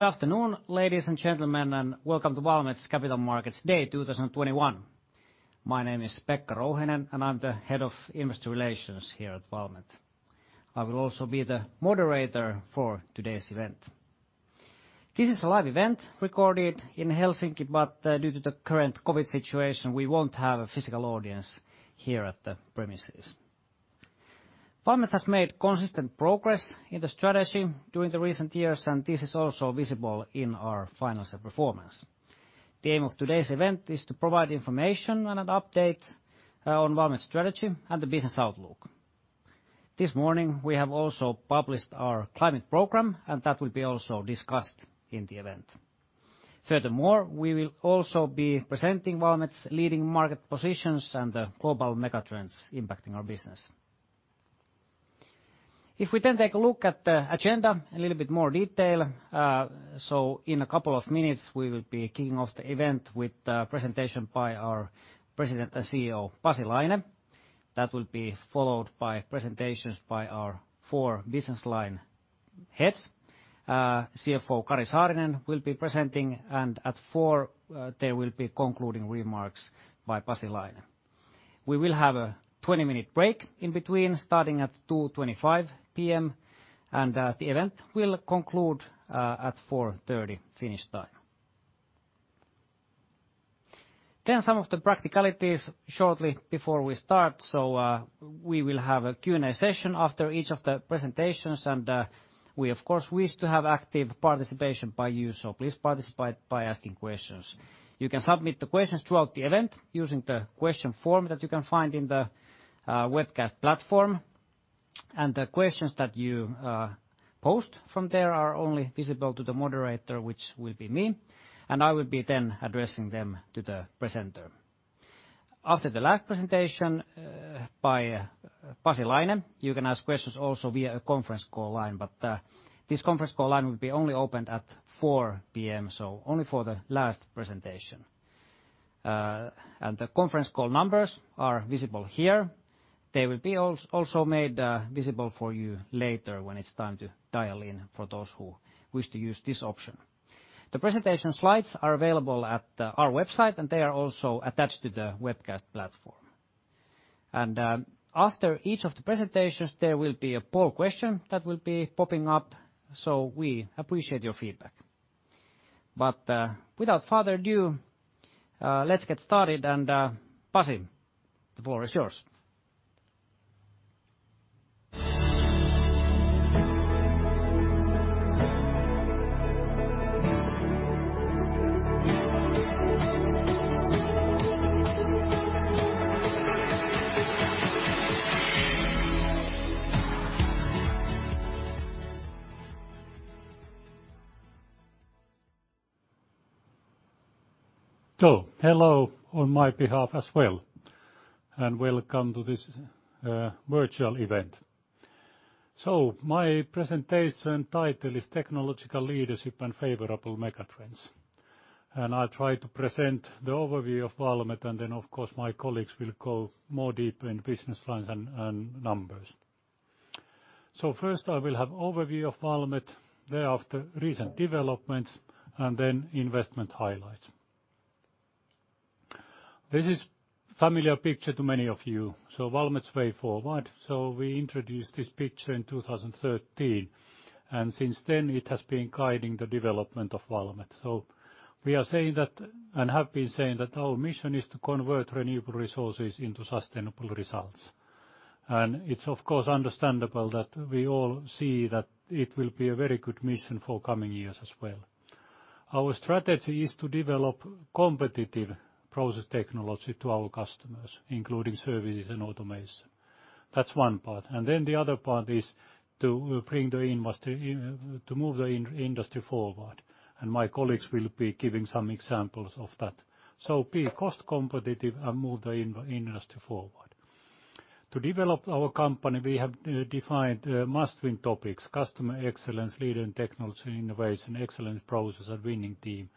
Good afternoon, ladies and gentlemen, and welcome to Valmet's Capital Markets Day 2021. My name is Pekka Rouhiainen, and I'm the head of investor relations here at Valmet. I will also be the moderator for today's event. This is a live event recorded in Helsinki, but due to the current COVID situation, we won't have a physical audience here at the premises. Valmet has made consistent progress in the strategy during the recent years, and this is also visible in our financial performance. The aim of today's event is to provide information and an update on Valmet's strategy and the business outlook. This morning, we have also published our climate program, and that will be also discussed in the event. Furthermore, we will also be presenting Valmet's leading market positions and the global mega trends impacting our business. If we take a look at the agenda a little bit more detail, so in a couple of minutes, we will be kicking off the event with a presentation by our President and CEO, Pasi Laine. That will be followed by presentations by our four business line heads. CFO Kari Saarinen will be presenting, and at 4:00 P.M., there will be concluding remarks by Pasi Laine. We will have a 20-minute break in between starting at 2:25 P.M., and the event will conclude at 4:30 P.M. Finnish time. Some of the practicalities shortly before we start. We will have a Q&A session after each of the presentations, and we, of course, wish to have active participation by you, so please participate by asking questions. You can submit the questions throughout the event using the question form that you can find in the webcast platform. The questions that you post from there are only visible to the moderator, which will be me, and I will be then addressing them to the presenter. After the last presentation by Pasi Laine, you can ask questions also via a conference call line, but this conference call line will be only opened at 4:00 P.M., so only for the last presentation. The conference call numbers are visible here. They will be also made visible for you later when it's time to dial in for those who wish to use this option. The presentation slides are available at our website, and they are also attached to the webcast platform. After each of the presentations, there will be a poll question that will be popping up, so we appreciate your feedback. Without further ado, let's get started and, Pasi, the floor is yours. Hello on my behalf as well, and welcome to this virtual event. My presentation title is Technological Leadership and Favorable Megatrends, and I try to present the overview of Valmet, and then of course, my colleagues will go more deep in business lines and numbers. First I will have overview of Valmet, thereafter recent developments, and then investment highlights. This is familiar picture to many of you, Valmet's Way Forward. We introduced this picture in 2013, and since then it has been guiding the development of Valmet. We are saying that, and have been saying that our mission is to convert renewable resources into sustainable results. It's of course understandable that we all see that it will be a very good mission for coming years as well. Our strategy is to develop competitive process technology to our customers, including services and automation. That's one part. The other part is to move the industry forward, and my colleagues will be giving some examples of that. Be cost competitive and move the industry forward. To develop our company, we have defined must-win topics, Customer Excellence, Leading Technology, Innovation, Excellence Process and Winning Team.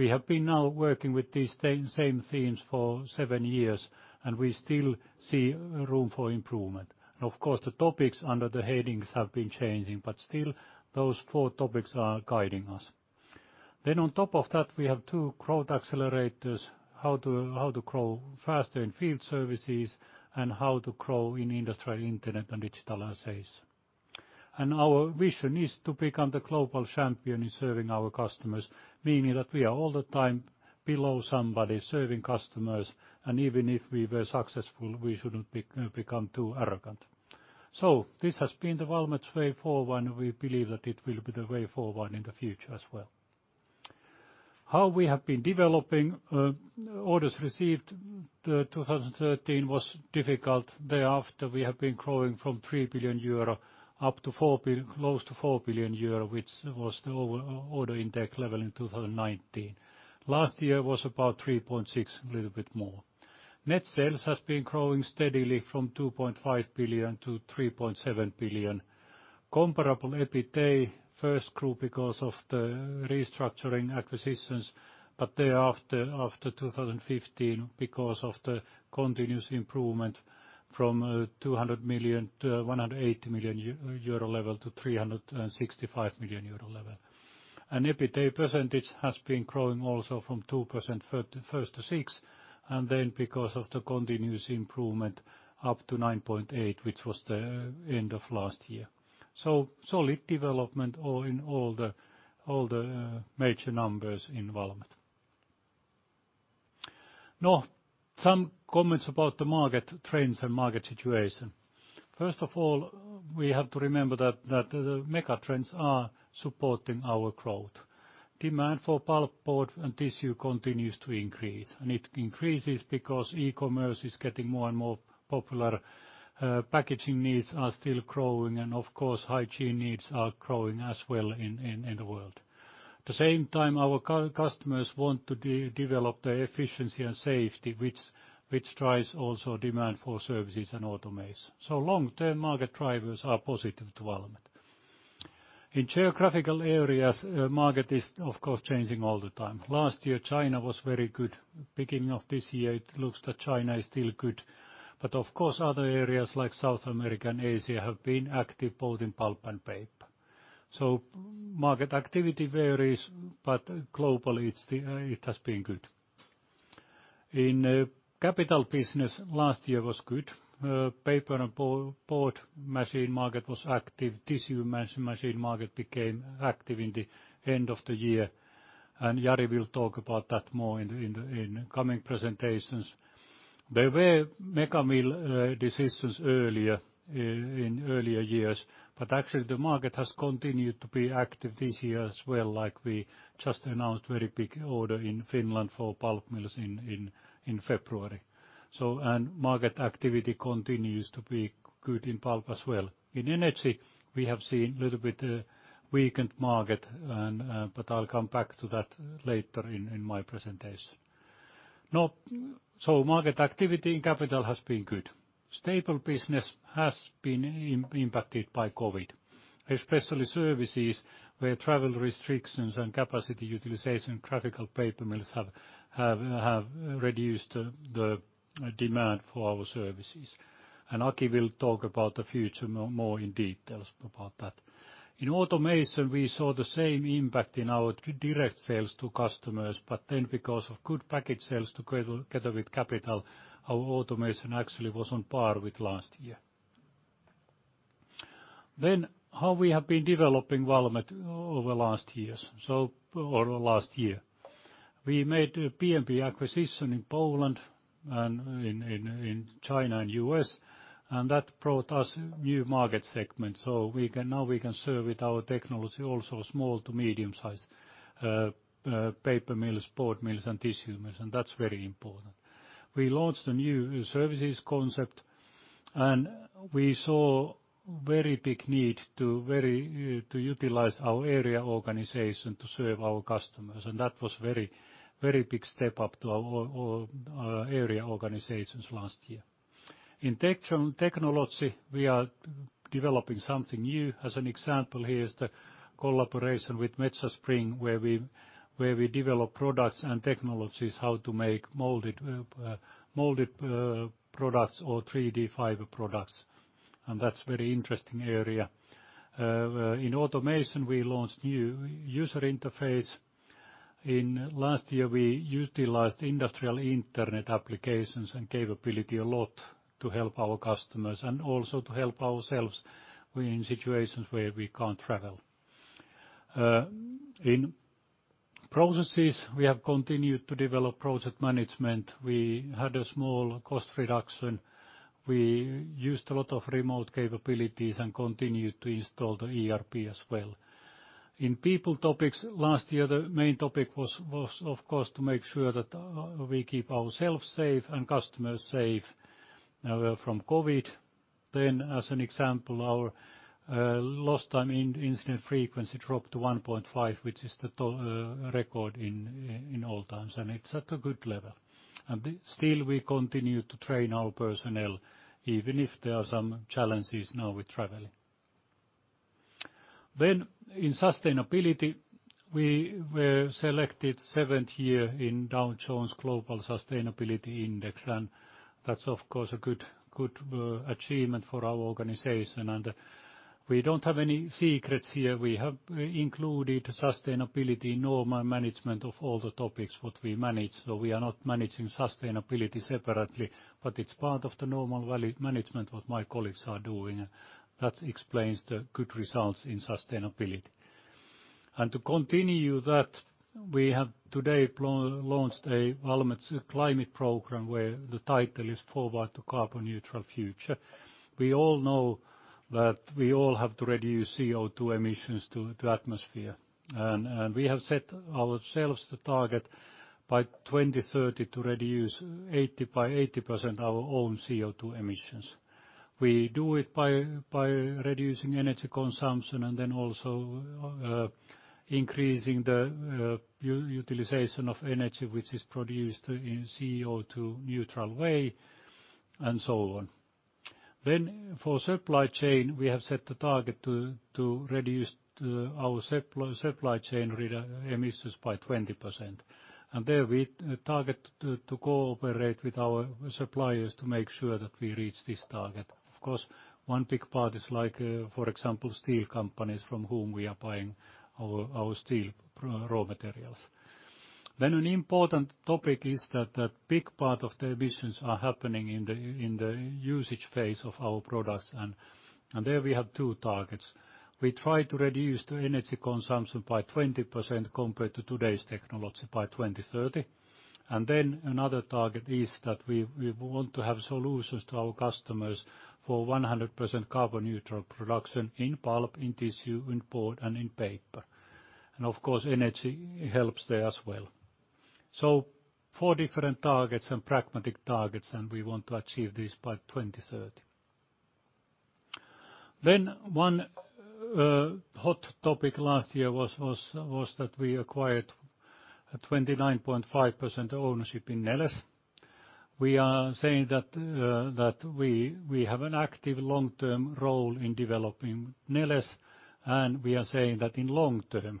We have been now working with these same themes for seven years, and we still see room for improvement. Of course, the topics under the headings have been changing, but still those four topics are guiding us. On top of that, we have two growth accelerators, how to grow faster in field services and how to grow in industrial internet and digital assets. Our vision is to become the global champion in serving our customers, meaning that we are all the time below somebody serving customers, and even if we were successful, we shouldn't become too arrogant. This has been the Valmet's Way Forward, we believe that it will be the Way Forward in the future as well. How we have been developing, orders received, the 2013 was difficult. Thereafter, we have been growing from 3 billion euro up to close to 4 billion euro, which was the order intake level in 2019. Last year was about 3.6, little bit more. Net sales has been growing steadily from 2.5 billion to 3.7 billion. Comparable EBITA first grew because of the restructuring acquisitions. Thereafter, after 2015 because of the continuous improvement from 200 million to 180 million euro level to 365 million euro level. EBITDA percentage has been growing also from 2% first to 6%, and then because of the continuous improvement up to 9.8%, which was the end of last year. Solid development in all the major numbers in Valmet. Now, some comments about the market trends and market situation. First of all, we have to remember that the mega trends are supporting our growth. Demand for pulp, board, and tissue continues to increase, and it increases because e-commerce is getting more and more popular. Packaging needs are still growing, and of course, hygiene needs are growing as well in the world. At the same time, our customers want to develop their efficiency and safety, which drives also demand for services and automation. Long-term market drivers are positive development. In geographical areas, market is, of course, changing all the time. Last year, China was very good. Beginning of this year, it looks that China is still good. Of course, other areas like South America and Asia have been active both in pulp and paper. Market activity varies, but globally it has been good. In capital business, last year was good. Paper and board machine market was active. Tissue machine market became active in the end of the year, and Jari will talk about that more in coming presentations. There were mega mill decisions in earlier years. Actually, the market has continued to be active this year as well, like we just announced very big order in Finland for pulp mills in February. Market activity continues to be good in pulp as well. In energy, we have seen a little bit weakened market. I'll come back to that later in my presentation. Market activity in capital has been good. Stable business has been impacted by COVID, especially services where travel restrictions and capacity utilization, graphical paper mills have reduced the demand for our services. Aki will talk about the future more in details about that. In automation, we saw the same impact in our direct sales to customers. Then because of good package sales together with capital, our automation actually was on par with last year. How we have been developing Valmet over last year. We made a PMP acquisition in Poland and in China and U.S., that brought us new market segment. Now we can serve with our technology also small to medium-sized paper mills, board mills, and tissue mills, that's very important. We launched a new services concept, we saw very big need to utilize our area organization to serve our customers, that was very big step up to our area organizations last year. In technology, we are developing something new. As an example, here is the collaboration with Metsä Spring, where we develop products and technologies, how to make molded products or 3D fiber products, that's very interesting area. In automation, we launched new user interface. In last year, we utilized industrial Internet applications and capability a lot to help our customers and also to help ourselves in situations where we can't travel. In processes, we have continued to develop project management. We had a small cost reduction. We used a lot of remote capabilities and continued to install the ERP as well. In people topics, last year the main topic was, of course, to make sure that we keep ourselves safe and customers safe from COVID. As an example, our lost time incident frequency dropped to 1.5, which is the record in all times, and it's at a good level. Still we continue to train our personnel, even if there are some challenges now with traveling. In sustainability, we were selected seventh year in Dow Jones Sustainability Index, and that's of course a good achievement for our organization. We don't have any secrets here. We have included sustainability in normal management of all the topics what we manage. We are not managing sustainability separately, but it's part of the normal management what my colleagues are doing. That explains the good results in sustainability. To continue that, we have today launched a Valmet climate program where the title is Forward to Carbon-Neutral Future. We all know that we all have to reduce CO2 emissions to atmosphere, and we have set ourselves the target by 2030 to reduce by 80% our own CO2 emissions. We do it by reducing energy consumption and then also increasing the utilization of energy, which is produced in CO2 neutral way and so on. For supply chain, we have set the target to reduce our supply chain emissions by 20%, and there we target to cooperate with our suppliers to make sure that we reach this target. Of course, one big part is like, for example, steel companies from whom we are buying our steel raw materials. An important topic is that a big part of the emissions are happening in the usage phase of our products. There we have two targets. We try to reduce the energy consumption by 20% compared to today's technology by 2030. Another target is that we want to have solutions to our customers for 100% carbon neutral production in pulp, in tissue, in board, and in paper. Of course, energy helps there as well. Four different targets and pragmatic targets, and we want to achieve this by 2030. One hot topic last year was that we acquired a 29.5% ownership in Neles. We are saying that we have an active long-term role in developing Neles, and we are saying that in long-term,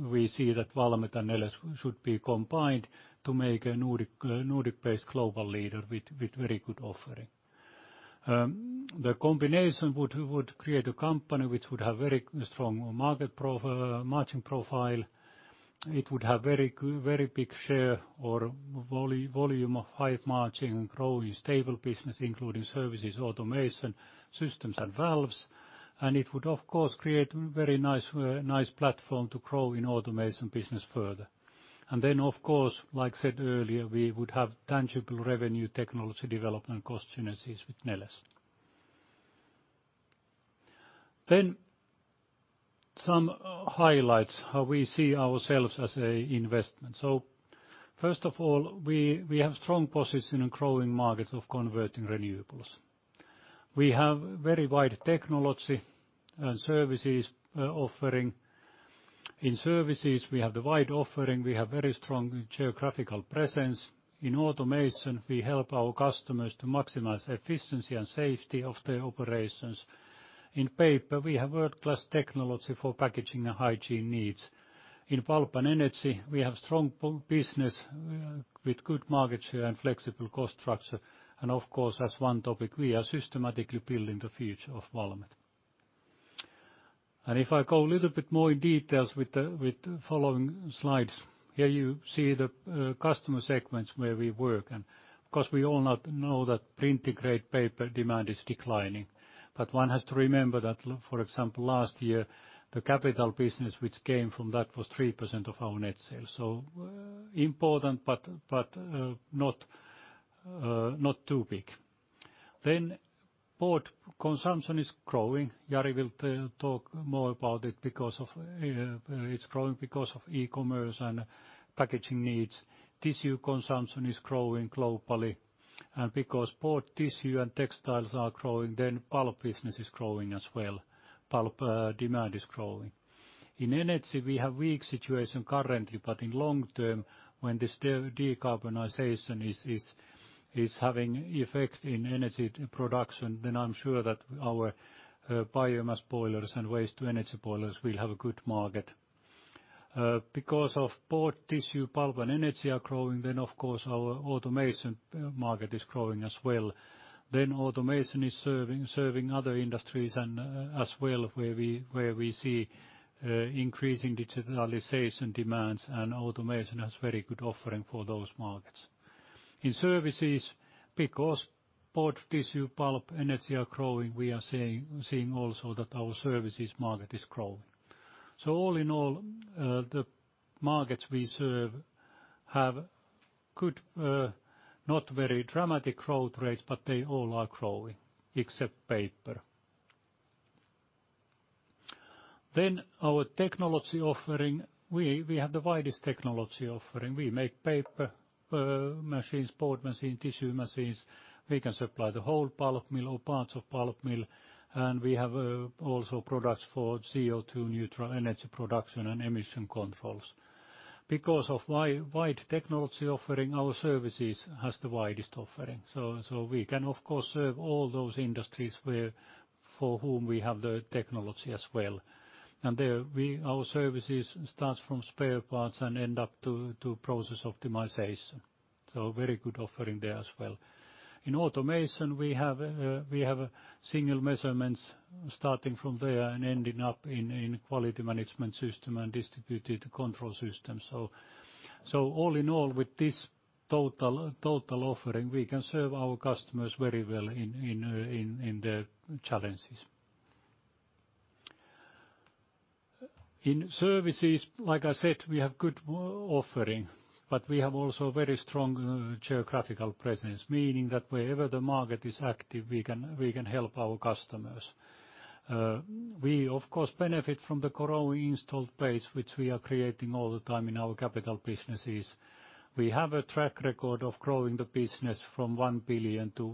we see that Valmet and Neles should be combined to make a Nordic-based global leader with very good offering. The combination would create a company which would have very strong margin profile. It would have very big share or volume of high margin growing stable business, including services, automation systems, and valves. It would of course create very nice platform to grow in automation business further. Of course, like I said earlier, we would have tangible revenue technology development cost synergies with Neles. Some highlights, how we see ourselves as a investment. First of all, we have strong position in growing markets of converting renewables. We have very wide technology services offering. In services, we have the wide offering, we have very strong geographical presence. In automation, we help our customers to maximize efficiency and safety of their operations. In paper, we have world-class technology for packaging and hygiene needs. In Pulp and Energy, we have strong business with good market share and flexible cost structure. Of course, as one topic, we are systematically building the future of Valmet. If I go a little bit more in details with the following slides, here you see the customer segments where we work. Of course, we all know that printing grade paper demand is declining. One has to remember that, for example, last year the capital business which came from that was 3% of our net sales. Important, but not too big. Board consumption is growing. Jari will talk more about it because it's growing because of e-commerce and packaging needs. Tissue consumption is growing globally. Because board, tissue, and textiles are growing, pulp business is growing as well. Pulp demand is growing. In energy, we have weak situation currently, but in long-term, when this decarbonization is having effect in energy production, I'm sure that our biomass boilers and waste to energy boilers will have a good market. Because of board, tissue, pulp, and energy are growing, of course, our automation market is growing as well. Automation is serving other industries, and as well where we see increasing digitalization demands and automation has very good offering for those markets. In services, because board, tissue, pulp, energy are growing, we are seeing also that our services market is growing. All in all, the markets we serve have good, not very dramatic growth rates, but they all are growing except paper. Our technology offering. We have the widest technology offering. We make paper machines, board machine, tissue machines. We can supply the whole pulp mill or parts of pulp mill. We have also products for CO2 neutral energy production and emission controls. Because of wide technology offering, our services has the widest offering. We can of course serve all those industries for whom we have the technology as well. There our services starts from spare parts and end up to process optimization. Very good offering there as well. In automation, we have single measurements starting from there and ending up in quality management system and distributed control systems. All in all, with this total offering, we can serve our customers very well in their challenges. In services, like I said, we have good offering, but we have also very strong geographical presence, meaning that wherever the market is active, we can help our customers. We of course benefit from the growing installed base, which we are creating all the time in our capital businesses. We have a track record of growing the business from 1 billion to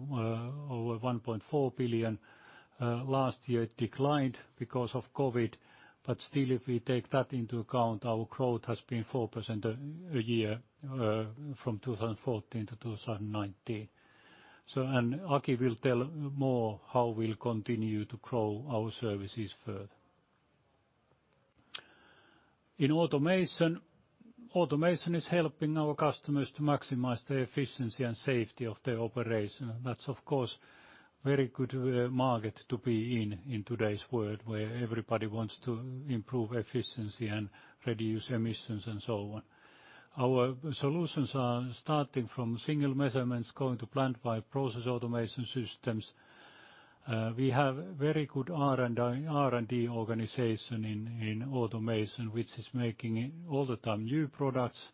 over 1.4 billion. Last year it declined because of COVID, but still if we take that into account, our growth has been 4% a year from 2014 to 2019. Aki will tell more how we will continue to grow our services further. In automation is helping our customers to maximize the efficiency and safety of their operation. That's of course very good market to be in in today's world where everybody wants to improve efficiency and reduce emissions and so on. Our solutions are starting from single measurements, going to plant-wide process automation systems. We have very good R&D organization in automation, which is making all the time new products,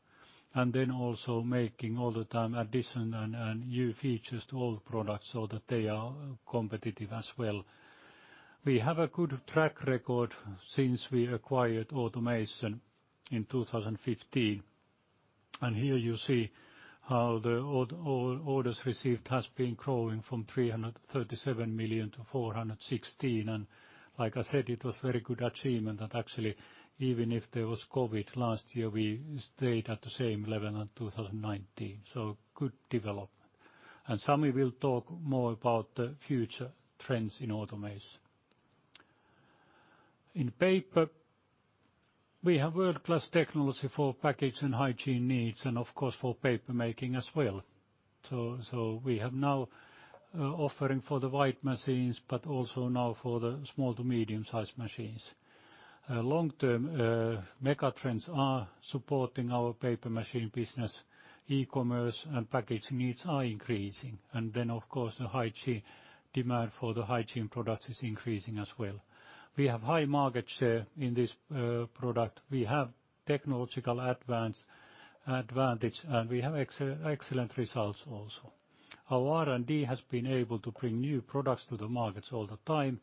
and then also making all the time addition and new features to old products so that they are competitive as well. We have a good track record since we acquired automation in 2015. Here you see how the orders received has been growing from 337 million to 416 million. Like I said, it was very good achievement that actually even if there was COVID last year, we stayed at the same level as 2019. Good development. Sami will talk more about the future trends in automation. In paper, we have world-class technology for package and hygiene needs and of course for paper making as well. We have now offering for the wide machines, but also now for the small to medium-sized machines. Long-term megatrends are supporting our paper machine business, e-commerce and packaging needs are increasing. The demand for the hygiene products is increasing as well. We have high market share in this product. We have technological advantage, and we have excellent results also. Our R&D has been able to bring new products to the markets all the time.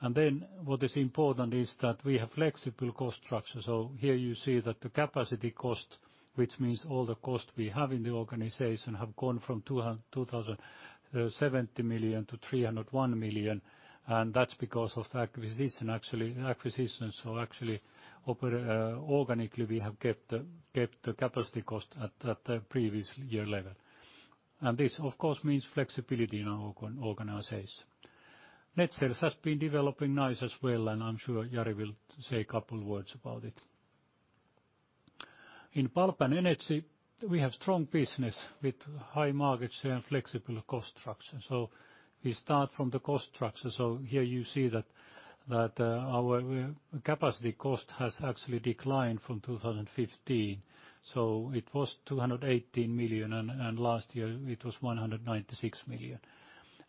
What is important is that we have flexible cost structure. Here you see that the capacity cost, which means all the cost we have in the organization, have gone from 270 million to 301 million. That's because of the acquisition, actually. Actually organically, we have kept the capacity cost at the previous year level. This of course means flexibility in our organization. Net sales has been developing nice as well, and I am sure Jari will say a couple words about it. In Pulp and Energy, we have strong business with high market share and flexible cost structure. We start from the cost structure. Here you see that our capacity cost has actually declined from 2015. It was 218 million, and last year it was 196 million.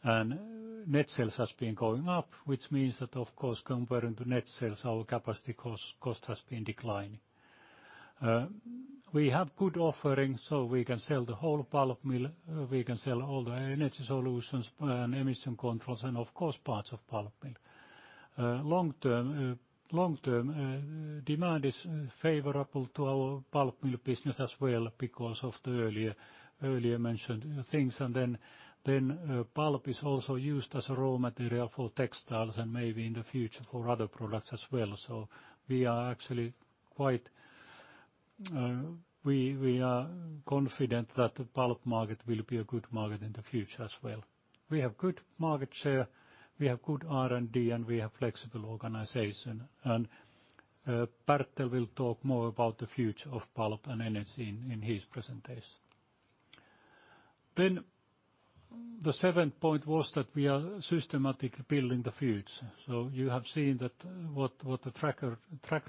Net sales has been going up, which means that of course comparing to Net sales, our capacity cost has been declining. We have good offerings so we can sell the whole pulp mill, we can sell all the energy solutions and emission controls and of course parts of pulp mill. Long-term demand is favorable to our pulp mill business as well because of the earlier mentioned things. Pulp is also used as a raw material for textiles and maybe in the future for other products as well. We are confident that the pulp market will be a good market in the future as well. We have good market share, we have good R&D, and we have flexible organization. Bertel will talk more about the future of Pulp and Energy in his presentation. The seventh point was that we are systematically building the future. You have seen what the track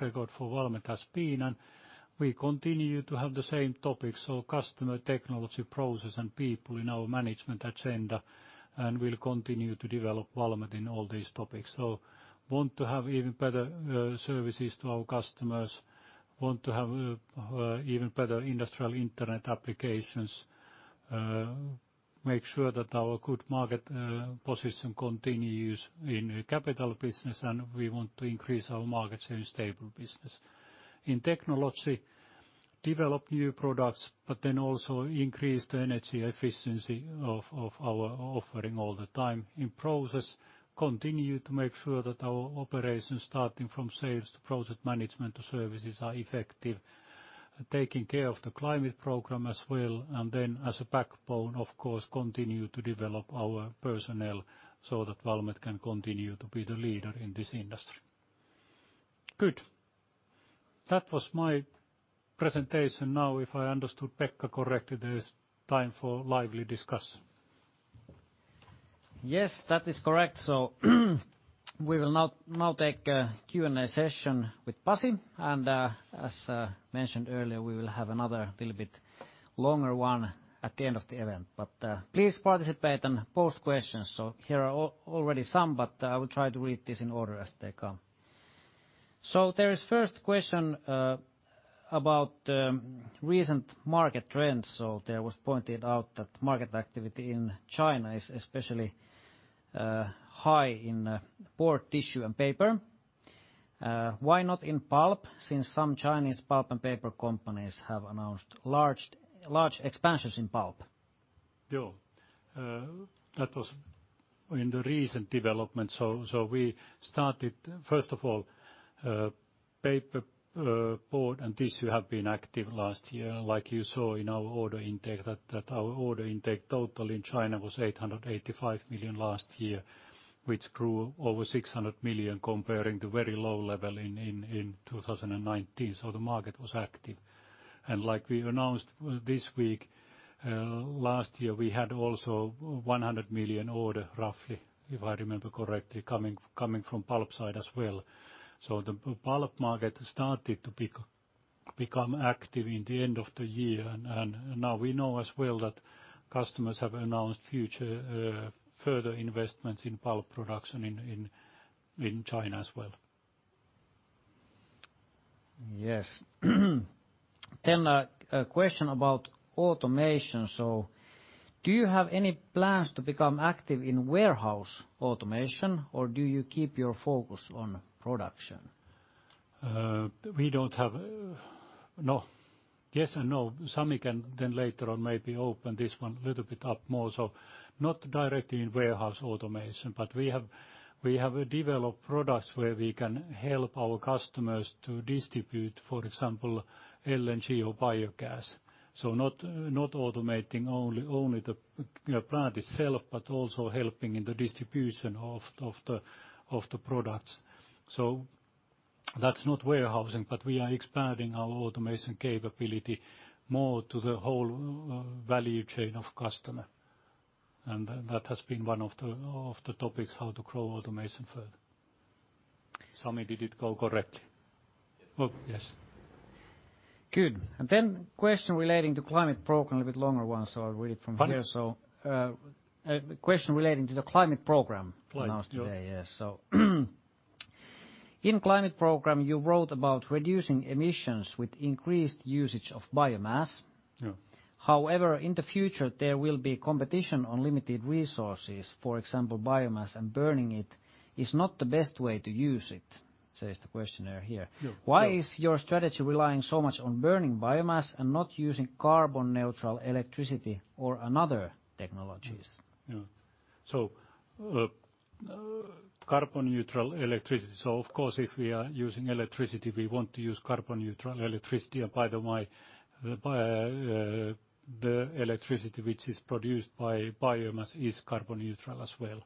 record for Valmet has been, and we continue to have the same topics. Customer, technology, process and people in our management agenda, and we'll continue to develop Valmet in all these topics. Want to have even better services to our customers, want to have even better industrial internet applications, make sure that our good market position continues in capital business, and we want to increase our market share in stable business. In technology, develop new products, but then also increase the energy efficiency of our offering all the time. In process, continue to make sure that our operations starting from sales to project management to services are effective. Taking care of the climate program as well, and then as a backbone, of course, continue to develop our personnel so that Valmet can continue to be the leader in this industry. Good. That was my presentation. If I understood Pekka correctly, it is time for lively discussion. Yes, that is correct. We will now take a Q&A session with Pasi, and as mentioned earlier, we will have another little bit longer one at the end of the event. Please participate and post questions. Here are already some. I will try to read these in order as they come. There is first question about recent market trends. There was pointed out that market activity in China is especially high in board, tissue, and paper. Why not in pulp, since some Chinese pulp and paper companies have announced large expansions in pulp? That was in the recent development. We started, first of all, paper, board, and tissue have been active last year. Like you saw in our order intake, that our order intake total in China was 885 million last year, which grew over 600 million comparing to very low level in 2019. Like we announced Last year we had also 100 million order, roughly, if I remember correctly, coming from pulp side as well. The pulp market started to become active in the end of the year, now we know as well that customers have announced future further investments in pulp production in China as well. Yes. A question about automation. Do you have any plans to become active in warehouse automation, or do you keep your focus on production? We don't have No. Yes and no. Sami can then later on maybe open this one a little bit up more. Not directly in warehouse automation, but we have developed products where we can help our customers to distribute, for example, LNG or biogas. Not automating only the plant itself, but also helping in the distribution of the products. That's not warehousing, but we are expanding our automation capability more to the whole value chain of customer. That has been one of the topics, how to grow automation further. Sami, did it go correctly? Well, yes. Good. Then question relating to climate program, a little bit longer one. I'll read it from here. Pardon? A question relating to the climate program. Climate. Announced today. Yes. In climate program, you wrote about reducing emissions with increased usage of biomass. Yeah. In the future, there will be competition on limited resources. For example, biomass and burning it is not the best way to use it, says the questioner here. Yeah. Why is your strategy relying so much on burning biomass and not using carbon neutral electricity or other technologies? Carbon neutral electricity. Of course, if we are using electricity, we want to use carbon neutral electricity. By the way, the electricity which is produced by biomass is carbon neutral as well.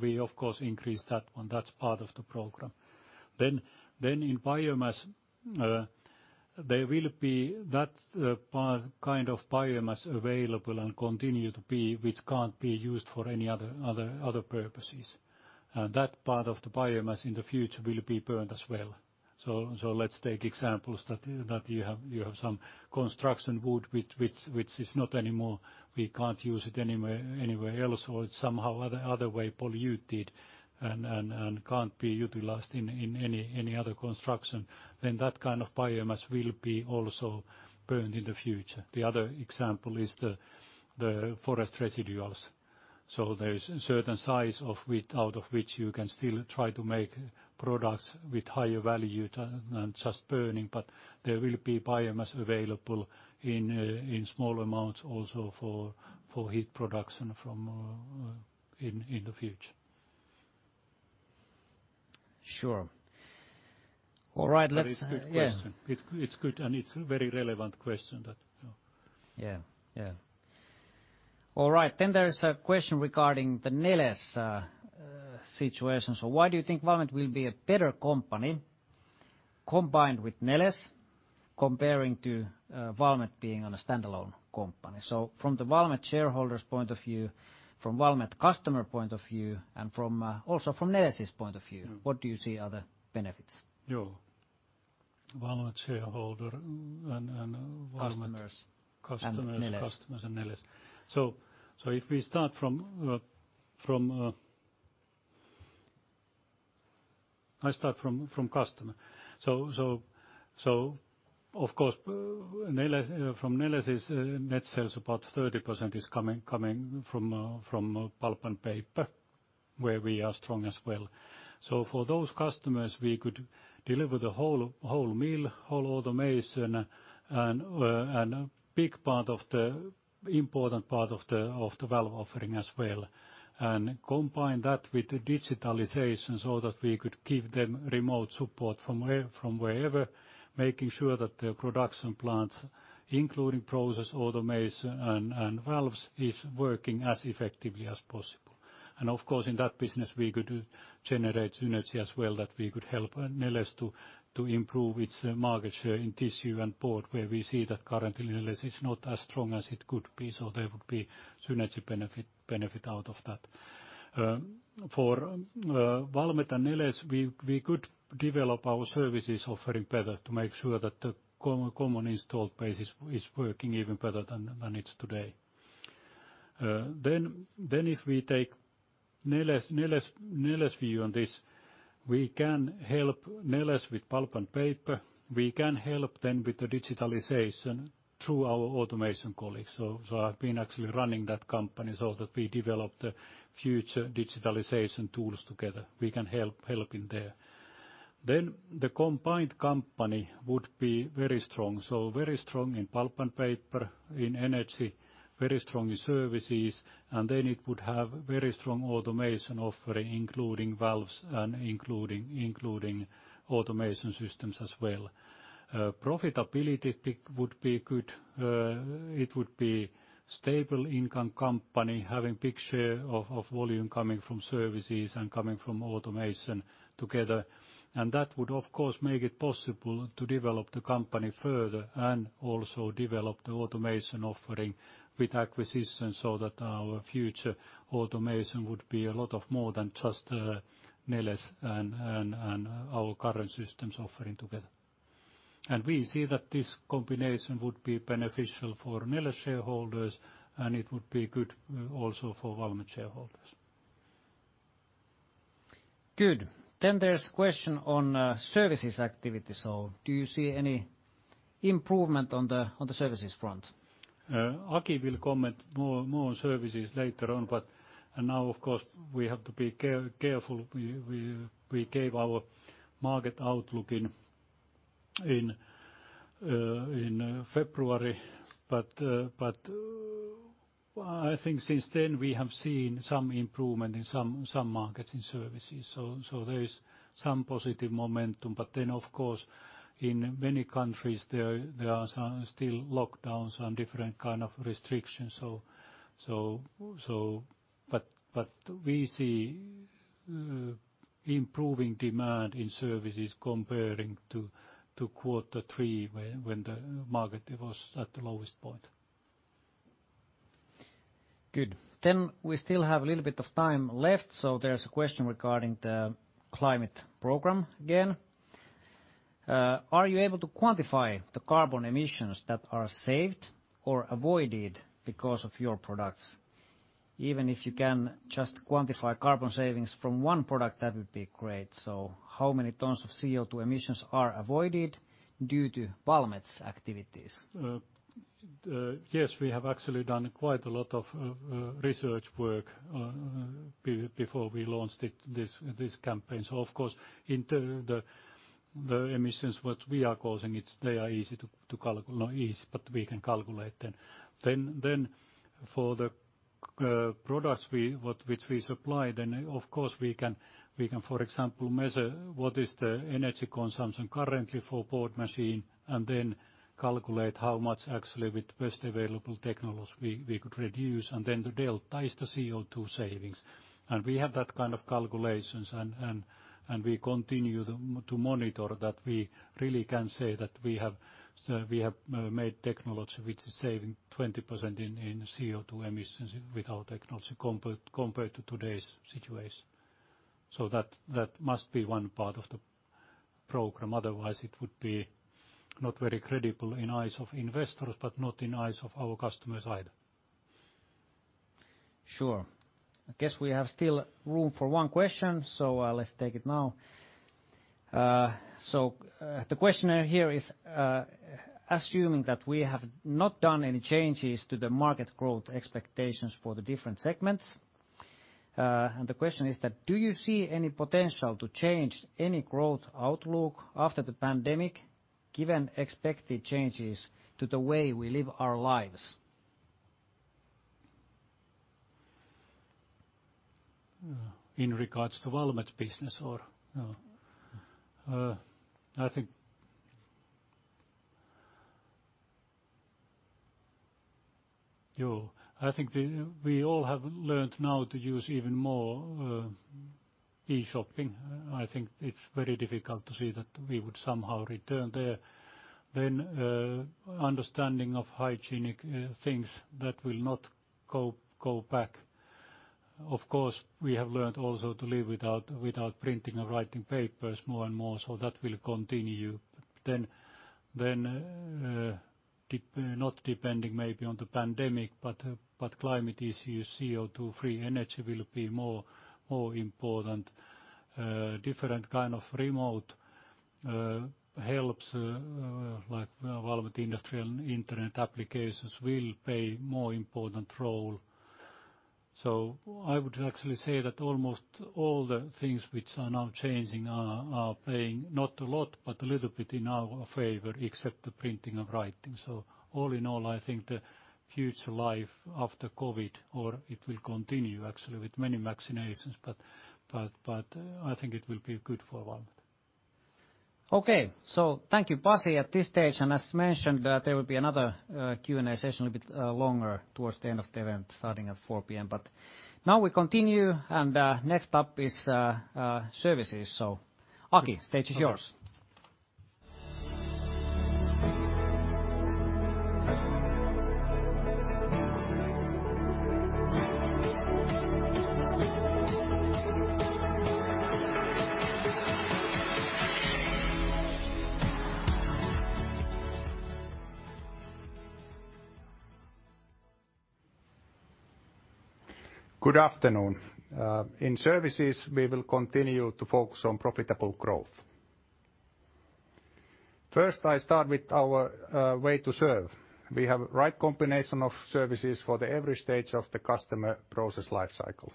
We of course increase that one. That's part of the program. In biomass, there will be that part kind of biomass available and continue to be, which can't be used for any other purposes. That part of the biomass in the future will be burned as well. Let's take examples that you have some construction wood which is not anymore, we can't use it anywhere else, or it's somehow other way polluted and can't be utilized in any other construction, then that kind of biomass will be also burned in the future. The other example is the forest residuals. There is a certain size out of which you can still try to make products with higher value than just burning, but there will be biomass available in small amounts also for heat production in the future. Sure. All right. That's a good question. Yeah. It's good. It's a very relevant question that. Yeah. All right. There is a question regarding the Neles situation. Why do you think Valmet will be a better company combined with Neles comparing to Valmet being on a standalone company? From the Valmet shareholders' point of view, from Valmet customer point of view, and also from Neles's point of view. What do you see are the benefits? Yeah. Valmet shareholder. Customers. Customers. Neles. Customers and Neles. If we start from customer. Of course from Neles's net sales about 30% is coming from pulp and paper, where we are strong as well. For those customers, we could deliver the whole mill, whole automation, and important part of the valve offering as well. Combine that with the digitalization so that we could give them remote support from wherever, making sure that the production plants, including process automation and valves, is working as effectively as possible. Of course, in that business, we could generate synergy as well that we could help Neles to improve its market share in tissue and board, where we see that currently Neles is not as strong as it could be, so there would be synergy benefit out of that. For Valmet and Neles, we could develop our services offering better to make sure that the common installed base is working even better than it's today. If we take Neles view on this, we can help Neles with pulp and paper. We can help them with the digitalization through our automation colleagues. I've been actually running that company so that we develop the future digitalization tools together. We can help in there. The combined company would be very strong. Very strong in pulp and paper, in energy, very strong in services, and then it would have very strong automation offering, including valves and including automation systems as well. Profitability would be good. It would be stable income company having big share of volume coming from services and coming from automation together. That would of course make it possible to develop the company further and also develop the automation offering with acquisition so that our future automation would be a lot of more than just Neles and our current systems offering together. We see that this combination would be beneficial for Neles shareholders, and it would be good also for Valmet shareholders. Good. There's a question on services activity. Do you see any improvement on the services front? Aki will comment more on services later on, but now, of course, we have to be careful. We gave our market outlook in February, but I think since then, we have seen some improvement in some markets in services. There is some positive momentum. Then, of course, in many countries, there are some still lockdowns and different kind of restrictions. We see improving demand in services comparing to quarter three when the market was at the lowest point. Good. We still have a little bit of time left. There's a question regarding the climate program again. Are you able to quantify the carbon emissions that are saved or avoided because of your products? Even if you can just quantify carbon savings from one product, that would be great. How many tons of CO2 emissions are avoided due to Valmet's activities? We have actually done quite a lot of research work before we launched this campaign. Of course, in the emissions what we are causing, they are not easy, but we can calculate them. For the products which we supply, then of course we can, for example, measure what is the energy consumption currently for board machine, and then calculate how much actually with best available technology we could reduce, and then the delta is the CO2 savings. We have that kind of calculations, and we continue to monitor that we really can say that we have made technology which is saving 20% in CO2 emissions with our technology compared to today's situation. That must be one part of the program, otherwise it would be not very credible in eyes of investors, but not in eyes of our customers either. Sure. I guess we have still room for one question, so let's take it now. The question here is assuming that we have not done any changes to the market growth expectations for the different segments, the question is that, do you see any potential to change any growth outlook after the pandemic given expected changes to the way we live our lives? In regards to Valmet's business or. I think we all have learned now to use even more e-shopping. I think it's very difficult to see that we would somehow return there. Understanding of hygienic things, that will not go back. Of course, we have learned also to live without printing or writing papers more and more. That will continue. Not depending maybe on the pandemic, but climate issue, CO2 free energy will be more important. Different kind of remote helps, like Valmet industrial internet applications will play more important role. I would actually say that almost all the things which are now changing are playing not a lot, but a little bit in our favor, except the printing and writing. All in all, I think the future life after COVID, or it will continue actually with many vaccinations, but I think it will be good for Valmet. Okay. Thank you, Pasi, at this stage. As mentioned, there will be another Q&A session a bit longer towards the end of the event, starting at 4:00 P.M. Now we continue, and next up is services. Aki, stage is yours. Good afternoon. In services, we will continue to focus on profitable growth. First, I start with our way to serve. We have right combination of services for every stage of the customer process life cycle.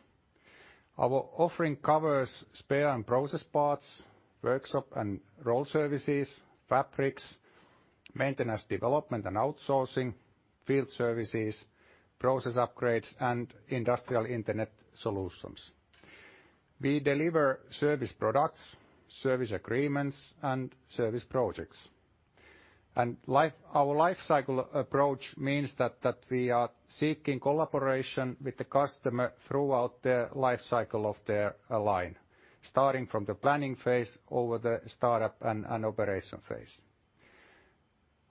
Our offering covers spare and process parts, workshop and roll services, fabrics, maintenance, development and outsourcing, field services, process upgrades, and industrial internet solutions. We deliver service products, service agreements, and service projects. Our life cycle approach means that we are seeking collaboration with the customer throughout the life cycle of their line, starting from the planning phase over the startup and operation phase.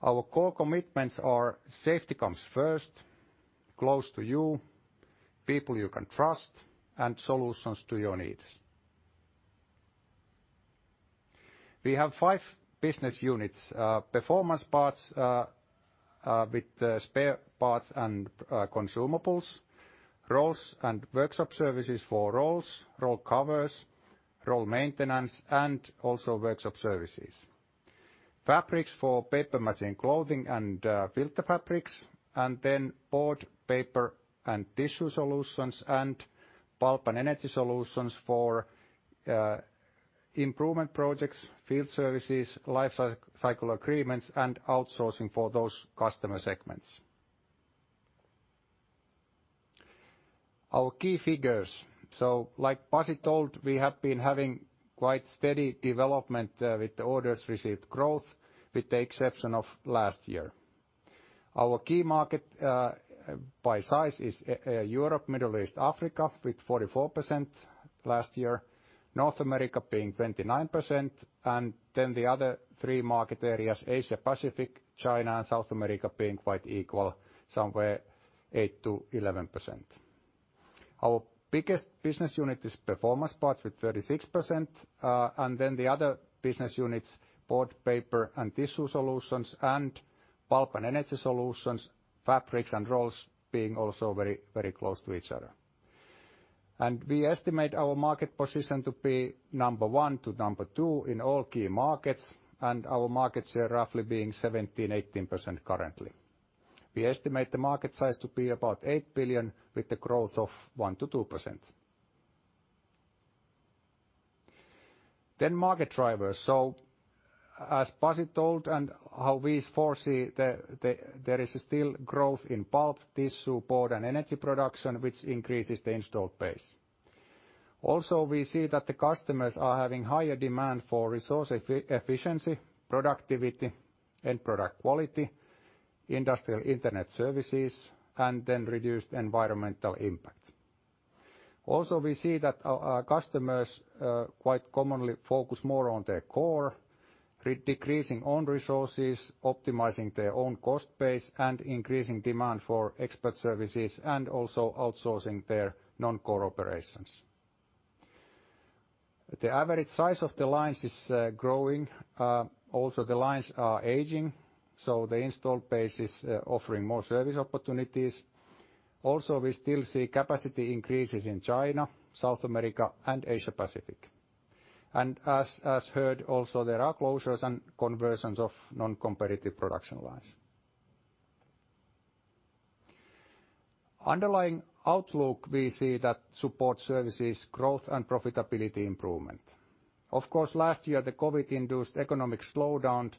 Our core commitments are. Safety comes first, close to you, people you can trust, and solutions to your needs. We have five business units. Performance parts with spare parts and consumables, rolls and workshop services for rolls, roll covers, roll maintenance, and also workshop services. Fabrics for paper machine clothing and filter fabrics, board, paper, and tissue solutions and Pulp and Energy Solutions for improvement projects, field services, life cycle agreements, and outsourcing for those customer segments. Our key figures. Like Pasi told, we have been having quite steady development with the orders received growth with the exception of last year. Our key market, by size, is Europe, Middle East, Africa, with 44% last year, North America being 29%, the other three market areas, Asia Pacific, China, and South America, being quite equal, somewhere 8%-11%. Our biggest business unit is Performance Parts with 36%, the other business units, Board, Paper and Tissue Solutions and Pulp and Energy Solutions, Fabrics and Rolls, being also very close to each other. We estimate our market position to be number one to number two in all key markets and our market share roughly being 17%-18% currently. We estimate the market size to be about 8 billion with the growth of 1%-2%. Market drivers. As Pasi told and how we foresee, there is still growth in pulp, tissue, board, and energy production, which increases the installed base. Also, we see that the customers are having higher demand for resource efficiency, productivity, end-product quality, industrial Internet services, and reduced environmental impact. Also, we see that our customers quite commonly focus more on their core, decreasing own resources, optimizing their own cost base, and increasing demand for expert services and also outsourcing their non-core operations. The average size of the lines is growing. The lines are aging, so the installed base is offering more service opportunities. We still see capacity increases in China, South America, and Asia Pacific. As heard also, there are closures and conversions of non-competitive production lines. Underlying outlook we see that support services growth and profitability improvement. Of course, last year the COVID-induced economic slowdown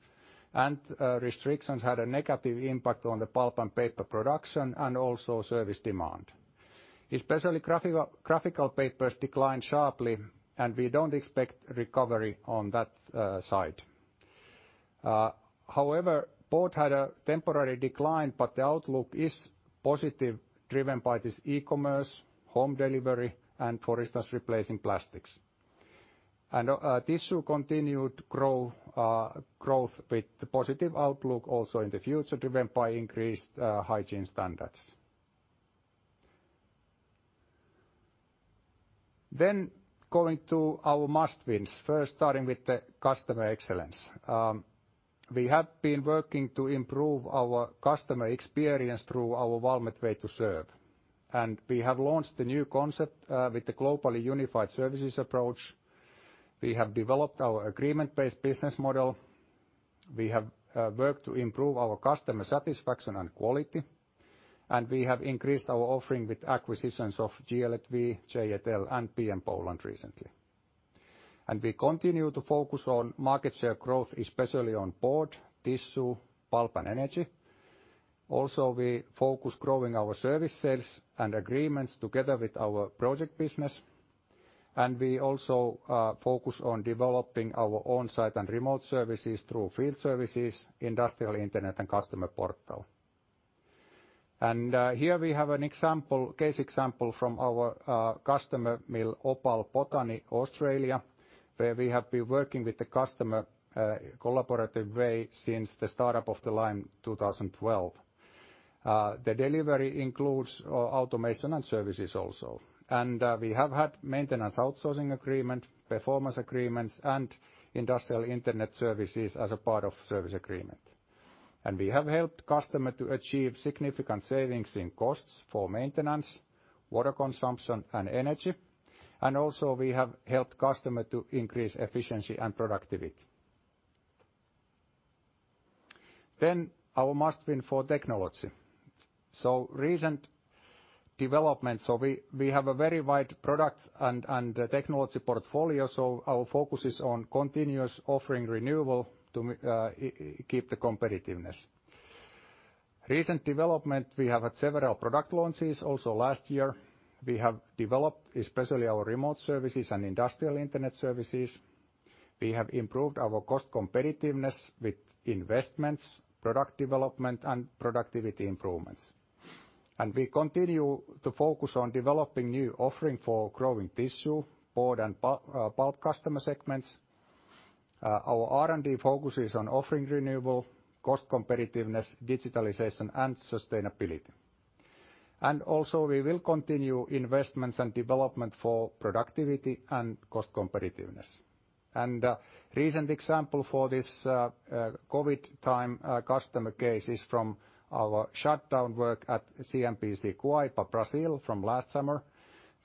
and restrictions had a negative impact on the pulp and paper production and also service demand. Especially graphical papers declined sharply, and we don't expect recovery on that side. However, board had a temporary decline, but the outlook is positive, driven by this e-commerce, home delivery, and for instance replacing plastics. Tissue continued growth with the positive outlook also in the future, driven by increased hygiene standards. Going to our must-wins, first starting with the customer excellence. We have been working to improve our customer experience through our Valmet Way to Serve. We have launched the new concept with the globally unified services approach. We have developed our agreement-based business model. We have worked to improve our customer satisfaction and quality, and we have increased our offering with acquisitions of GL&V, J&L, and PMP Group recently. We continue to focus on market share growth, especially on Board, Tissue, Pulp and Energy. Also, we focus growing our service sales and agreements together with our project business. We also focus on developing our on-site and remote services through Field Services, industrial internet, and Valmet Customer Portal. Here we have a case example from our customer mill Opal Botany Mill, Australia, where we have been working with the customer collaborative way since the startup of the line 2012. The delivery includes automation and services also. We have had maintenance outsourcing agreement, performance agreements, and industrial internet services as a part of service agreement. We have helped customer to achieve significant savings in costs for maintenance, water consumption, and energy. Also we have helped customer to increase efficiency and productivity. Our must-win for technology. Recent developments. We have a very wide product and technology portfolio, so our focus is on continuous offering renewal to keep the competitiveness. Recent development, we have had several product launches also last year. We have developed especially our remote services and industrial internet services. We have improved our cost competitiveness with investments, product development, and productivity improvements. We continue to focus on developing new offering for growing tissue, board, and pulp customer segments. Our R&D focus is on offering renewable cost competitiveness, digitalization, and sustainability. Also we will continue investments and development for productivity and cost competitiveness. A recent example for this COVID time customer case is from our shutdown work at CMPC Guaíba, Brazil from last summer,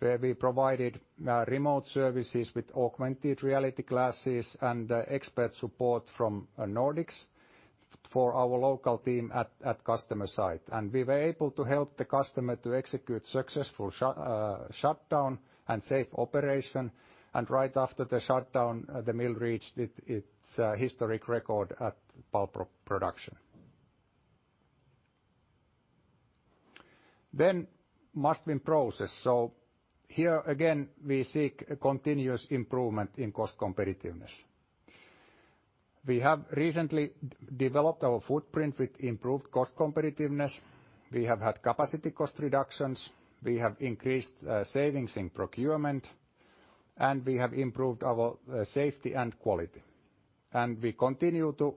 where we provided remote services with augmented reality glasses and expert support from Nordics for our local team at customer site. We were able to help the customer to execute successful shutdown and safe operation. Right after the shutdown, the mill reached its historic record at pulp production. Must Win Process. Here again, we seek a continuous improvement in cost competitiveness. We have recently developed our footprint with improved cost competitiveness. We have had capacity cost reductions. We have increased savings in procurement, and we have improved our safety and quality. We continue to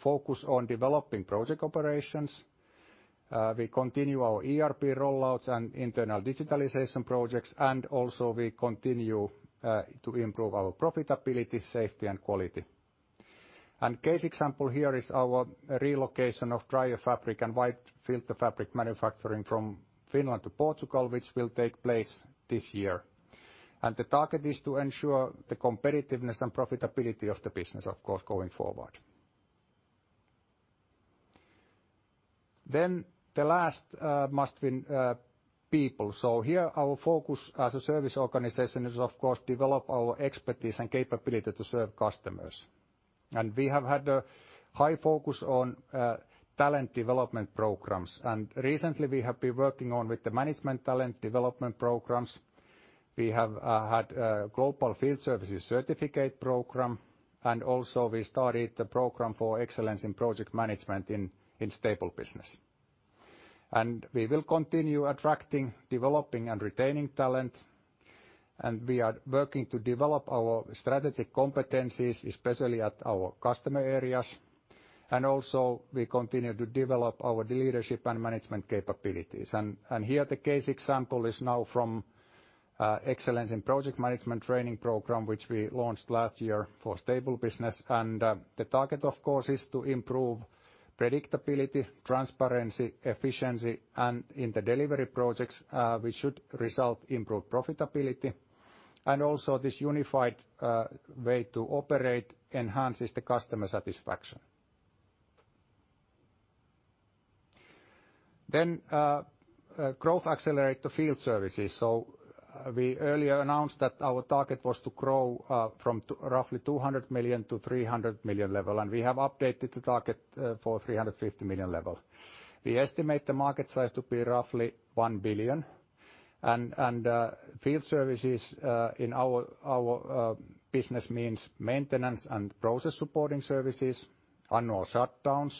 focus on developing project operations. We continue our ERP rollouts and internal digitalization projects. We continue to improve our profitability, safety, and quality. A case example here is our relocation of dryer fabric and wide filter fabric manufacturing from Finland to Portugal, which will take place this year. The target is to ensure the competitiveness and profitability of the business, of course, going forward. The last Must Win, People. Here our focus as a service organization is of course develop our expertise and capability to serve customers. We have had a high focus on talent development programs. Recently we have been working on with the management talent development programs. We have had a Global Field Services Certificate Program. We started the Program for Excellence in Project Management in staple business. We will continue attracting, developing, and retaining talent. We are working to develop our strategic competencies, especially at our customer areas. We continue to develop our leadership and management capabilities. Here the case example is now from Excellence in Project Management training program, which we launched last year for Services business. The target, of course, is to improve predictability, transparency, efficiency, and in the delivery projects, we should result improved profitability. This unified way to operate enhances the customer satisfaction. Growth Accelerator Field Services. We earlier announced that our target was to grow from roughly 200 million to 300 million level, and we have updated the target for 350 million level. We estimate the market size to be roughly 1 billion. Field services in our business means maintenance and process supporting services, annual shutdowns,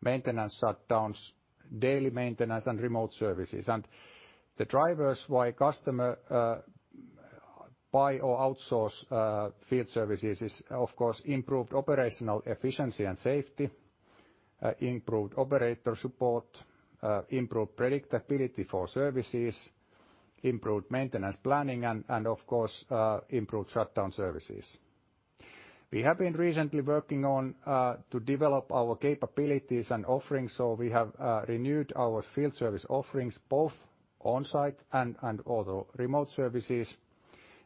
maintenance shutdowns, daily maintenance, and remote services. The drivers why customer buy or outsource field services is, of course, improved operational efficiency and safety, improved operator support, improved predictability for services, improved maintenance planning, and of course, improved shutdown services. We have been recently working on to develop our capabilities and offerings. We have renewed our field service offerings both on-site and other remote services.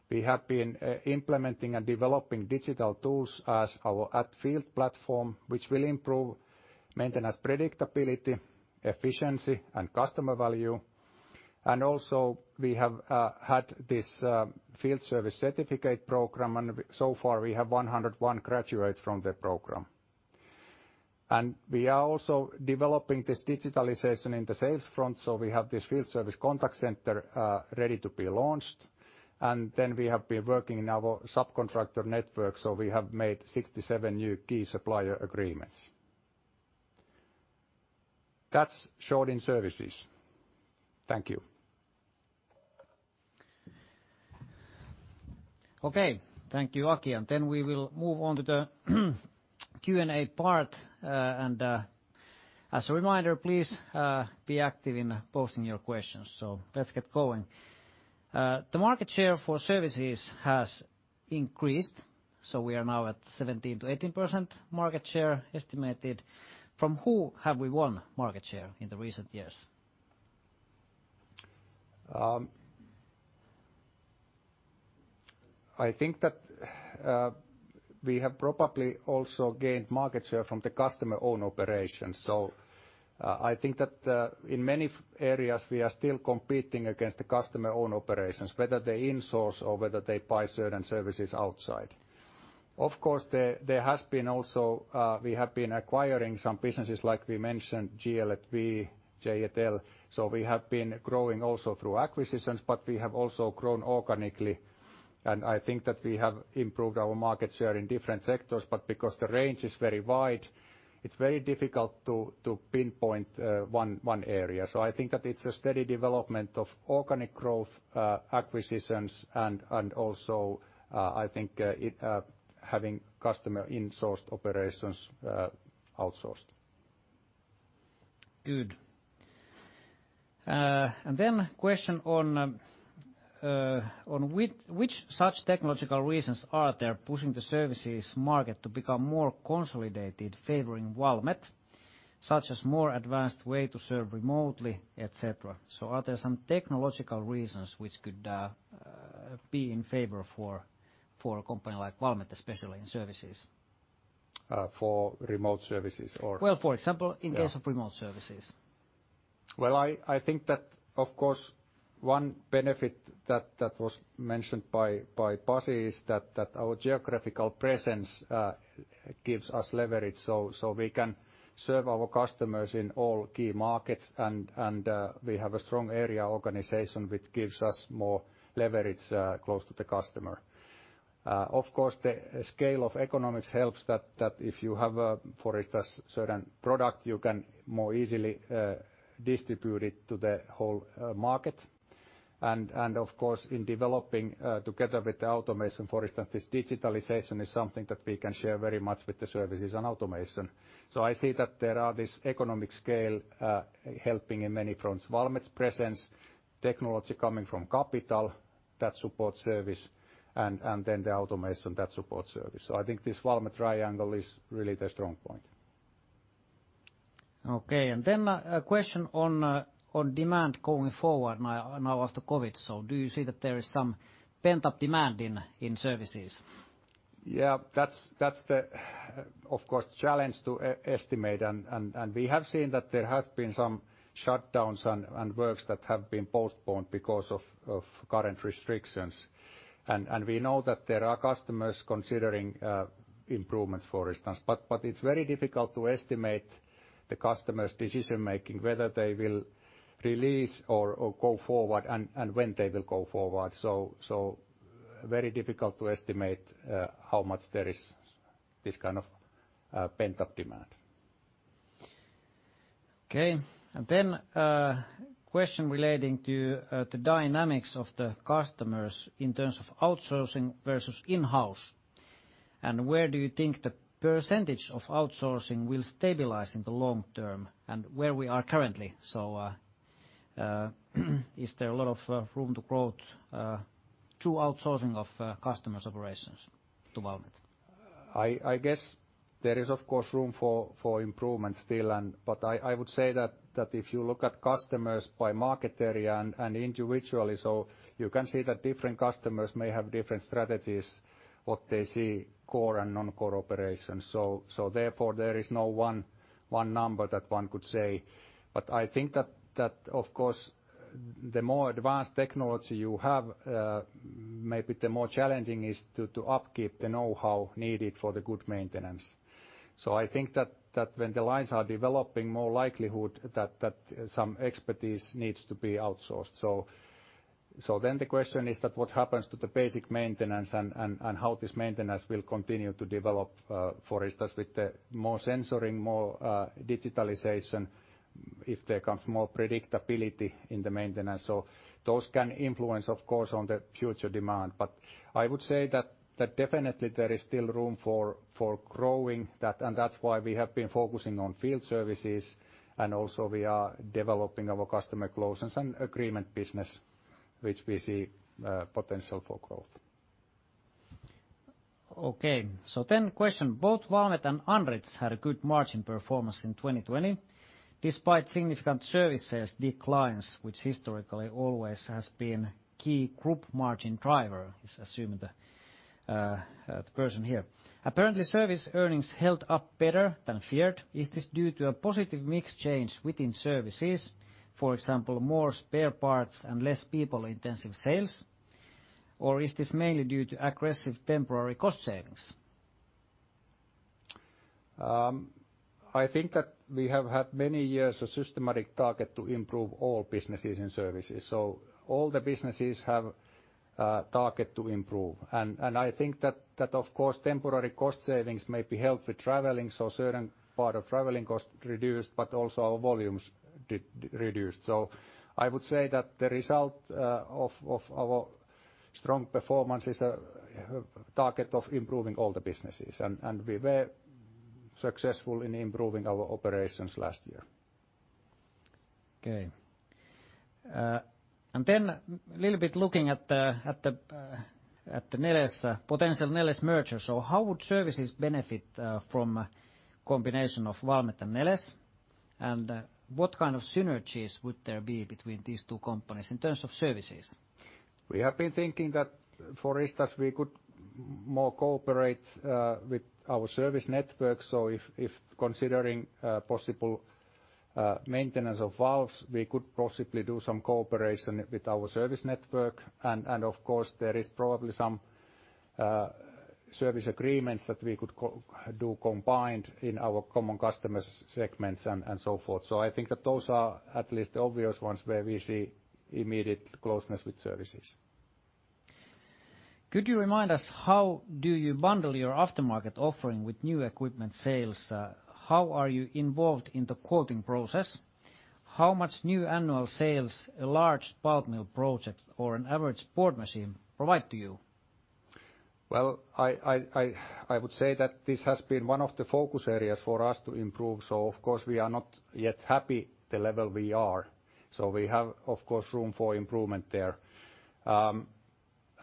We have been implementing and developing digital tools as our @Field platform, which will improve maintenance predictability, efficiency, and customer value. We have had this Field Service Certificate Program, and so far we have 101 graduates from the program. We are also developing this digitalization in the sales front. We have this Field Service Contact Center ready to be launched. We have been working in our subcontractor network, so we have made 67 new key supplier agreements. That's Shorting Services. Thank you. Okay. Thank you, Aki. We will move on to the Q&A part. As a reminder, please be active in posting your questions. Let's get going. The market share for services has increased, so we are now at 17%-18% market share estimated. From who have we won market share in the recent years? I think that we have probably also gained market share from the customer own operations. I think that in many areas, we are still competing against the customer own operations, whether they insource or whether they buy certain services outside. Of course, we have been acquiring some businesses, like we mentioned, GL&V, J&L Fiber Services. We have been growing also through acquisitions, but we have also grown organically. I think that we have improved our market share in different sectors, but because the range is very wide, it's very difficult to pinpoint one area. I think that it's a steady development of organic growth, acquisitions, and also, I think having customer in-sourced operations outsourced. Good. Question on which such technological reasons are there pushing the services market to become more consolidated, favoring Valmet, such as more advanced way to serve remotely, et cetera? Are there some technological reasons which could be in favor for a company like Valmet, especially in services? For remote services. Well, for example. Yeah. In case of remote services. I think that, of course, one benefit that was mentioned by Pasi is that our geographical presence gives us leverage so we can serve our customers in all key markets, and we have a strong area organization which gives us more leverage close to the customer. Of course, the scale of economics helps that if you have a, for instance, certain product, you can more easily distribute it to the whole market. Of course, in developing together with the automation, for instance, this digitalization is something that we can share very much with the services and automation. I see that there are this economic scale helping in many fronts, Valmet's presence, technology coming from capital that supports service, and then the automation that supports service. I think this Valmet triangle is really the strong point. A question on demand going forward now after COVID. Do you see that there is some pent-up demand in services? Yeah. That's the, of course, challenge to estimate. We have seen that there has been some shutdowns and works that have been postponed because of current restrictions. We know that there are customers considering improvements, for instance. It's very difficult to estimate the customer's decision-making, whether they will release or go forward and when they will go forward. Very difficult to estimate how much there is this kind of pent-up demand. Okay. A question relating to the dynamics of the customers in terms of outsourcing versus in-house. Where do you think the percentage of outsourcing will stabilize in the long term, and where we are currently? Is there a lot of room to grow through outsourcing of customers' operations to Valmet? I guess there is, of course, room for improvement still, but I would say that if you look at customers by market area and individually so you can see that different customers may have different strategies, what they see core and non-core operations. Therefore, there is no one number that one could say. I think that, of course, the more advanced technology you have, maybe the more challenging is to upkeep the know-how needed for the good maintenance. I think that when the lines are developing, more likelihood that some expertise needs to be outsourced. The question is that what happens to the basic maintenance and how this maintenance will continue to develop, for instance, with the more sensoring, more digitalization, if there comes more predictability in the maintenance. Those can influence, of course, on the future demand. I would say that definitely there is still room for growing. That's why we have been focusing on field services, and also we are developing our customer closeness and agreement business, which we see potential for growth. Question, both Valmet and Andritz had a good margin performance in 2020 despite significant services declines, which historically always has been key group margin driver. Apparently, service earnings held up better than feared. Is this due to a positive mix change within services, for example, more spare parts and less people-intensive sales? Or is this mainly due to aggressive temporary cost savings? I think that we have had many years of systematic target to improve all businesses and services. All the businesses have a target to improve. I think that, of course, temporary cost savings may be helped with traveling, so certain part of traveling cost reduced, but also our volumes reduced. I would say that the result of our strong performance is a target of improving all the businesses. We were successful in improving our operations last year. Okay. A little bit looking at the potential Neles merger. How would services benefit from a combination of Valmet and Neles? What kind of synergies would there be between these two companies in terms of services? We have been thinking that, for instance, we could more cooperate with our service network. If considering possible maintenance of valves, we could possibly do some cooperation with our service network. Of course, there is probably some service agreements that we could do combined in our common customer segments and so forth. I think that those are at least the obvious ones where we see immediate closeness with services. Could you remind us how you bundle your aftermarket offering with new equipment sales? How are you involved in the quoting process? How much new annual sales, a large pulp mill project or an average board machine provide to you? Well, I would say that this has been one of the focus areas for us to improve. Of course, we are not yet happy the level we are. We have, of course, room for improvement there.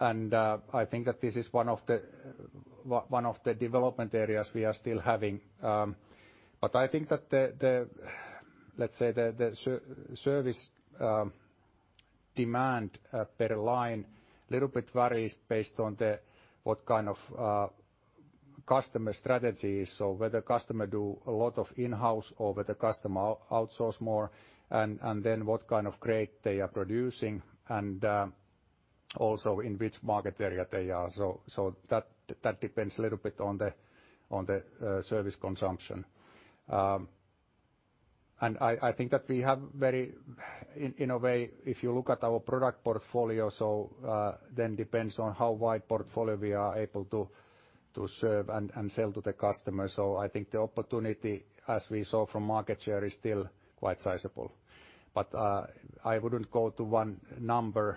I think that this is one of the development areas we are still having. I think that the service demand per line little bit varies based on what kind of customer strategy is, so whether customer do a lot of in-house or whether customer outsource more, and then what kind of grade they are producing, and also in which market area they are. That depends a little bit on the service consumption. I think that we have very, in a way, if you look at our product portfolio, then depends on how wide portfolio we are able to serve and sell to the customer. I think the opportunity, as we saw from market share, is still quite sizable. I wouldn't go to one number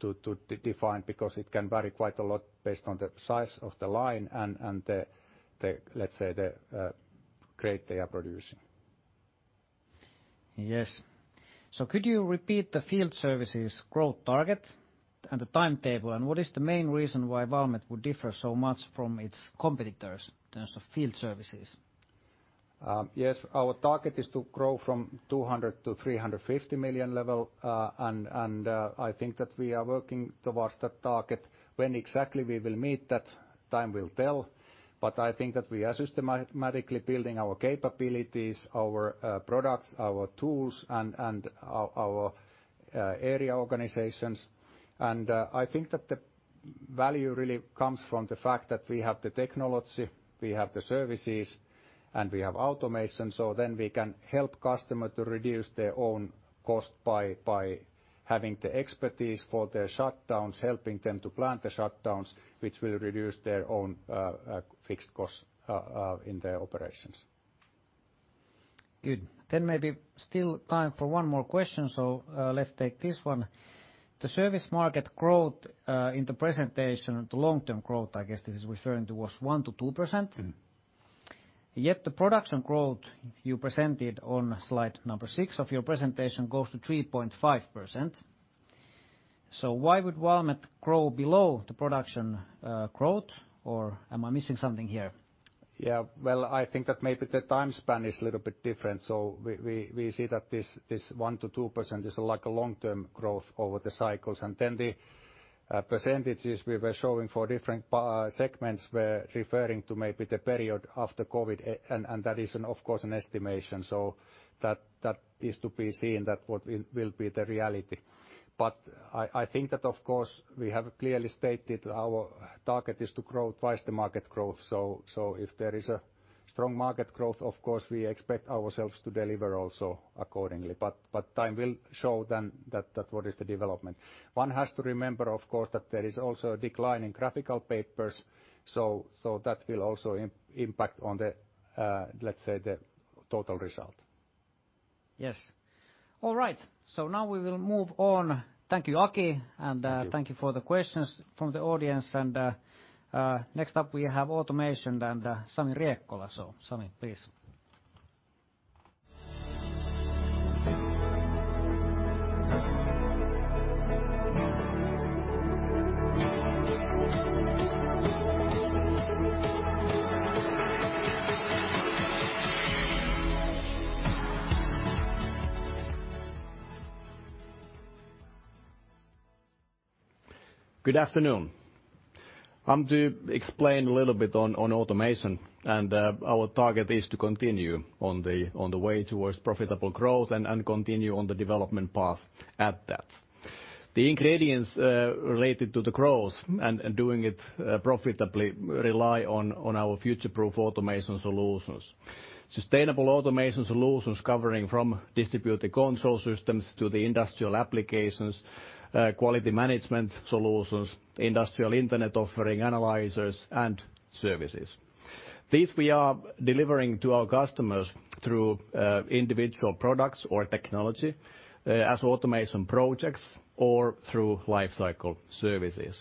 to define because it can vary quite a lot based on the size of the line and let's say the grade they are producing. Yes. Could you repeat the field services growth target and the timetable, and what is the main reason why Valmet would differ so much from its competitors in terms of field services? Yes. Our target is to grow from 200 million-350 million level. I think that we are working towards that target. When exactly we will meet that, time will tell. I think that we are systematically building our capabilities, our products, our tools, and our area organizations. I think that the value really comes from the fact that we have the technology, we have the services, and we have automation, we can help customer to reduce their own cost by having the expertise for their shutdowns, helping them to plan the shutdowns, which will reduce their own fixed cost in their operations. Good. Maybe still time for one more question, let's take this one. The service market growth in the presentation, the long-term growth, I guess this is referring to, was 1%-2%. The production growth you presented on slide number six of your presentation goes to 3.5%. Why would Valmet grow below the production growth? Am I missing something here? Yeah. Well, I think that maybe the time span is a little bit different. We see that this 1%-2% is like a long-term growth over the cycles. The percentages we were showing for different segments were referring to maybe the period after COVID, and that is, of course, an estimation. That is to be seen, that what will be the reality. I think that, of course, we have clearly stated our target is to grow twice the market growth. If there is a strong market growth, of course, we expect ourselves to deliver also accordingly. Time will show then that what is the development. One has to remember, of course, that there is also a decline in graphical papers, so that will also impact on the total result. Yes. All right. Now we will move on. Thank you, Aki. Thank you. Thank you for the questions from the audience. Next up, we have automation and Sami Riekkola. Sami, please. Good afternoon. I'm to explain a little bit on automation. Our target is to continue on the way towards profitable growth and continue on the development path at that. The ingredients related to the growth and doing it profitably rely on our future-proof automation solutions. Sustainable automation solutions covering from distributed control systems to the industrial applications, quality management solutions, industrial internet offering, analyzers, and services. These we are delivering to our customers through individual products or technology as automation projects or through life cycle services.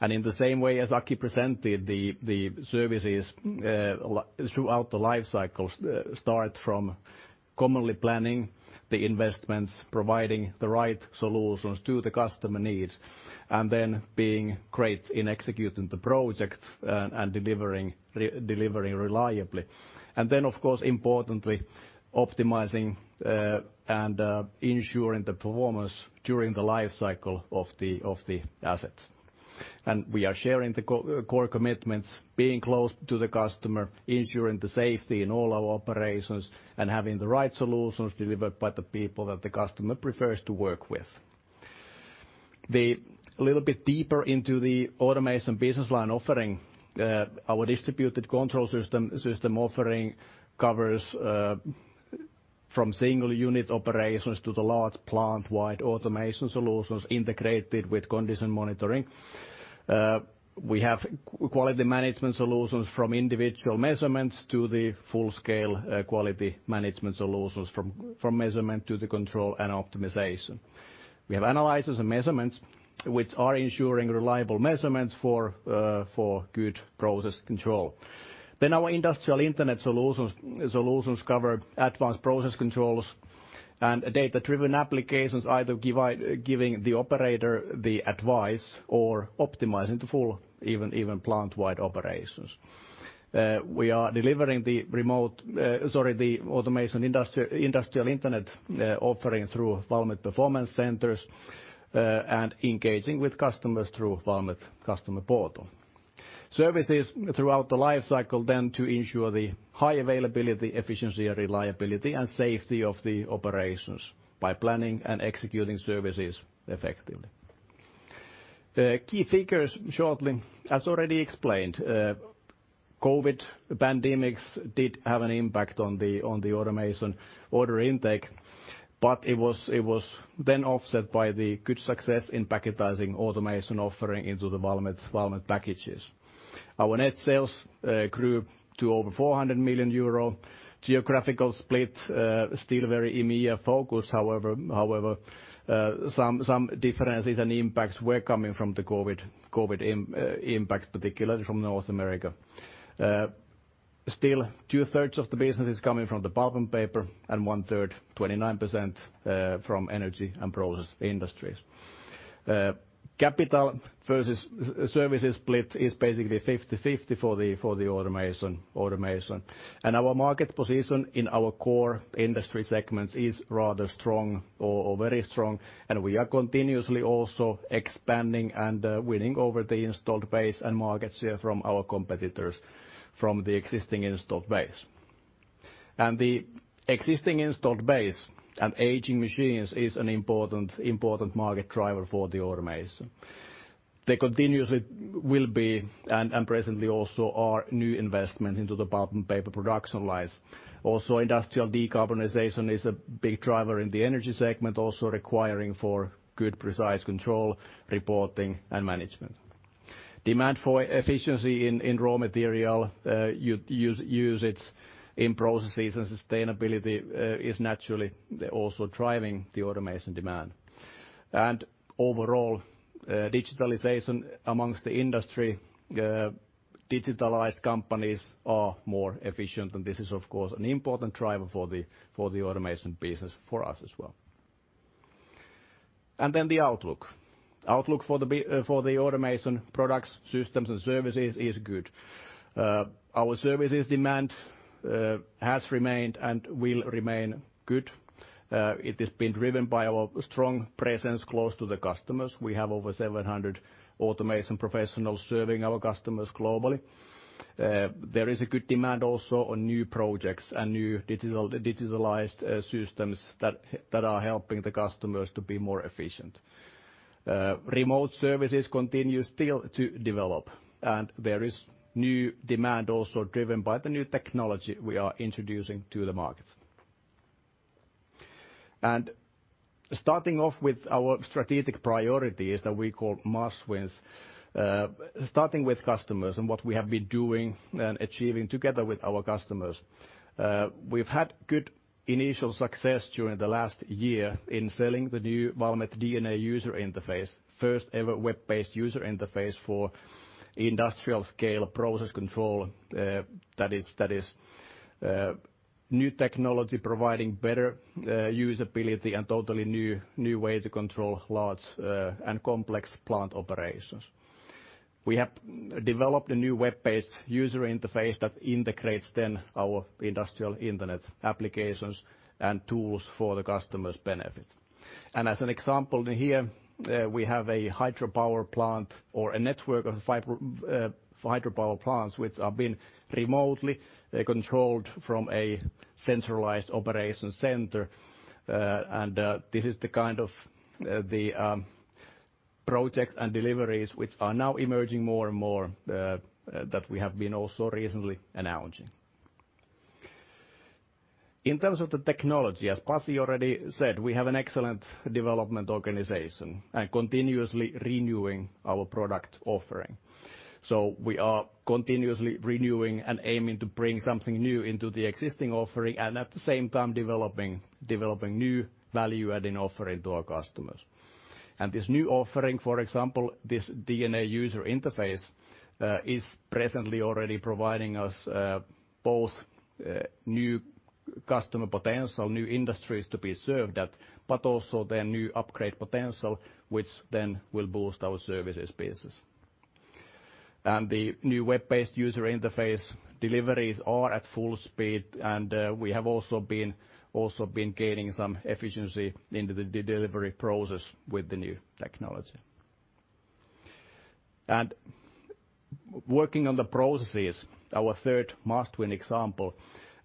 In the same way as Aki presented the services throughout the life cycles, start from commonly planning the investments, providing the right solutions to the customer needs, and then being great in executing the project and delivering reliably. Then, of course, importantly, optimizing and ensuring the performance during the life cycle of the assets. We are sharing the core commitments, being close to the customer, ensuring the safety in all our operations, and having the right solutions delivered by the people that the customer prefers to work with. A little bit deeper into the automation business line offering, our Distributed Control System offering covers from single unit operations to the large plant-wide automation solutions integrated with condition monitoring. We have quality management solutions from individual measurements to the full-scale quality management solutions from measurement to the control and optimization. We have analysis and measurements, which are ensuring reliable measurements for good process control. Our industrial internet solutions cover advanced process controls and data-driven applications, either giving the operator the advice or optimizing the full even plant-wide operations. We are delivering the remote automation industrial internet offering through Valmet Performance Centers, and engaging with customers through Valmet Customer Portal. Services throughout the life cycle to ensure the high availability, efficiency, reliability, and safety of the operations by planning and executing services effectively. Key figures shortly. As already explained, COVID pandemic did have an impact on the automation order intake, but it was then offset by the good success in packaging automation offering into the Valmet packages. Our net sales grew to over 400 million euro. Geographical split, still very EMEA-focused. Some differences and impacts were coming from the COVID impact, particularly from North America. Still two-thirds of the business is coming from the pulp and paper and 1/3, 29%, from energy and process industries. Capital versus services split is basically 50/50 for the automation. Our market position in our core industry segments is rather strong or very strong, and we are continuously also expanding and winning over the installed base and market share from our competitors from the existing installed base. The existing installed base and aging machines is an important market driver for the automation. They continuously will be and presently also are new investment into the pulp and paper production lines. Industrial decarbonization is a big driver in the energy segment, also requiring for good precise control, reporting, and management. Demand for efficiency in raw material usage in processes and sustainability is naturally also driving the automation demand. Overall, digitalization amongst the industry, digitalized companies are more efficient, and this is, of course, an important driver for the automation business for us as well. Then the outlook. Outlook for the automation products, systems, and services is good. Our services demand has remained and will remain good. It has been driven by our strong presence close to the customers. We have over 700 automation professionals serving our customers globally. There is a good demand also on new projects and new digitalized systems that are helping the customers to be more efficient. Remote services continue still to develop. There is new demand also driven by the new technology we are introducing to the markets. Starting off with our strategic priorities that we call Must Wins. Starting with customers and what we have been doing and achieving together with our customers. We've had good initial success during the last year in selling the new Valmet DNA user interface, first ever web-based user interface for industrial scale process control. That is new technology providing better usability and totally new way to control large and complex plant operations. We have developed a new web-based user interface that integrates then our industrial internet applications and tools for the customer's benefit. As an example here, we have a hydropower plant or a network of hydropower plants, which are being remotely controlled from a centralized operation center. This is the kind of the projects and deliveries which are now emerging more and more, that we have been also recently announcing. In terms of the technology, as Pasi already said, we have an excellent development organization, and continuously renewing our product offering. We are continuously renewing and aiming to bring something new into the existing offering, and at the same time developing new value-adding offering to our customers. This new offering, for example, this DNA user interface, is presently already providing us both new customer potential, new industries to be served at, but also the new upgrade potential, which then will boost our services business. The new web-based user interface deliveries are at full speed, and we have also been gaining some efficiency into the delivery process with the new technology. Working on the processes, our third must-win example,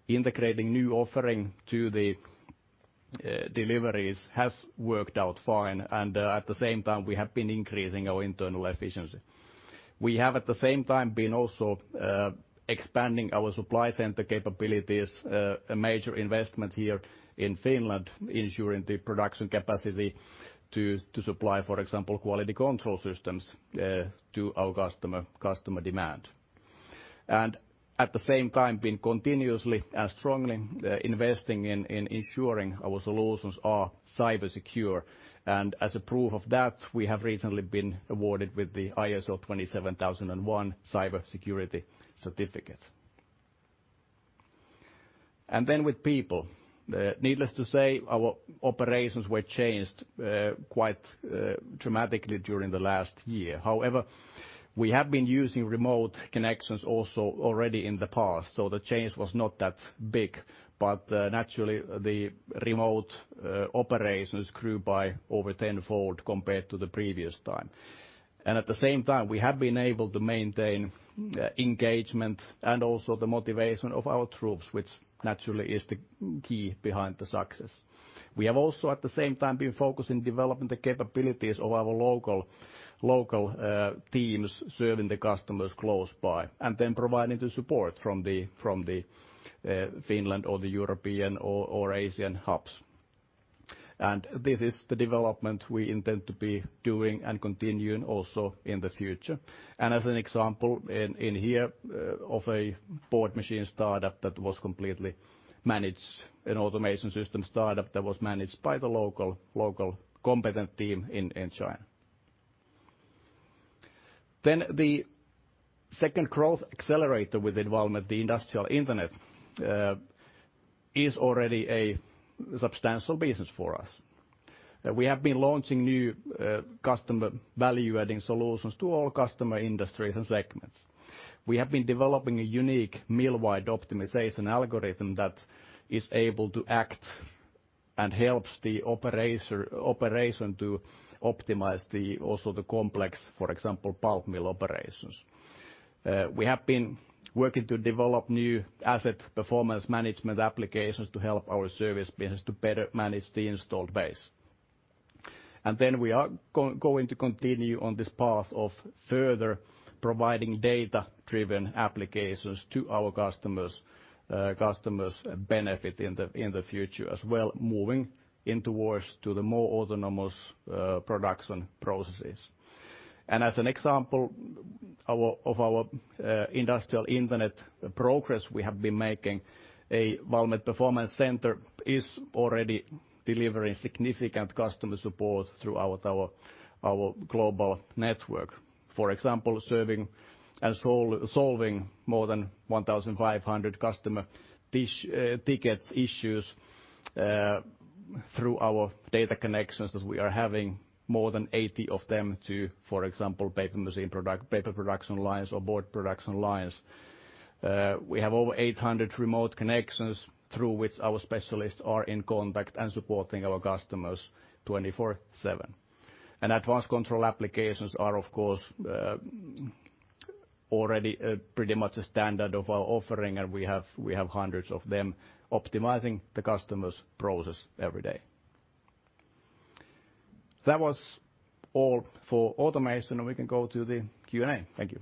integrating new offering to the deliveries has worked out fine, and at the same time, we have been increasing our internal efficiency. We have, at the same time, been also expanding our supply center capabilities, a major investment here in Finland, ensuring the production capacity to supply, for example, quality control systems to our customer demand. We have, at the same time, been continuously and strongly investing in ensuring our solutions are cybersecure. As a proof of that, we have recently been awarded with the ISO 27001 cybersecurity certificate. Then with people, needless to say, our operations were changed quite dramatically during the last year. However, we have been using remote connections also already in the past, so the change was not that big. Naturally, the remote operations grew by over 10-fold compared to the previous time. At the same time, we have been able to maintain engagement and also the motivation of our troops, which naturally is the key behind the success. We have also, at the same time, been focused on developing the capabilities of our local teams serving the customers close by, and then providing the support from the Finland or the European or Asian hubs. This is the development we intend to be doing and continuing also in the future. As an example in here of a board machine startup that was completely managed, an automation system startup that was managed by the local competent team in China. The second growth accelerator with involvement, the industrial internet, is already a substantial business for us. We have been launching new customer value-adding solutions to all customer industries and segments. We have been developing a unique Mill-Wide Optimization algorithm that is able to act and helps the operation to optimize also the complex, for example, pulp mill operations. We have been working to develop new asset performance management applications to help our service business to better manage the installed base. We are going to continue on this path of further providing data-driven applications to our customers' benefit in the future as well, moving into towards to the more autonomous production processes. As an example of our industrial internet progress we have been making, a Valmet Performance Center is already delivering significant customer support throughout our global network. For example, serving and solving more than 1,500 customer ticket issues through our data connections, as we are having more than 80 of them to, for example, paper machine product, paper production lines, or board production lines. We have over 800 remote connections through which our specialists are in contact and supporting our customers 24/7. Advanced control applications are, of course, already pretty much a standard of our offering, and we have hundreds of them optimizing the customer's process every day. That was all for automation, and we can go to the Q&A. Thank you.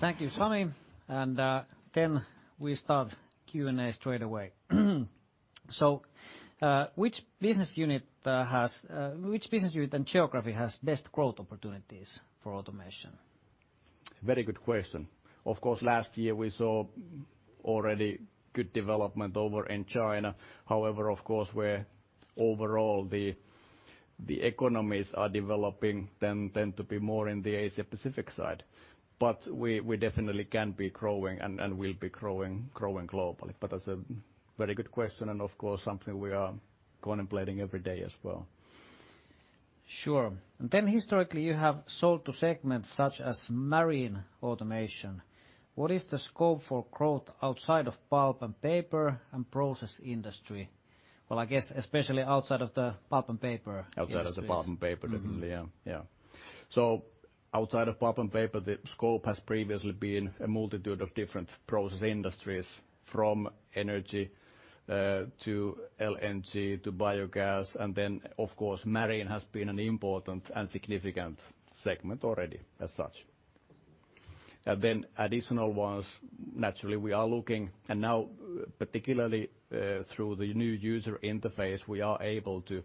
Thank you, Sami. We start Q&A straight away. Which business unit and geography has best growth opportunities for automation? Very good question. Of course, last year we saw already good development over in China. However, of course, where overall the economies are developing then tend to be more in the Asia-Pacific side. We definitely can be growing and will be growing globally. That's a very good question and of course, something we are contemplating every day as well. Sure. Historically, you have sold to segments such as marine automation. What is the scope for growth outside of pulp and paper and process industry? Well, I guess especially outside of the pulp and paper industries. Outside of the pulp and paper, definitely, yeah. Outside of pulp and paper, the scope has previously been a multitude of different process industries, from energy to LNG to biogas. Of course, marine has been an important and significant segment already as such. Additional ones, naturally, we are looking, and now particularly through the new user interface, we are able to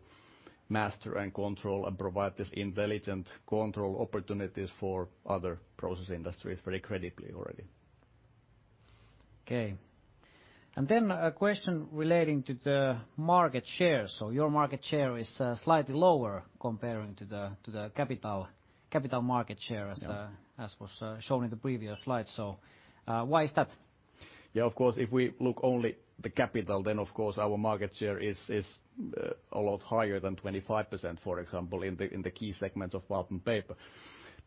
master and control and provide these intelligent control opportunities for other process industries very credibly already. Okay. A question relating to the market share. Your market share is slightly lower comparing to the capital market share. Yeah. As was shown in the previous slide. Why is that? Of course, if we look only the capital, then of course, our market share is a lot higher than 25%, for example, in the key segment of pulp and paper.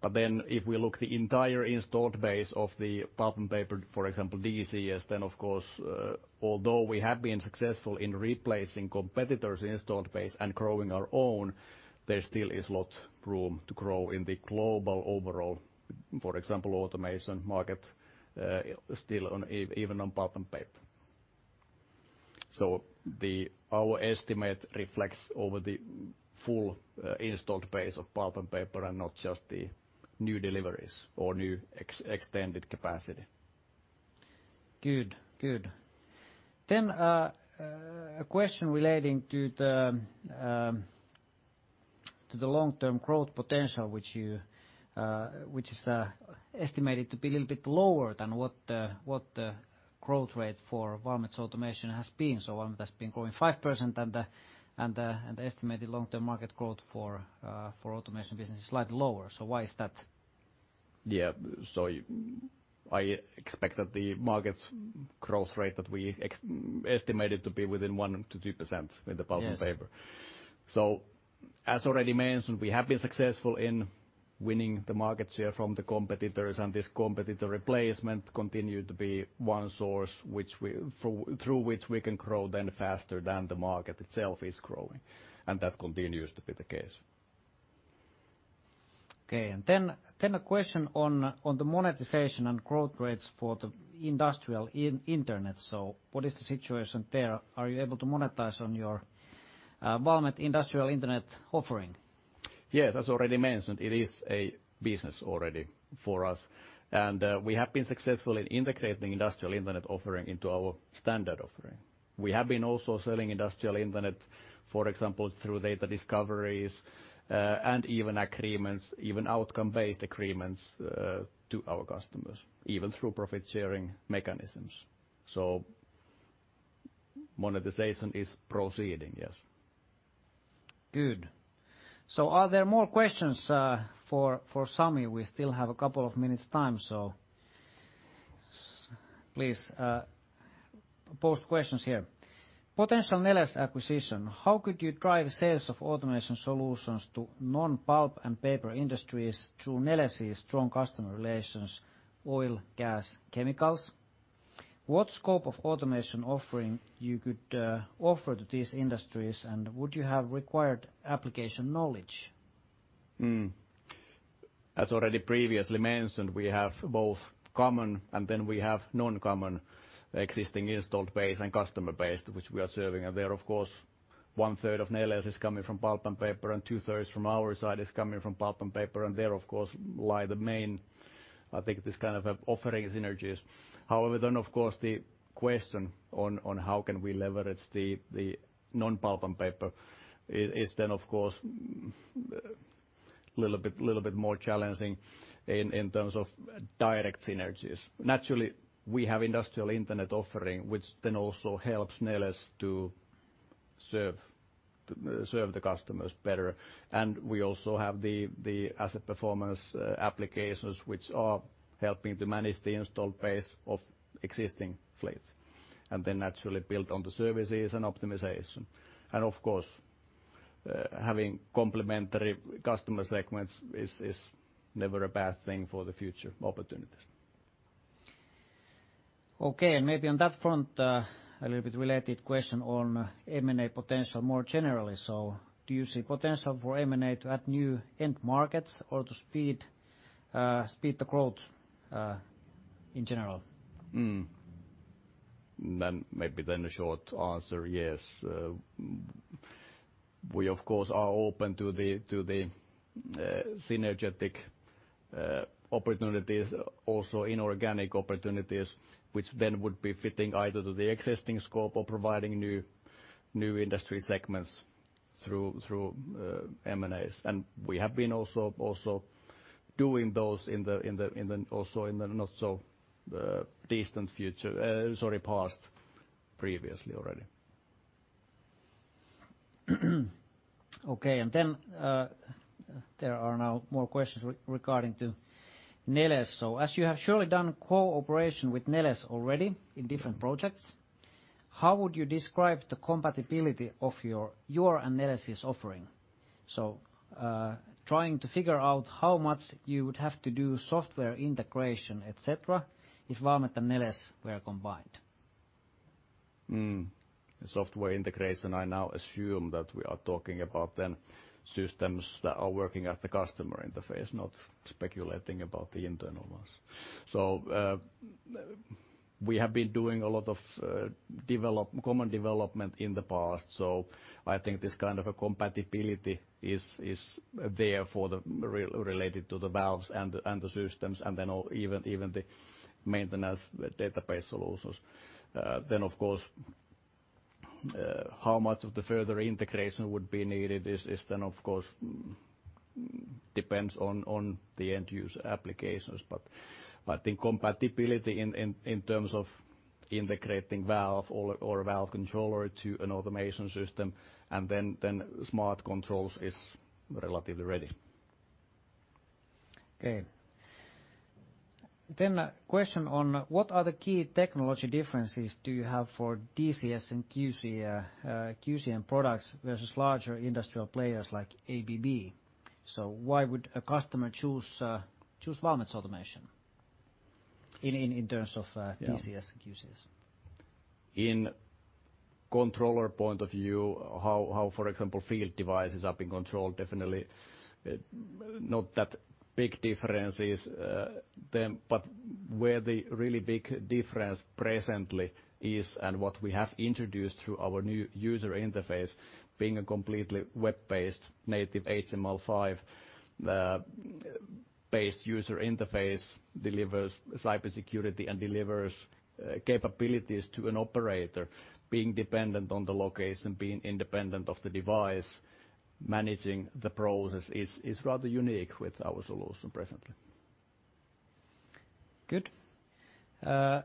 If we look the entire installed base of the pulp and paper, for example, DCS, then of course, although we have been successful in replacing competitors' installed base and growing our own, there still is lot room to grow in the global overall automation market, still even on pulp and paper. Our estimate reflects over the full installed base of pulp and paper and not just the new deliveries or new extended capacity. Good. A question relating to the long-term growth potential, which is estimated to be a little bit lower than what the growth rate for Valmet's automation has been. Valmet has been growing 5% and the estimated long-term market growth for automation business is slightly lower. Why is that? Yeah. I expect that the market's growth rate that we estimated to be within 1%-2% with the pulp and paper. Yes. As already mentioned, we have been successful in winning the market share from the competitors, and this competitor replacement continue to be one source through which we can grow then faster than the market itself is growing, and that continues to be the case. Okay, a question on the monetization and growth rates for the industrial internet. What is the situation there? Are you able to monetize on your Valmet industrial internet offering? Yes. As already mentioned, it is a business already for us, and we have been successful in integrating industrial internet offering into our standard offering. We have been also selling industrial internet, for example, through data discoveries, and even agreements, even outcome-based agreements, to our customers, even through profit-sharing mechanisms. Monetization is proceeding, yes. Good. Are there more questions for Sami? We still have a couple of minutes' time. Please post questions here. Potential Neles acquisition, how could you drive sales of automation solutions to non-pulp and paper industries through Neles' strong customer relations, oil, gas, chemicals? What scope of automation offering you could offer to these industries, would you have required application knowledge? As already previously mentioned, we have both common and then we have non-common existing installed base and customer base to which we are serving. There, of course, one third of Neles is coming from pulp and paper, and 2/3 from our side is coming from pulp and paper, and there, of course, lie the main, I think, offering synergies. Of course, the question on how can we leverage the non-pulp and paper is then, of course, little bit more challenging in terms of direct synergies. We have industrial internet offering, which then also helps Neles to serve the customers better. We also have the asset performance applications, which are helping to manage the installed base of existing fleets, and then naturally built on the services and optimization. Of course, having complementary customer segments is never a bad thing for the future opportunities. Okay, maybe on that front, a little bit related question on M&A potential more generally. Do you see potential for M&A to add new end markets or to speed the growth in general? Maybe a short answer, yes. We, of course, are open to the synergetic opportunities, also inorganic opportunities, which then would be fitting either to the existing scope or providing new industry segments through M&As. We have been also doing those also in the not so distant past previously already. Okay, there are now more questions regarding to Neles. As you have surely done cooperation with Neles already in different projects, how would you describe the compatibility of your and Neles' offering? Trying to figure out how much you would have to do software integration, et cetera, if Valmet and Neles were combined. Software integration, I now assume that we are talking about systems that are working at the customer interface, not speculating about the internal ones. We have been doing a lot of common development in the past, so I think this kind of a compatibility is there related to the valves and the systems, and then even the maintenance database solutions. Of course, how much of the further integration would be needed is then, of course, depends on the end-user applications. I think compatibility in terms of integrating valve or a valve controller to an automation system, and then smart controls is relatively ready. Okay. A question on what other key technology differences do you have for DCS and QCS products versus larger industrial players like ABB? Why would a customer choose Valmet's automation in terms of DCS and QCS? In controller point of view, how, for example, field devices are being controlled, definitely not that big differences then. Where the really big difference presently is and what we have introduced through our new user interface, being a completely web-based, native HTML5-based user interface, delivers cybersecurity and delivers capabilities to an operator. Being dependent on the location, being independent of the device, managing the process is rather unique with our solution presently. Good. All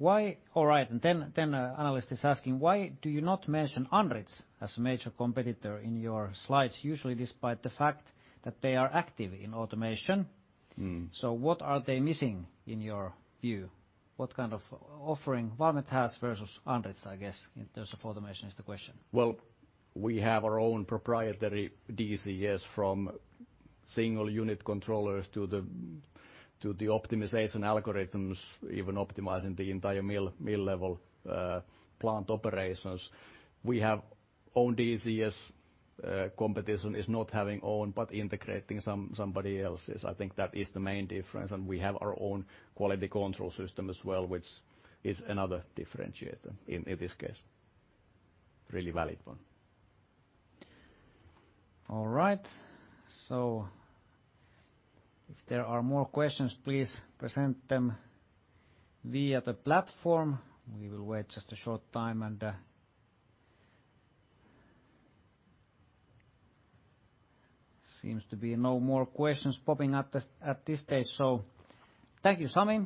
right. Analyst is asking, why do you not mention Andritz as a major competitor in your slides, usually despite the fact that they are active in automation? What are they missing in your view? What kind of offering Valmet has versus Andritz, I guess, in terms of automation, is the question. Well, we have our own proprietary DCS from single unit controllers to the optimization algorithms, even optimizing the entire mill-level plant operations. We have own DCS. Competition is not having own, but integrating somebody else's. I think that is the main difference, and we have our own Quality Control System as well, which is another differentiator in this case. Really valid one. All right. If there are more questions, please present them via the platform. We will wait just a short time and seems to be no more questions popping up at this stage, so thank you, Sami.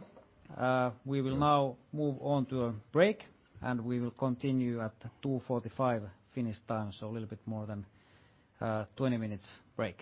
We will now move on to a break, and we will continue at 2:45 P.M. Finnish time, so a little bit more than 20 minutes break.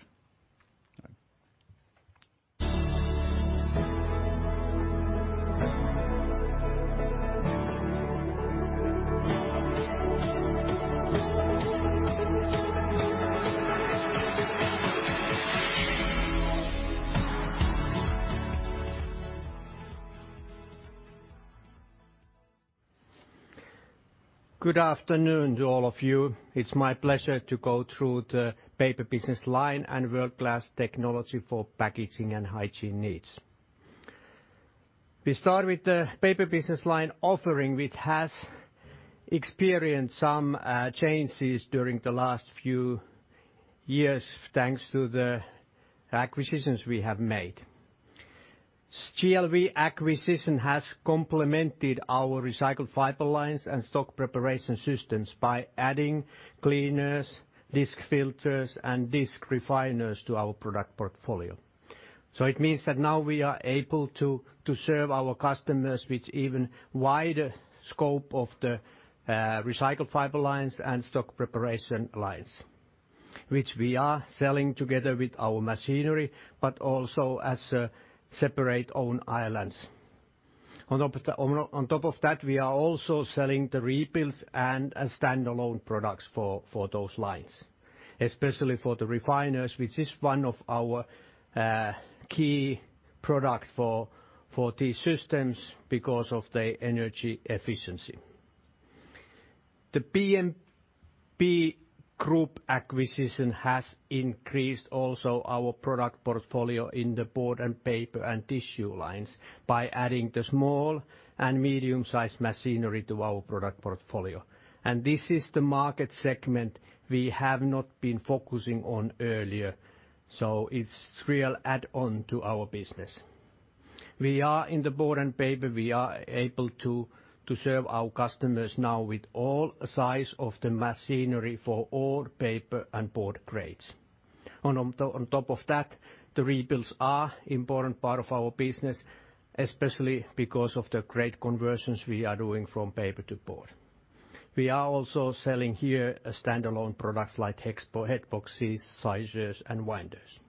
Okay. Good afternoon to all of you. It's my pleasure to go through the paper business line and world-class technology for packaging and hygiene needs. We start with the paper business line offering, which has experienced some changes during the last few years, thanks to the acquisitions we have made. GL&V acquisition has complemented our recycled fiber lines and stock preparation systems by adding cleaners, disk filters, and disk refiners to our product portfolio. It means that now we are able to serve our customers with even wider scope of the recycled fiber lines and stock preparation lines, which we are selling together with our machinery, but also as a separate own islands. On top of that, we are also selling the rebuilds and as standalone products for those lines, especially for the refiners, which is one of our key product for these systems because of the energy efficiency. The PMP Group acquisition has increased also our product portfolio in the board and paper and tissue lines by adding the small and medium-sized machinery to our product portfolio. This is the market segment we have not been focusing on earlier, so it's real add-on to our business. We are in the board and paper, we are able to serve our customers now with all size of the machinery for all paper and board grades. On top of that, the rebuilds are important part of our business, especially because of the great conversions we are doing from paper to board. We are also selling here standalone products like headboxes, sizers, and winders.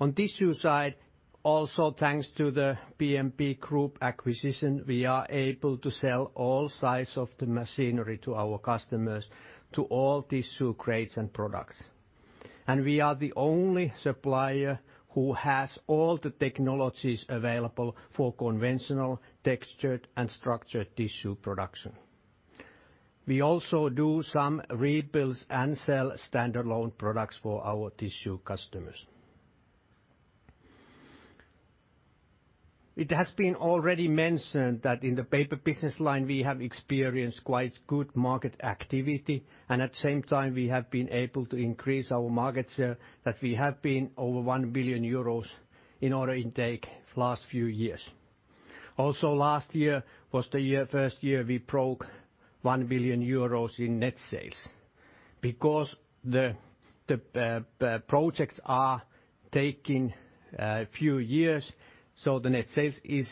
On tissue side, also thanks to the PMP Group acquisition, we are able to sell all size of the machinery to our customers to all tissue grades and products. We are the only supplier who has all the technologies available for conventional textured and structured tissue production. We also do some rebuilds and sell standalone products for our tissue customers. It has been already mentioned that in the paper business line, we have experienced quite good market activity, and at the same time, we have been able to increase our market share that we have been over 1 billion euros in order intake last few years. Also, last year was the first year we broke 1 billion euros in net sales. The projects are taking a few years, so the net sales is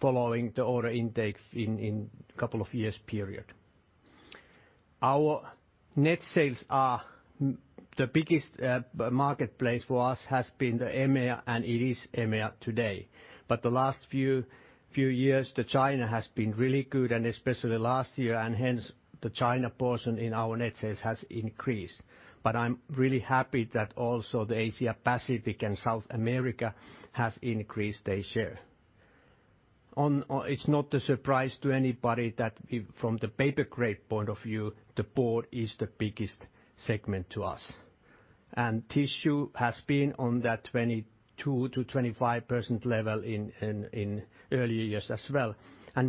following the order intake in couple of years period. Our net sales are the biggest marketplace for us has been the EMEA. It is EMEA today. The last few years, China has been really good, and especially last year, and hence the China portion in our net sales has increased. I'm really happy that also the Asia-Pacific and South America have increased their share. It's not a surprise to anybody that from the paper grade point of view, the board is the biggest segment to us. Tissue has been on that 22%-25% level in earlier years as well.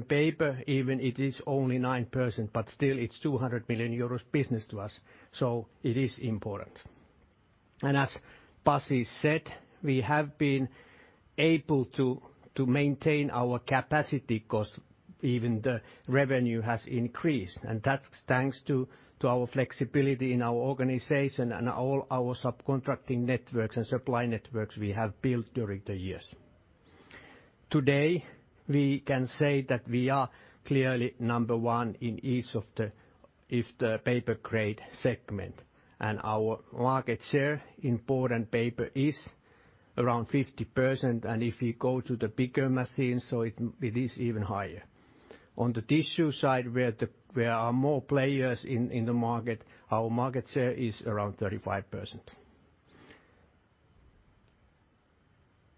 Paper, even it is only 9%, but still it's 200 million euros business to us, so it is important. As Pasi said, we have been able to maintain our capacity because even the revenue has increased. That's thanks to our flexibility in our organization and all our subcontracting networks and supply networks we have built during the years. Today, we can say that we are clearly number one in each of the paper grade segment. Our market share in board and paper is around 50%, and if you go to the bigger machines, so it is even higher. On the tissue side, where are more players in the market, our market share is around 35%.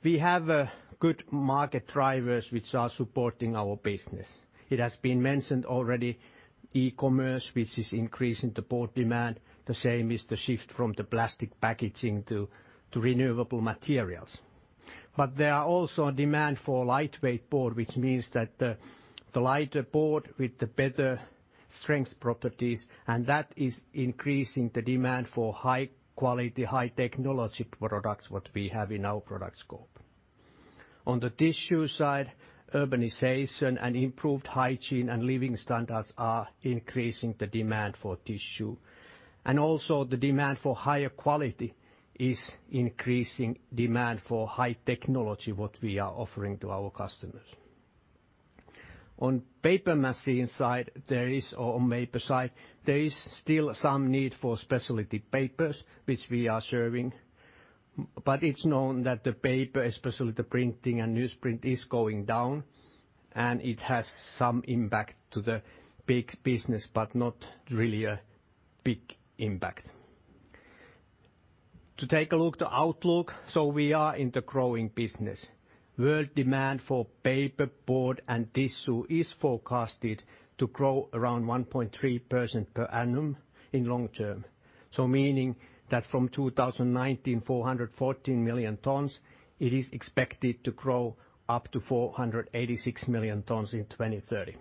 We have good market drivers which are supporting our business. It has been mentioned already, e-commerce, which is increasing the board demand. The same is the shift from the plastic packaging to renewable materials. There are also a demand for lightweight board, which means that the lighter board with the better strength properties, and that is increasing the demand for high-quality, high-technology products, what we have in our product scope. On the tissue side, urbanization and improved hygiene and living standards are increasing the demand for tissue. Also the demand for higher quality is increasing demand for high technology, what we are offering to our customers. On paper side, there is still some need for specialty papers, which we are serving. It's known that the paper, especially the printing and newsprint, is going down, and it has some impact to the big business, but not really a big impact. To take a look at the outlook, so we are in the growing business. World demand for paper board and tissue is forecasted to grow around 1.3% per annum in long term. Meaning that from 2019, 414 million tons, it is expected to grow up to 486 million tons in 2030.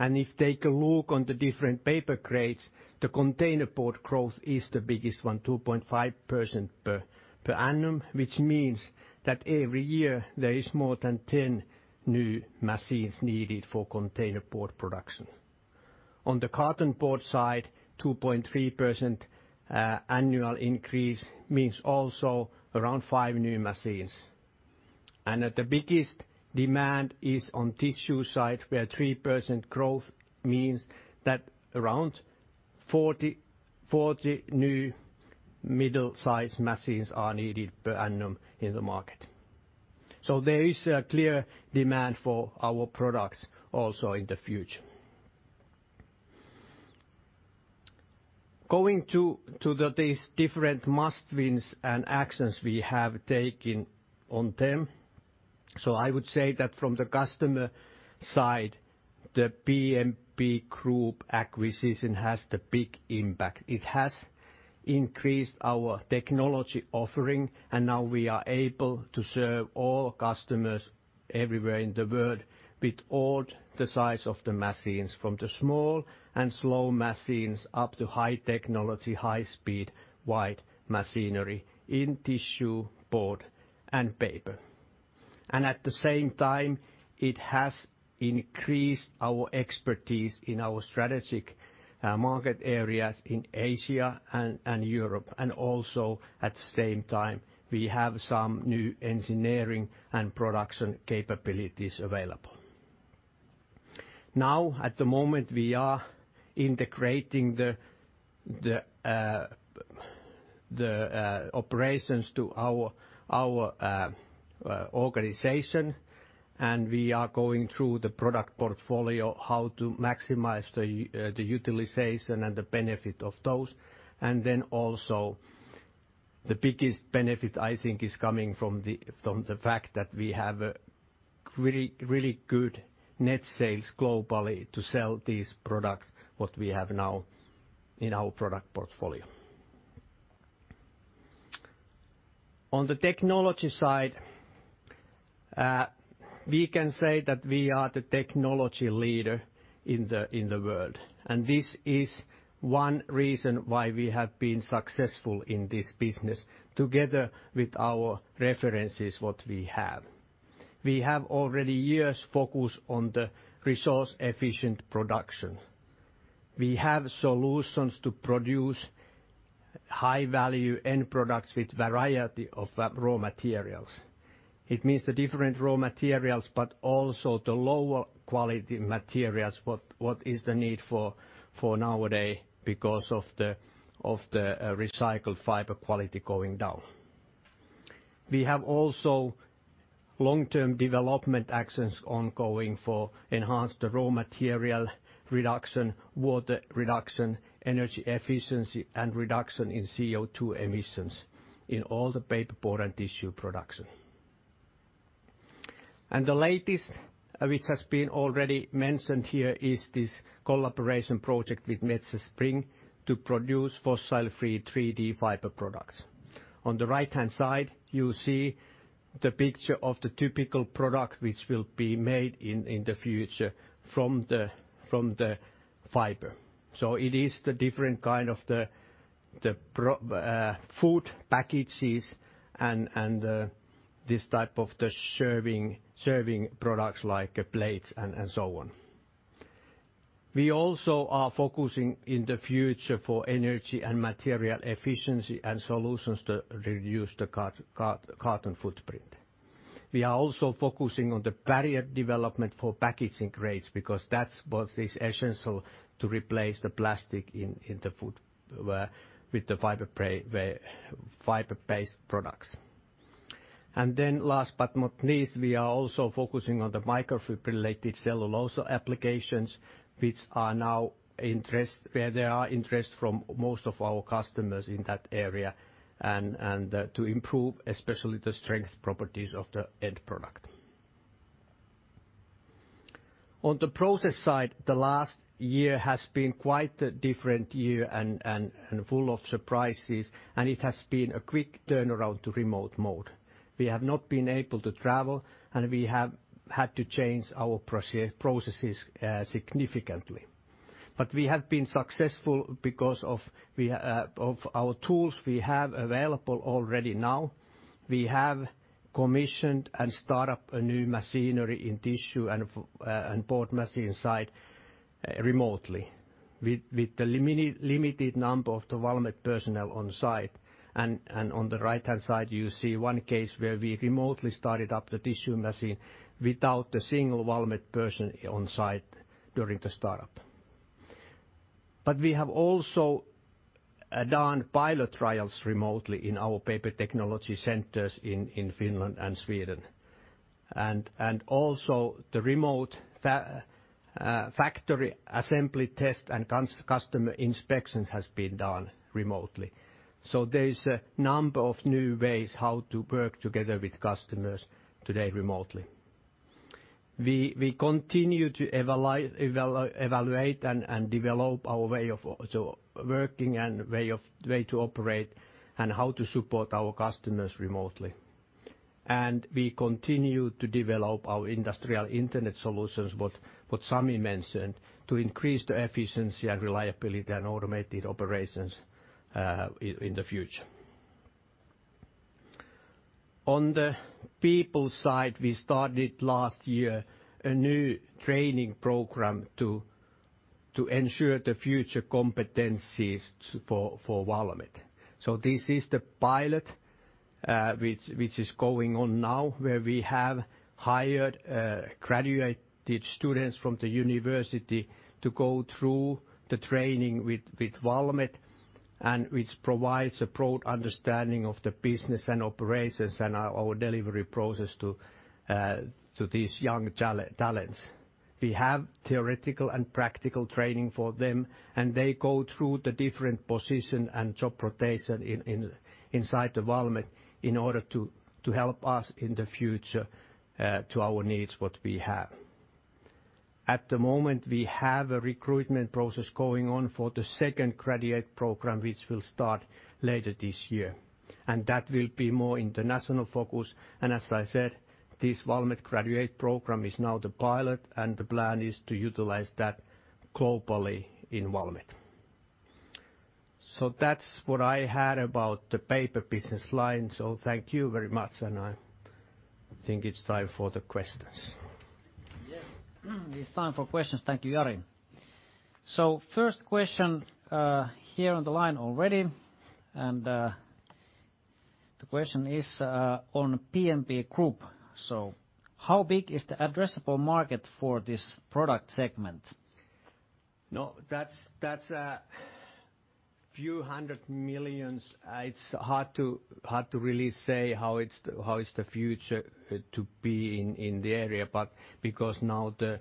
If take a look on the different paper grades, the container board growth is the biggest one, 2.5% per annum, which means that every year there is more than 10 new machines needed for container board production. On the carton board side, 2.3% annual increase means also around five new machines. The biggest demand is on tissue side, where 3% growth means that around 40 new middle-size machines are needed per annum in the market. There is a clear demand for our products also in the future. Going to these different must-wins and actions we have taken on them. I would say that from the customer side, the PMP Group acquisition has the big impact. It has increased our technology offering, and now we are able to serve all customers everywhere in the world with all the size of the machines, from the small and slow machines up to high-technology, high-speed, wide machinery in tissue, board, and paper. At the same time, it has increased our expertise in our strategic market areas in Asia and Europe. Also, at the same time, we have some new engineering and production capabilities available. At the moment, we are integrating the operations to our organization, and we are going through the product portfolio, how to maximize the utilization and the benefit of those. The biggest benefit, I think, is coming from the fact that we have really good net sales globally to sell these products, what we have now in our product portfolio. On the technology side, we can say that we are the technology leader in the world. This is one reason why we have been successful in this business, together with our references what we have. We have already years focused on the resource-efficient production. We have solutions to produce high-value end products with variety of raw materials. It means the different raw materials, but also the lower quality materials, what is the need for nowadays because of the recycled fiber quality going down. We have also long-term development actions ongoing for enhance the raw material reduction, water reduction, energy efficiency, and reduction in CO2 emissions in all the paperboard and tissue production. The latest, which has been already mentioned here, is this collaboration project with Metsä Spring to produce fossil-free 3D fiber products. On the right-hand side, you see the picture of the typical product, which will be made in the future from the fiber. It is the different kind of the food packages and this type of the serving products like plates and so on. We also are focusing in the future for energy and material efficiency and solutions to reduce the carbon footprint. We are also focusing on the barrier development for packaging grades, because that's what is essential to replace the plastic in the food with the fiber-based products. Last but not least, we are also focusing on the microfibrillated cellulose applications, where there are interest from most of our customers in that area, and to improve especially the strength properties of the end product. On the process side, the last year has been quite a different year and full of surprises, it has been a quick turnaround to remote mode. We have not been able to travel, we have had to change our processes significantly. We have been successful because of our tools we have available already now. We have commissioned and start up a new machinery in tissue and board machine site remotely with the limited number of the Valmet personnel on site. On the right-hand side, you see one case where we remotely started up the tissue machine without a single Valmet person on site during the startup. We have also done pilot trials remotely in our paper technology centers in Finland and Sweden. Also the remote factory assembly test and customer inspections has been done remotely. There is a number of new ways how to work together with customers today remotely. We continue to evaluate and develop our way of working and way to operate, and how to support our customers remotely. We continue to develop our industrial internet solutions, what Sami mentioned, to increase the efficiency and reliability and automated operations in the future. On the people side, we started last year a new training program to ensure the future competencies for Valmet. This is the pilot which is going on now, where we have hired graduated students from the university to go through the training with Valmet, and which provides a broad understanding of the business and operations and our delivery process to these young talents. We have theoretical and practical training for them, they go through the different position and job rotation inside Valmet in order to help us in the future to our needs, what we have. At the moment, we have a recruitment process going on for the second Graduate Program, which will start later this year. That will be more international focus. As I said, this Valmet Graduate Program is now the pilot, and the plan is to utilize that globally in Valmet. That's what I had about the Paper Business Line. Thank you very much, and I think it's time for the questions. Yes. It's time for questions. Thank you, Jari. First question here on the line already, and the question is on PMP Group. How big is the addressable market for this product segment? That's a few hundred millions. It's hard to really say how is the future to be in the area, because now the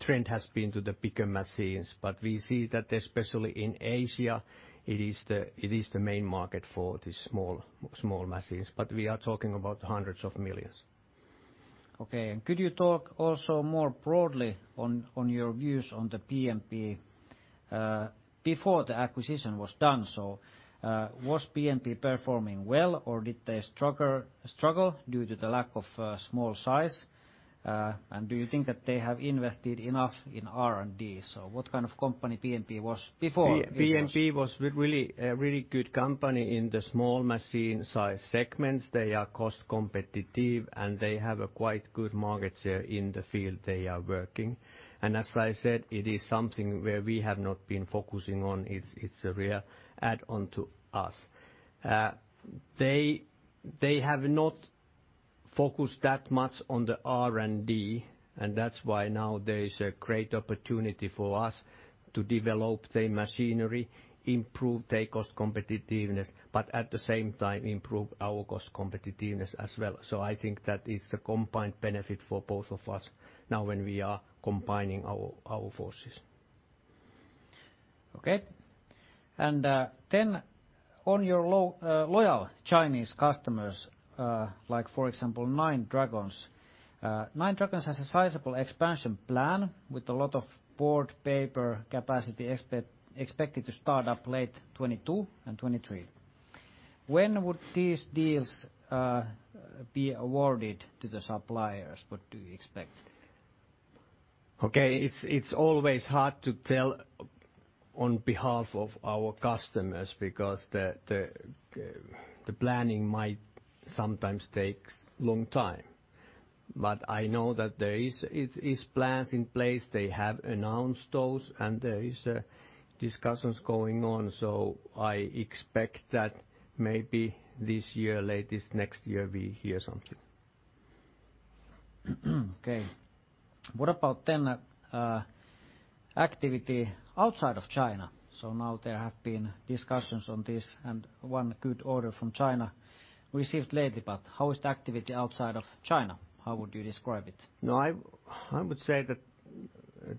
trend has been to the bigger machines. We see that especially in Asia, it is the main market for these small machines. We are talking about hundreds of millions. Okay, could you talk also more broadly on your views on the PMP before the acquisition was done? Was PMP performing well, or did they struggle due to the lack of small size? Do you think that they have invested enough in R&D? What kind of company PMP was before? PMP was a really good company in the small machine size segments. They are cost competitive, and they have a quite good market share in the field they are working. As I said, it is something where we have not been focusing on. It's a real add-on to us. They have not Focus that much on the R&D, and that's why now there is a great opportunity for us to develop the machinery, improve their cost competitiveness, but at the same time, improve our cost competitiveness as well. I think that it's a combined benefit for both of us now when we are combining our forces. Okay. On your loyal Chinese customers, for example, Nine Dragons. Nine Dragons has a sizable expansion plan with a lot of board paper capacity expected to start up late 2022 and 2023. When would these deals be awarded to the suppliers? What do you expect? Okay. It's always hard to tell on behalf of our customers because the planning might sometimes take a long time. I know that there is plans in place. They have announced those, and there is discussions going on. I expect that maybe this year, latest next year, we hear something. Okay. What about activity outside of China? Now there have been discussions on this and one good order from China received lately, but how is the activity outside of China? How would you describe it? No, I would say that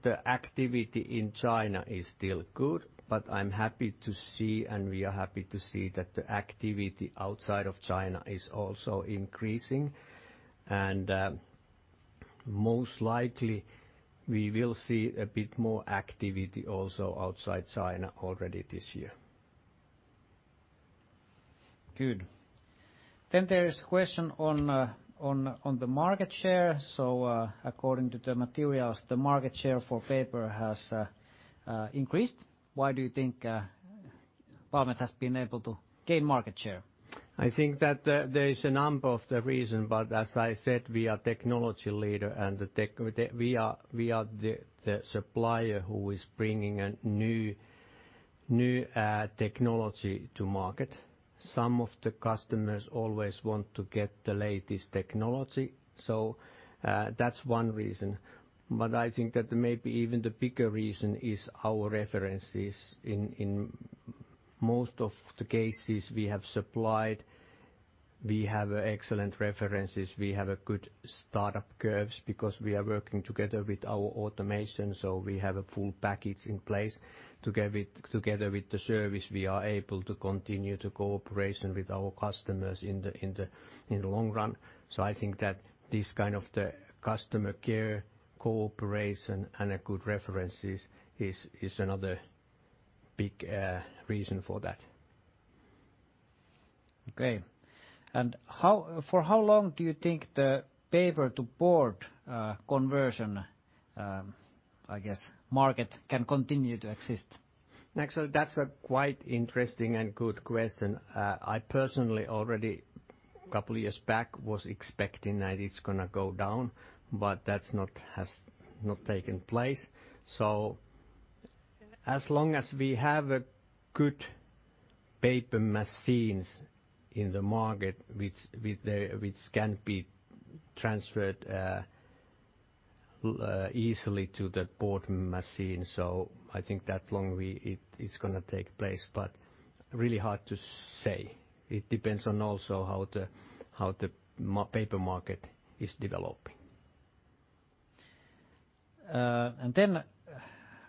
the activity in China is still good, but I am happy to see, and we are happy to see that the activity outside of China is also increasing. Most likely, we will see a bit more activity also outside China already this year. Good. There is question on the market share. According to the materials, the market share for paper has increased. Why do you think Valmet has been able to gain market share? I think that there is a number of the reason, as I said, we are technology leader and we are the supplier who is bringing a new technology to market. Some of the customers always want to get the latest technology. That's one reason. I think that maybe even the bigger reason is our references. In most of the cases we have supplied, we have excellent references, we have a good startup curves because we are working together with our automation, we have a full package in place. Together with the service, we are able to continue the cooperation with our customers in the long run. I think that this kind of the customer care cooperation and a good references is another big reason for that. Okay. For how long do you think the paper to board conversion, I guess, market can continue to exist? Actually, that's a quite interesting and good question. I personally already couple years back was expecting that it's going to go down, but that has not taken place. As long as we have good paper machines in the market which can be transferred easily to the board machine, so I think that long it's going to take place, but really hard to say. It depends on also how the paper market is developing.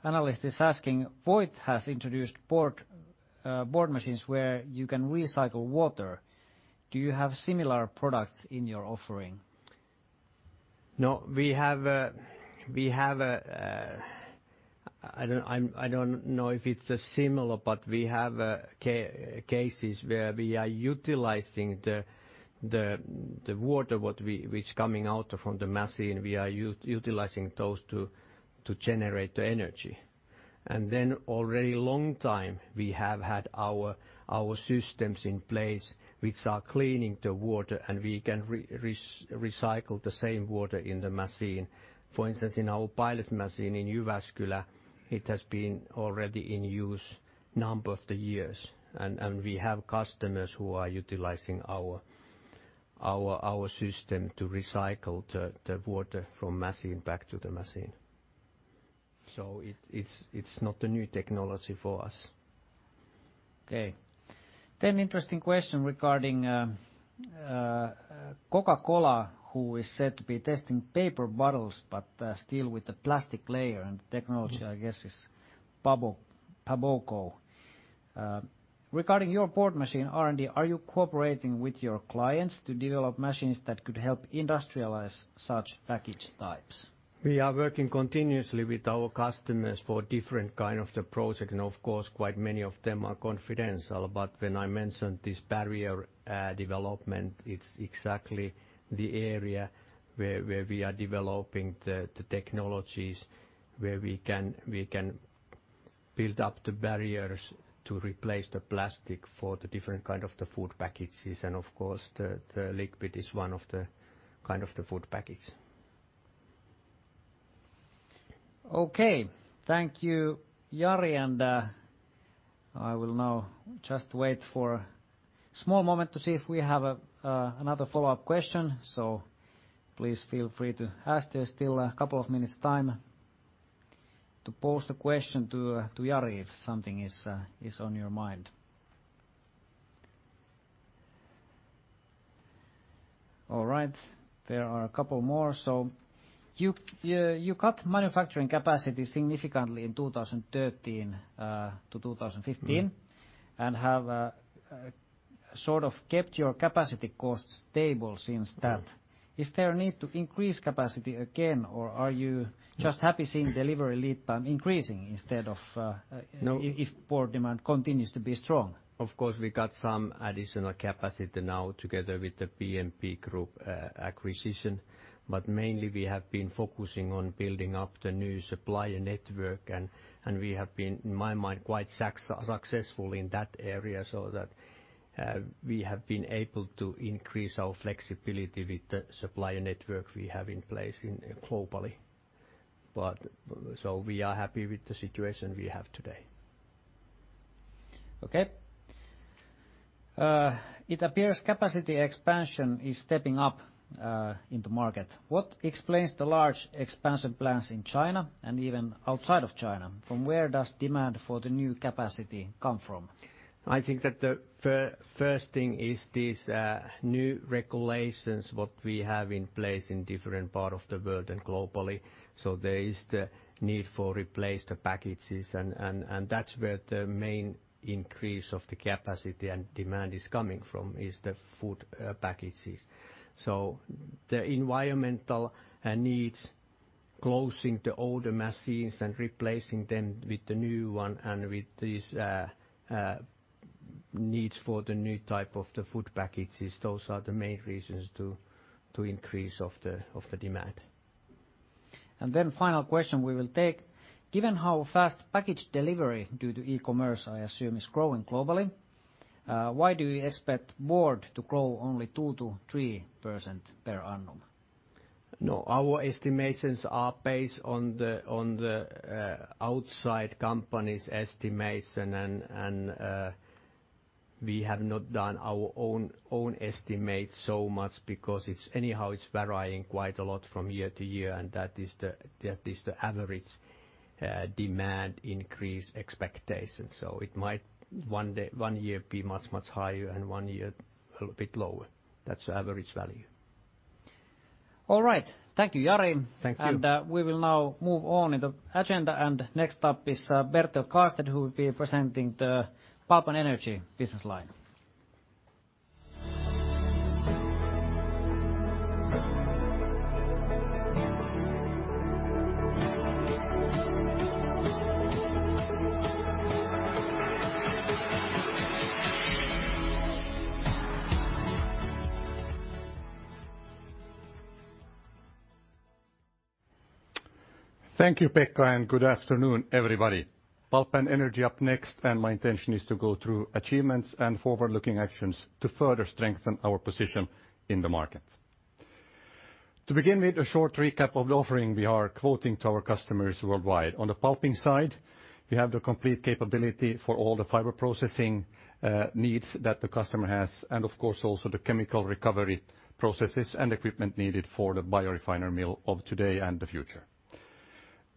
Analyst is asking, "Voith has introduced board machines where you can recycle water. Do you have similar products in your offering? No. I don't know if it's similar, but we have cases where we are utilizing the water which coming out from the machine, we are utilizing those to generate the energy. Already long time, we have had our systems in place which are cleaning the water, and we can recycle the same water in the machine. For instance, in our pilot machine in Jyväskylä, it has been already in use number of the years. We have customers who are utilizing our system to recycle the water from machine back to the machine. It's not a new technology for us. Okay. Interesting question regarding Coca-Cola, who is said to be testing paper bottles, but still with the plastic layer, and the technology, I guess, is Paboco. Regarding your board machine R&D, are you cooperating with your clients to develop machines that could help industrialize such package types? We are working continuously with our customers for different kind of the project, and of course, quite many of them are confidential. When I mentioned this barrier development, it's exactly the area where we are developing the technologies where we can build up the barriers to replace the plastic for the different kind of the food packages. Of course, the liquid is one of the kind of the food package. Okay. Thank you, Jari, and I will now just wait for a small moment to see if we have another follow-up question. Please feel free to ask. There's still a couple of minutes' time to pose the question to Jari if something is on your mind. All right. There are a couple more. You cut manufacturing capacity significantly in 2013-2015. Have sort of kept your capacity costs stable since that. Is there a need to increase capacity again or are you just happy seeing delivery lead time increasing instead of? No. If board demand continues to be strong? We got some additional capacity now together with the PMP Group acquisition. Mainly, we have been focusing on building up the new supplier network, and we have been, in my mind, quite successful in that area so that we have been able to increase our flexibility with the supplier network we have in place globally. We are happy with the situation we have today. Okay. It appears capacity expansion is stepping up in the market. What explains the large expansion plans in China and even outside of China? From where does demand for the new capacity come from? I think that the first thing is these new regulations, what we have in place in different part of the world and globally. There is the need for replace the packages, and that's where the main increase of the capacity and demand is coming from, is the food packages. The environmental needs, closing the older machines and replacing them with the new one, and with these needs for the new type of the food packages, those are the main reasons to increase of the demand. Final question we will take. Given how fast package delivery due to e-commerce, I assume, is growing globally, why do you expect board to grow only 2%-3% per annum? Our estimations are based on the outside company's estimation, and we have not done our own estimate so much because anyhow it's varying quite a lot from year to year, and that is the average demand increase expectation. It might one year be much, much higher and one year a little bit lower. That's the average value. All right. Thank you, Jari. Thank you. We will now move on in the agenda, and next up is Bertel Karlstedt, who will be presenting the Pulp and Energy business line. Thank you, Pekka, and good afternoon, everybody. Pulp and Energy up next. My intention is to go through achievements and forward-looking actions to further strengthen our position in the market. To begin with, a short recap of the offering we are quoting to our customers worldwide. On the pulping side, we have the complete capability for all the fiber processing needs that the customer has, and of course, also the chemical recovery processes and equipment needed for the biorefinery mill of today and the future.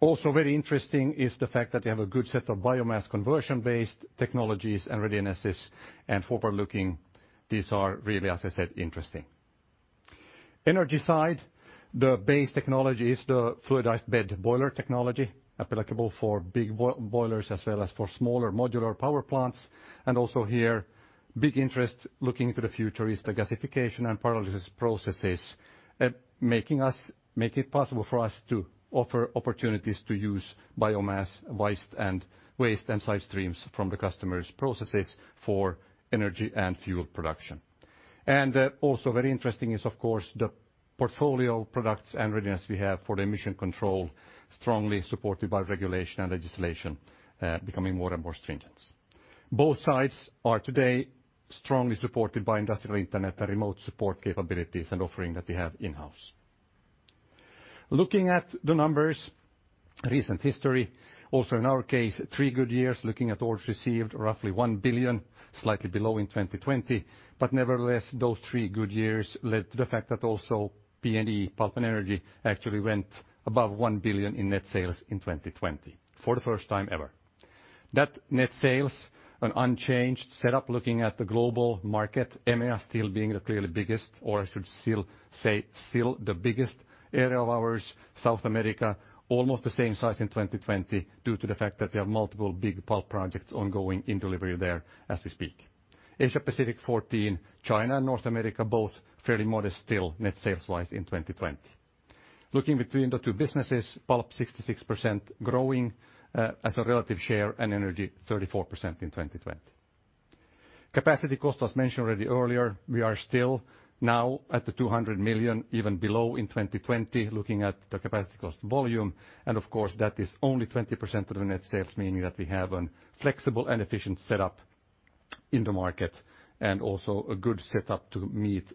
Also very interesting is the fact that we have a good set of biomass conversion-based technologies and readinesses and forward-looking. These are really, as I said, interesting. Energy side, the base technology is the fluidized bed boiler technology applicable for big boilers as well as for smaller modular power plants. Big interest looking into the future is the gasification and pyrolysis processes, make it possible for us to offer opportunities to use biomass waste and side streams from the customer's processes for energy and fuel production. Very interesting is, of course, the portfolio of products and readiness we have for the emission control, strongly supported by regulation and legislation becoming more and more stringent. Both sides are today strongly supported by industrial internet and remote support capabilities and offering that we have in-house. Looking at the numbers, recent history, also in our case, three good years looking at orders received, roughly 1 billion, slightly below in 2020. Those three good years led to the fact that also P&E, Pulp and Energy, actually went above 1 billion in net sales in 2020 for the first time ever. Net sales, an unchanged setup looking at the global market, EMEA still being the clearly biggest, or I should say, still the biggest area of ours. South America, almost the same size in 2020 due to the fact that we have multiple big pulp projects ongoing in delivery there as we speak. Asia-Pacific, 14%. China and North America, both fairly modest still net sales-wise in 2020. Looking between the two businesses, pulp 66% growing as a relative share, and energy 34% in 2020. Capacity cost, as mentioned already earlier, we are still now at the 200 million, even below in 2020, looking at the capacity cost volume. Of course, that is only 20% of the net sales, meaning that we have a flexible and efficient setup in the market, and also a good setup to meet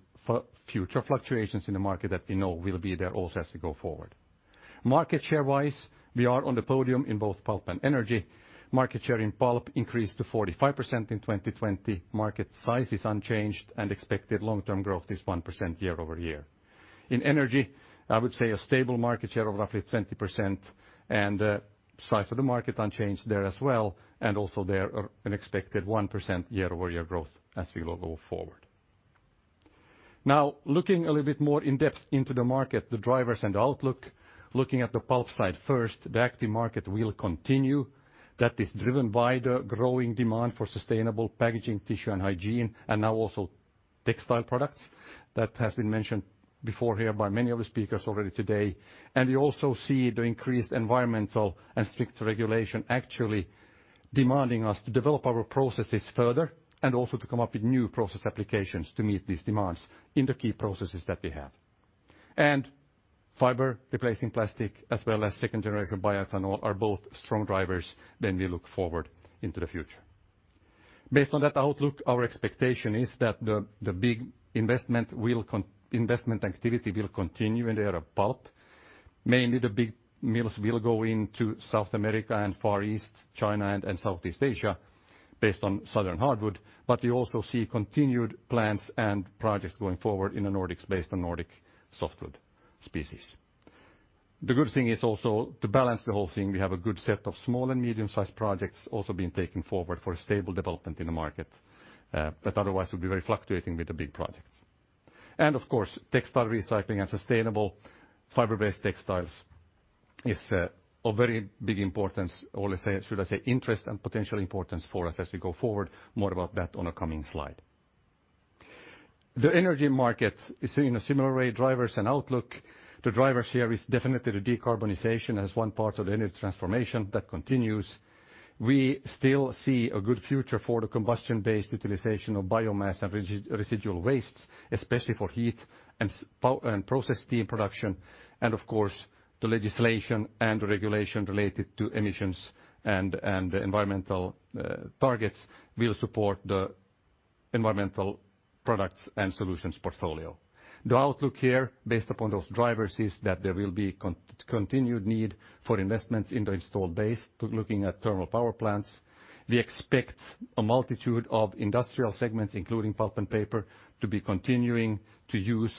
future fluctuations in the market that we know will be there also as we go forward. Market share-wise, we are on the podium in both pulp and energy. Market share in pulp increased to 45% in 2020. Market size is unchanged, and expected long-term growth is 1% year-over-year. In energy, I would say a stable market share of roughly 20%, and size of the market unchanged there as well, and also there an expected 1% year-over-year growth as we go forward. Looking a little bit more in depth into the market, the drivers and outlook. Looking at the pulp side first, the active market will continue. That is driven by the growing demand for sustainable packaging, tissue and hygiene, and now also textile products. That has been mentioned before here by many of the speakers already today. We also see the increased environmental and strict regulation actually demanding us to develop our processes further, and also to come up with new process applications to meet these demands in the key processes that we have. Fiber replacing plastic as well as second-generation bioethanol are both strong drivers when we look forward into the future. Based on that outlook, our expectation is that the big investment activity will continue in the area of pulp. Mainly the big mills will go into South America and Far East, China and Southeast Asia, based on southern hardwood. We also see continued plants and projects going forward in the Nordics based on Nordic softwood species. The good thing is also, to balance the whole thing, we have a good set of small and medium-sized projects also being taken forward for a stable development in the market, that otherwise would be very fluctuating with the big projects. Of course, textile recycling and sustainable fiber-based textiles is of very big importance, or should I say, interest and potential importance for us as we go forward. More about that on a coming slide. The energy market is in a similar way, drivers and outlook. The drivers here is definitely the decarbonization as one part of the energy transformation that continues. We still see a good future for the combustion-based utilization of biomass and residual wastes, especially for heat and process steam production. Of course, the legislation and regulation related to emissions and environmental targets will support the environmental products and solutions portfolio. The outlook here, based upon those drivers, is that there will be continued need for investments in the installed base, looking at thermal power plants. We expect a multitude of industrial segments, including pulp and paper, to be continuing to use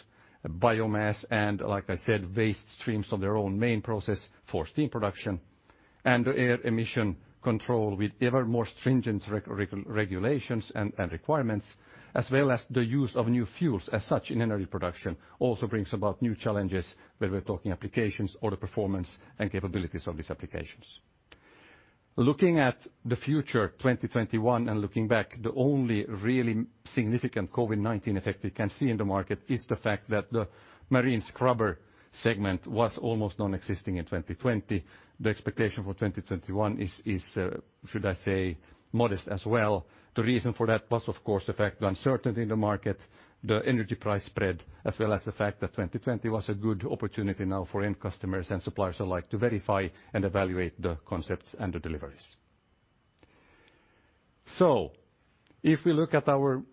biomass and, like I said, waste streams from their own main process for steam production. Air emission control with ever more stringent regulations and requirements, as well as the use of new fuels as such in energy production also brings about new challenges where we're talking applications or the performance and capabilities of these applications. Looking at the future, 2021, and looking back, the only really significant COVID-19 effect we can see in the market is the fact that the marine scrubber segment was almost non-existing in 2020. The expectation for 2021 is, should I say, modest as well. The reason for that was, of course, the fact the uncertainty in the market, the energy price spread, as well as the fact that 2020 was a good opportunity now for end customers and suppliers alike to verify and evaluate the concepts and the deliveries. If we look at our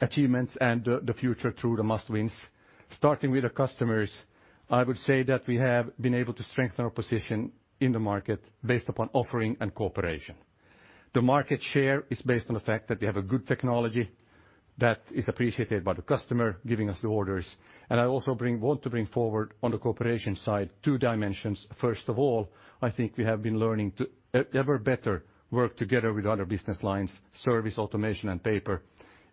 achievements and the future through the must-wins, starting with the customers, I would say that we have been able to strengthen our position in the market based upon offering and cooperation. The market share is based on the fact that we have a good technology that is appreciated by the customer, giving us the orders. I also want to bring forward on the cooperation side two dimensions. First of all, I think we have been learning to ever better work together with other business lines, services, automation, and paper,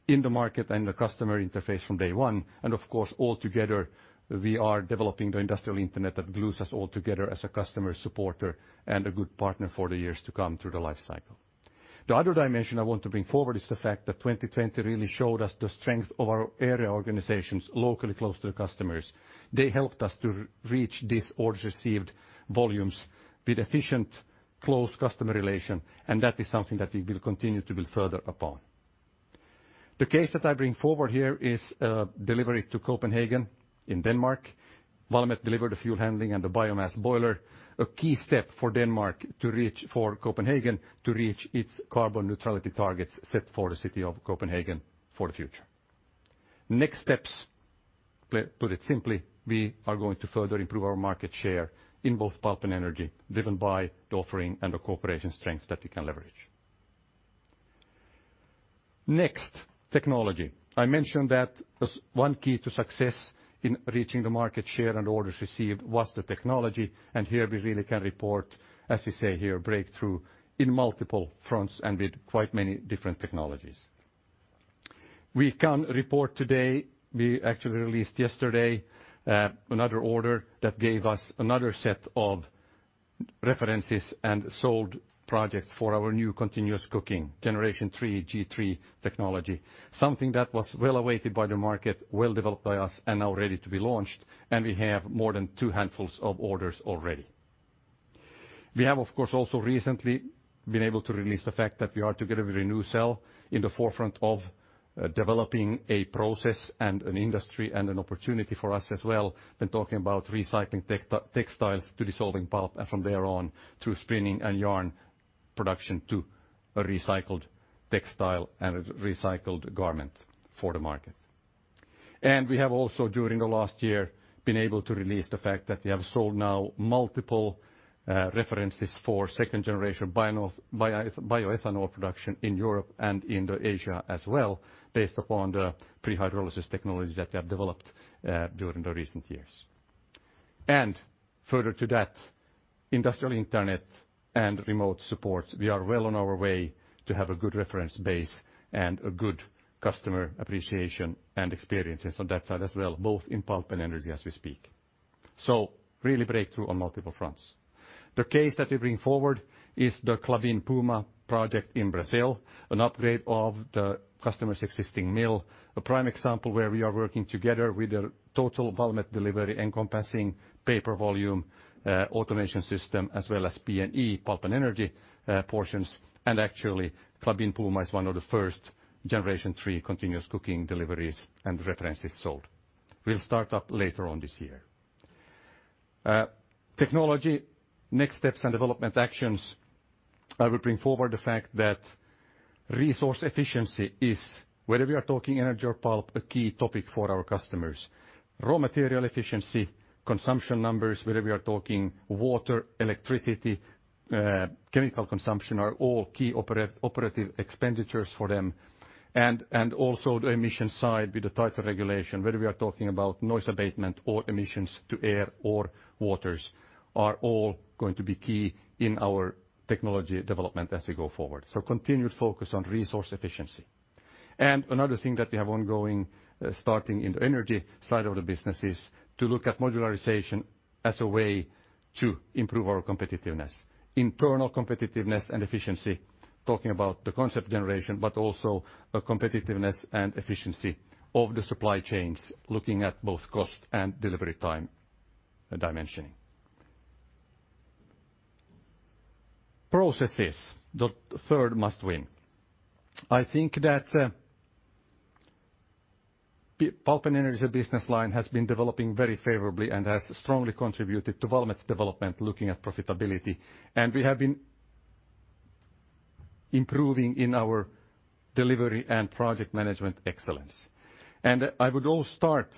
in the market and the customer interface from day one. Of course, altogether, we are developing the industrial internet that glues us all together as a customer supporter and a good partner for the years to come through the life cycle. The other dimension I want to bring forward is the fact that 2020 really showed us the strength of our area organizations locally, close to the customers. They helped us to reach these orders received volumes with efficient, close customer relation, and that is something that we will continue to build further upon. The case that I bring forward here is a delivery to Copenhagen in Denmark. Valmet delivered the fuel handling and the biomass boiler, a key step for Copenhagen to reach its carbon neutrality targets set for the city of Copenhagen for the future. Next steps, put it simply, we are going to further improve our market share in both Pulp and Energy, driven by the offering and the cooperation strengths that we can leverage. Next, technology. I mentioned that one key to success in reaching the market share and orders received was the technology, and here we really can report, as we say here, breakthrough in multiple fronts and with quite many different technologies. We can report today, we actually released yesterday, another order that gave us another set of references and sold projects for our new Continuous Cooking Generation 3, G3 technology. Something that was well awaited by the market, well developed by us, now ready to be launched, and we have more than two handfuls of orders already. We have, of course, also recently been able to release the fact that we are, together with Renewcell, in the forefront of developing a process and an industry and an opportunity for us as well, been talking about recycling textiles to dissolving pulp and from there on to spinning and yarn production to a recycled textile and recycled garment for the market. We have also, during the last year, been able to release the fact that we have sold now multiple references for second-generation bioethanol production in Europe and in Asia as well, based upon the prehydrolysis technology that we have developed during the recent years. Further to that, industrial internet and remote support. We are well on our way to have a good reference base and a good customer appreciation and experiences on that side as well, both in pulp and energy as we speak. Really breakthrough on multiple fronts. The case that we bring forward is the Klabin Puma project in Brazil, an upgrade of the customer's existing mill, a prime example where we are working together with a total Valmet delivery encompassing paper volume, automation system, as well as P&E, pulp and energy, portions. Actually, Klabin Puma is one of the first Generation 3 Continuous Cooking deliveries and references sold. Will start up later on this year. Technology, next steps and development actions. I would bring forward the fact that resource efficiency is, whether we are talking energy or pulp, a key topic for our customers. Raw material efficiency, consumption numbers, whether we are talking water, electricity, chemical consumption, are all key operating expenditures for them. Also the emission side with the tighter regulation, whether we are talking about noise abatement or emissions to air or waters, are all going to be key in our technology development as we go forward. Continued focus on resource efficiency. Another thing that we have ongoing, starting in the energy side of the business, is to look at modularization as a way to improve our competitiveness, internal competitiveness and efficiency, talking about the concept generation, but also a competitiveness and efficiency of the supply chains, looking at both cost and delivery time dimensioning. Processes, the third must-win. I think that Pulp and Energy business line has been developing very favorably and has strongly contributed to Valmet's development, looking at profitability, and we have been improving in our delivery and project management excellence. I would all start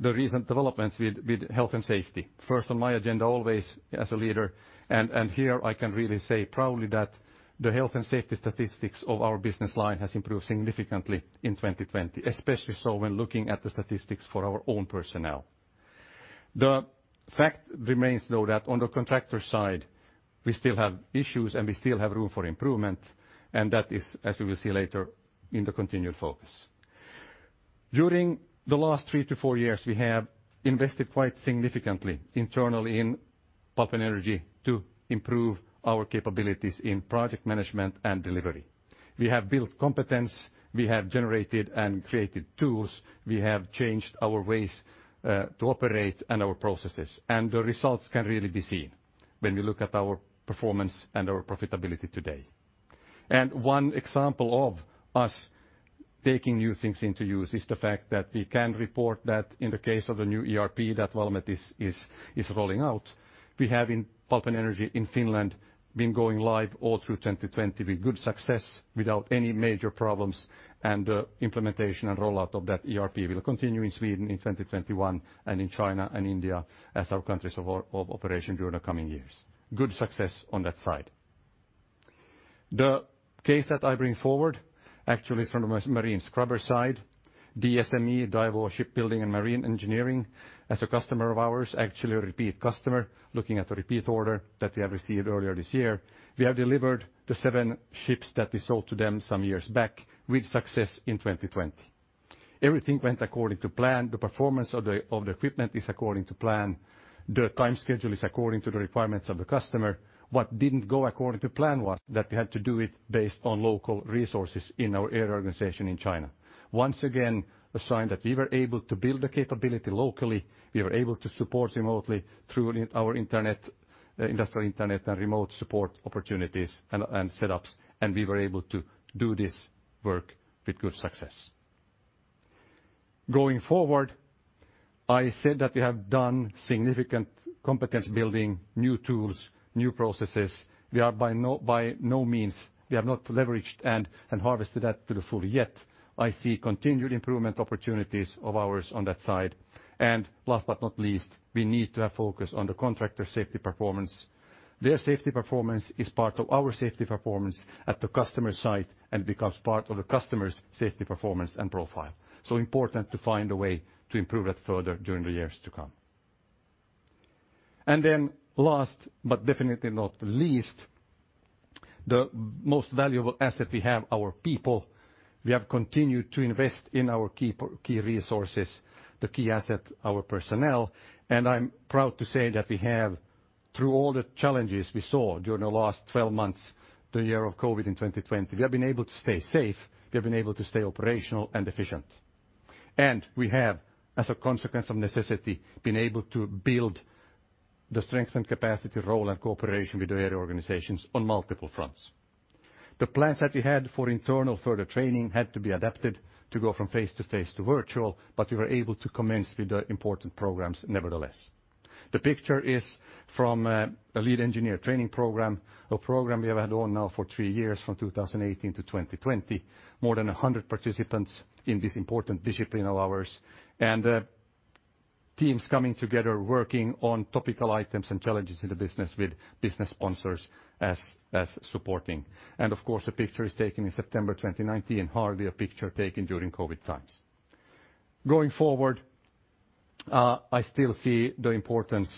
the recent developments with health and safety, first on my agenda always as a leader, and here I can really say proudly that the health and safety statistics of our business line has improved significantly in 2020, especially so when looking at the statistics for our own personnel. The fact remains, though, that on the contractor side, we still have issues and we still have room for improvement, and that is, as we will see later, in the continued focus. During the last three to four years, we have invested quite significantly internally in Pulp and Energy to improve our capabilities in project management and delivery. We have built competence, we have generated and created tools, we have changed our ways to operate and our processes, and the results can really be seen when we look at our performance and our profitability today. One example of us taking new things into use is the fact that we can report that in the case of the new ERP that Valmet is rolling out, we have in Pulp and Energy in Finland been going live all through 2020 with good success, without any major problems, and the implementation and rollout of that ERP will continue in Sweden in 2021 and in China and India as our countries of operation during the coming years. Good success on that side. The case that I bring forward, actually from a marine scrubber side, DSME, Daewoo Shipbuilding & Marine Engineering, as a customer of ours, actually a repeat customer, looking at the repeat order that we have received earlier this year. We have delivered the seven ships that we sold to them some years back with success in 2020. Everything went according to plan. The performance of the equipment is according to plan. The time schedule is according to the requirements of the customer. What didn't go according to plan was that we had to do it based on local resources in our area organization in China. Once again, a sign that we were able to build the capability locally, we were able to support remotely through our industrial internet and remote support opportunities and setups, and we were able to do this work with good success. Going forward, I said that we have done significant competence building new tools, new processes. We are by no means, we have not leveraged and harvested that to the full yet. I see continued improvement opportunities of ours on that side. Last but not least, we need to have focus on the contractor safety performance. Their safety performance is part of our safety performance at the customer site and becomes part of the customer's safety performance and profile. Important to find a way to improve that further during the years to come. Last but definitely not least, the most valuable asset we have, our people. We have continued to invest in our key resources, the key asset, our personnel. I'm proud to say that we have, through all the challenges we saw during the last 12 months, the year of COVID in 2020, we have been able to stay safe, we have been able to stay operational and efficient. And we have, as a consequence of necessity, been able to build the strength and capacity role and cooperation with the area organizations on multiple fronts. The plans that we had for internal further training had to be adapted to go from face-to-face to virtual, but we were able to commence with the important programs nevertheless. The picture is from a lead engineer training program, a program we have had on now for three years, from 2018 to 2020. More than 100 participants in this important discipline of ours, and teams coming together, working on topical items and challenges in the business with business sponsors as supporting. Of course, the picture is taken in September 2019, hardly a picture taken during COVID times. Going forward, I still see the importance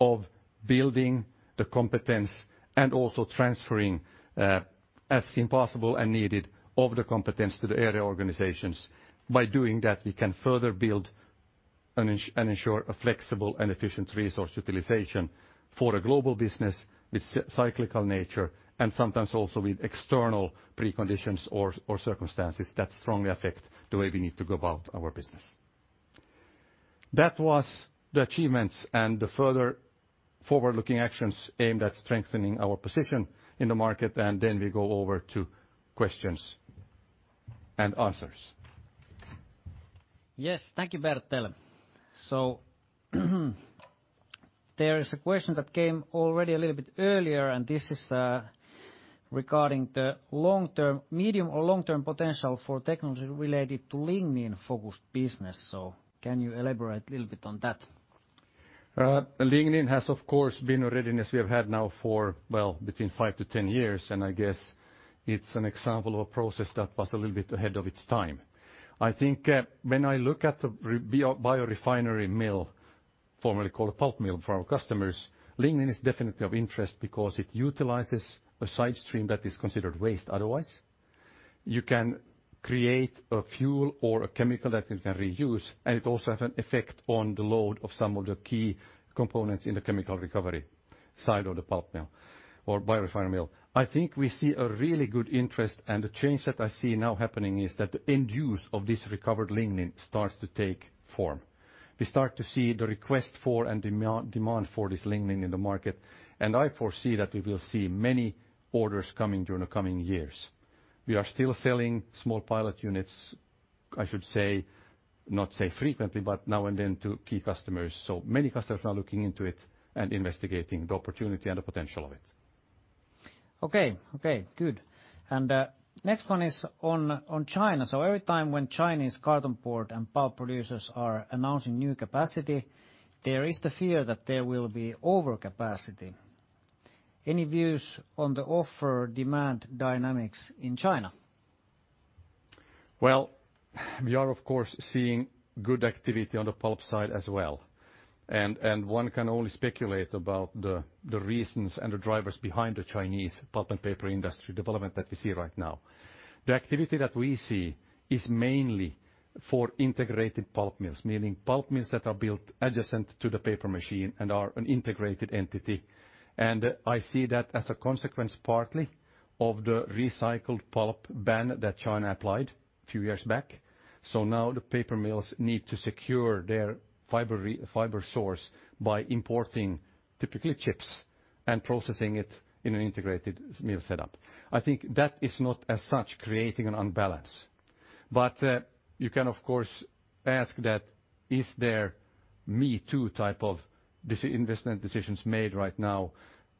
of building the competence and also transferring, as seen possible and needed, of the competence to the area organizations. By doing that, we can further build and ensure a flexible and efficient resource utilization for a global business with cyclical nature and sometimes also with external preconditions or circumstances that strongly affect the way we need to go about our business. That was the achievements and the further forward-looking actions aimed at strengthening our position in the market. We go over to questions and answers. Yes, thank you, Bertel. There is a question that came already a little bit earlier, and this is regarding the medium or long-term potential for technology related to lignin-focused business. Can you elaborate a little bit on that? Lignin has, of course, been a readiness we have had now for, well, between five-10 years, and I guess it's an example of a process that was a little bit ahead of its time. I think when I look at the biorefinery mill, formerly called a pulp mill for our customers, lignin is definitely of interest because it utilizes a side stream that is considered waste otherwise. You can create a fuel or a chemical that you can reuse, and it also has an effect on the load of some of the key components in the chemical recovery side of the pulp mill or biorefinery mill. I think we see a really good interest, and the change that I see now happening is that the end use of this recovered lignin starts to take form. We start to see the request for and demand for this lignin in the market, and I foresee that we will see many orders coming during the coming years. We are still selling small pilot units, I should say, not say frequently, but now and then to key customers. Many customers are looking into it and investigating the opportunity and the potential of it. Okay. Good. Next one is on China. Every time when Chinese carton board and pulp producers are announcing new capacity, there is the fear that there will be overcapacity. Any views on the offer-demand dynamics in China? We are of course seeing good activity on the pulp side as well, and one can only speculate about the reasons and the drivers behind the Chinese pulp and paper industry development that we see right now. The activity that we see is mainly for integrated pulp mills, meaning pulp mills that are built adjacent to the paper machine and are an integrated entity. I see that as a consequence, partly of the recycled pulp ban that China applied a few years back. Now the paper mills need to secure their fiber source by importing typically chips and processing it in an integrated mill setup. I think that is not as such creating an unbalance. You can, of course, ask that, is there me-too type of investment decisions made right now?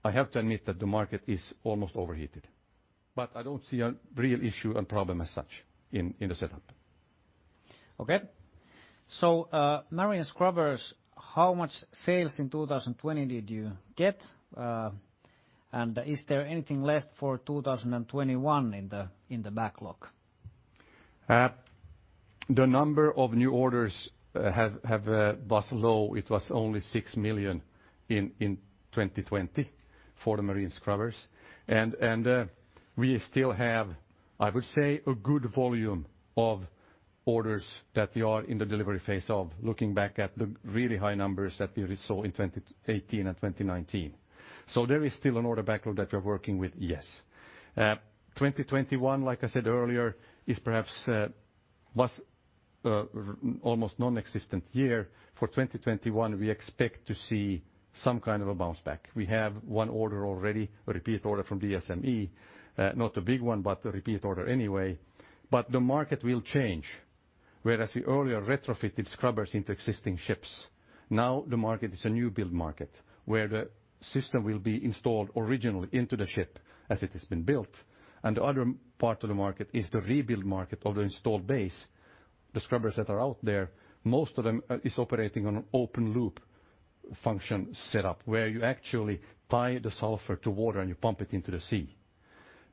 I have to admit that the market is almost overheated. I don't see a real issue and problem as such in the setup. Okay. Marine scrubbers, how much sales in 2020 did you get? Is there anything left for 2021 in the backlog? The number of new orders have been low. It was only 6 million in 2020 for the marine scrubbers. We still have, I would say, a good volume of orders that we are in the delivery phase of looking back at the really high numbers that we saw in 2018 and 2019. There is still an order backlog that we are working with, yes. 2021, like I said earlier, was almost a nonexistent year. For 2021, we expect to see some kind of a bounce back. We have one order already, a repeat order from DSME, not a big one, but a repeat order anyway. The market will change. Whereas we earlier retrofitted scrubbers into existing ships, now the market is a new build market, where the system will be installed originally into the ship as it has been built. The other part of the market is the rebuild market of the installed base. The scrubbers that are out there, most of them are operating on an open-loop function set up, where you actually tie the sulfur to water and you pump it into the sea.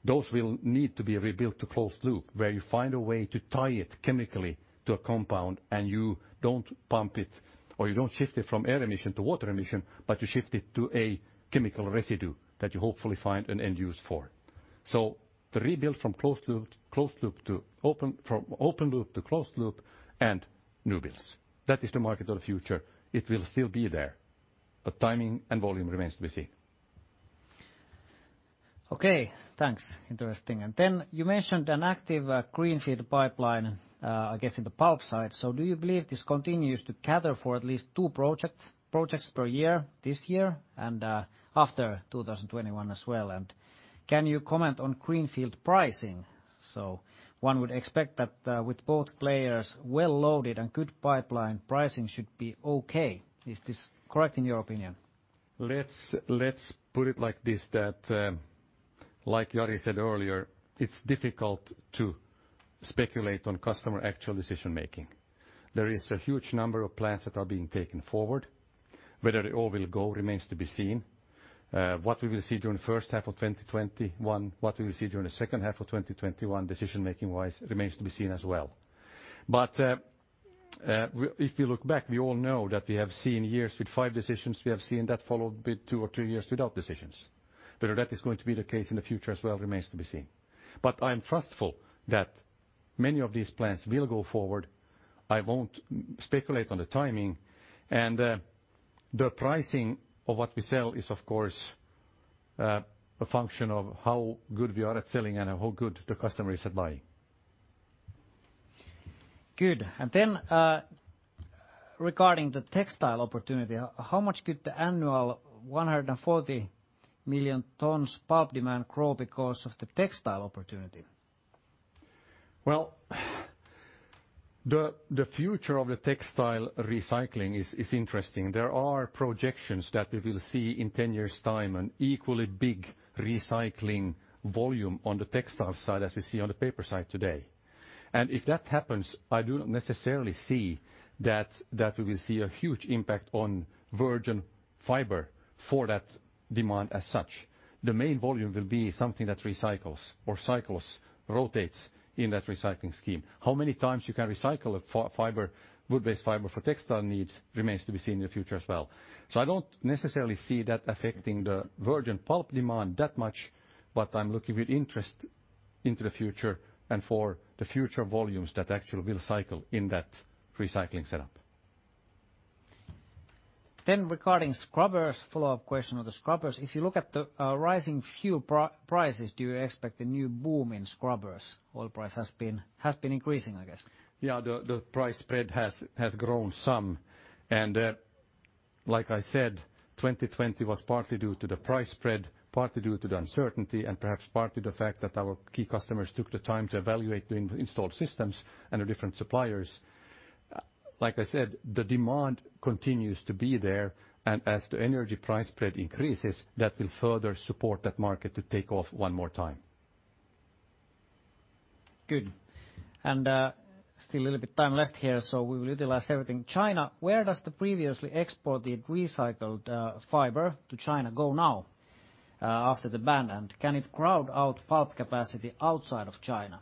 Those will need to be rebuilt to closed loop, where you find a way to tie it chemically to a compound and you don't pump it, or you don't shift it from air emission to water emission, but you shift it to a chemical residue that you hopefully find an end use for. The rebuild from open loop to closed loop and new builds. That is the market of the future. It will still be there, but timing and volume remains to be seen. Okay, thanks. Interesting. Then you mentioned an active greenfield pipeline, I guess, in the pulp side. Do you believe this continues to gather for at least two projects per year, this year, and after 2021 as well? Can you comment on greenfield pricing? One would expect that with both players well-loaded and good pipeline pricing should be okay. Is this correct in your opinion? Let's put it like this, that like Jari said earlier, it's difficult to speculate on customer actual decision-making. There is a huge number of plans that are being taken forward. Whether they all will go remains to be seen. What we will see during the first half of 2021, what we will see during the second half of 2021 decision-making wise, remains to be seen as well. If you look back, we all know that we have seen years with five decisions, we have seen that followed with two or three years without decisions. Whether that is going to be the case in the future as well remains to be seen. I'm trustful that many of these plans will go forward. I won't speculate on the timing. The pricing of what we sell is, of course, a function of how good we are at selling and how good the customer is at buying. Good. Regarding the textile opportunity, how much could the annual 140 million tons pulp demand grow because of the textile opportunity? Well, the future of the textile recycling is interesting. There are projections that we will see in 10 years' time, an equally big recycling volume on the textile side as we see on the paper side today. If that happens, I do not necessarily see that we will see a huge impact on virgin fiber for that demand as such. The main volume will be something that recycles or cycles, rotates in that recycling scheme. How many times you can recycle a fiber, wood-based fiber for textile needs remains to be seen in the future as well. I don't necessarily see that affecting the virgin pulp demand that much, but I'm looking with interest into the future and for the future volumes that actually will cycle in that recycling setup. Regarding scrubbers, follow-up question on the scrubbers. If you look at the rising fuel prices, do you expect a new boom in scrubbers? Oil price has been increasing, I guess. Yeah, the price spread has grown some, and like I said, 2020 was partly due to the price spread, partly due to the uncertainty, and perhaps partly the fact that our key customers took the time to evaluate the installed systems and the different suppliers. Like I said, the demand continues to be there, and as the energy price spread increases, that will further support that market to take off one more time. Good. Still a little bit time left here, so we will utilize everything. China, where does the previously exported recycled fiber to China go now after the ban? Can it crowd out pulp capacity outside of China?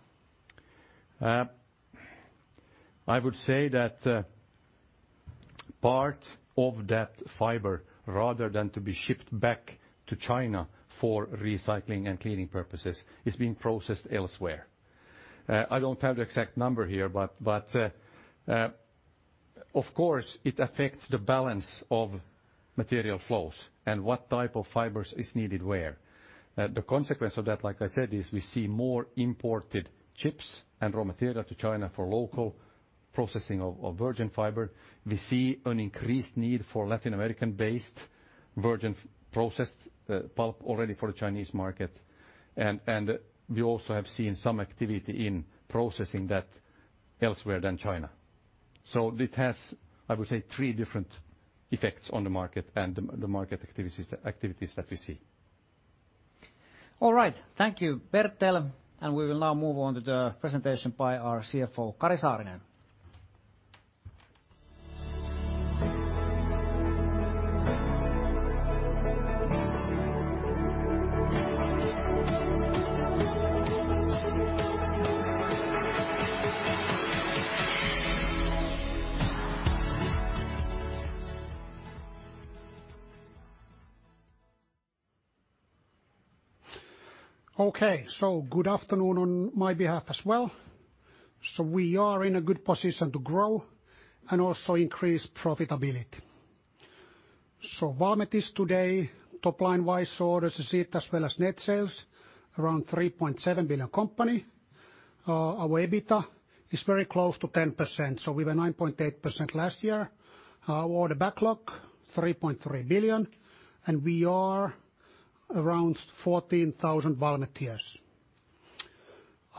I would say that part of that fiber, rather than to be shipped back to China for recycling and cleaning purposes, is being processed elsewhere. I don't have the exact number here, but of course, it affects the balance of material flows and what type of fibers is needed where. The consequence of that, like I said, is we see more imported chips and raw material to China for local processing of virgin fiber. We see an increased need for Latin American-based virgin processed pulp already for the Chinese market. We also have seen some activity in processing that elsewhere than China. It has, I would say, three different effects on the market and the market activities that we see. All right. Thank you, Bertel. We will now move on to the presentation by our CFO, Kari Saarinen. Okay, good afternoon on my behalf as well. We are in a good position to grow and also increase profitability. Valmet is today, top line wise, orders received as well as net sales, around 3.7 billion company. Our EBITDA is very close to 10%, so we were 9.8% last year. Our order backlog, 3.3 billion, and we are around 14,000 Valmetians.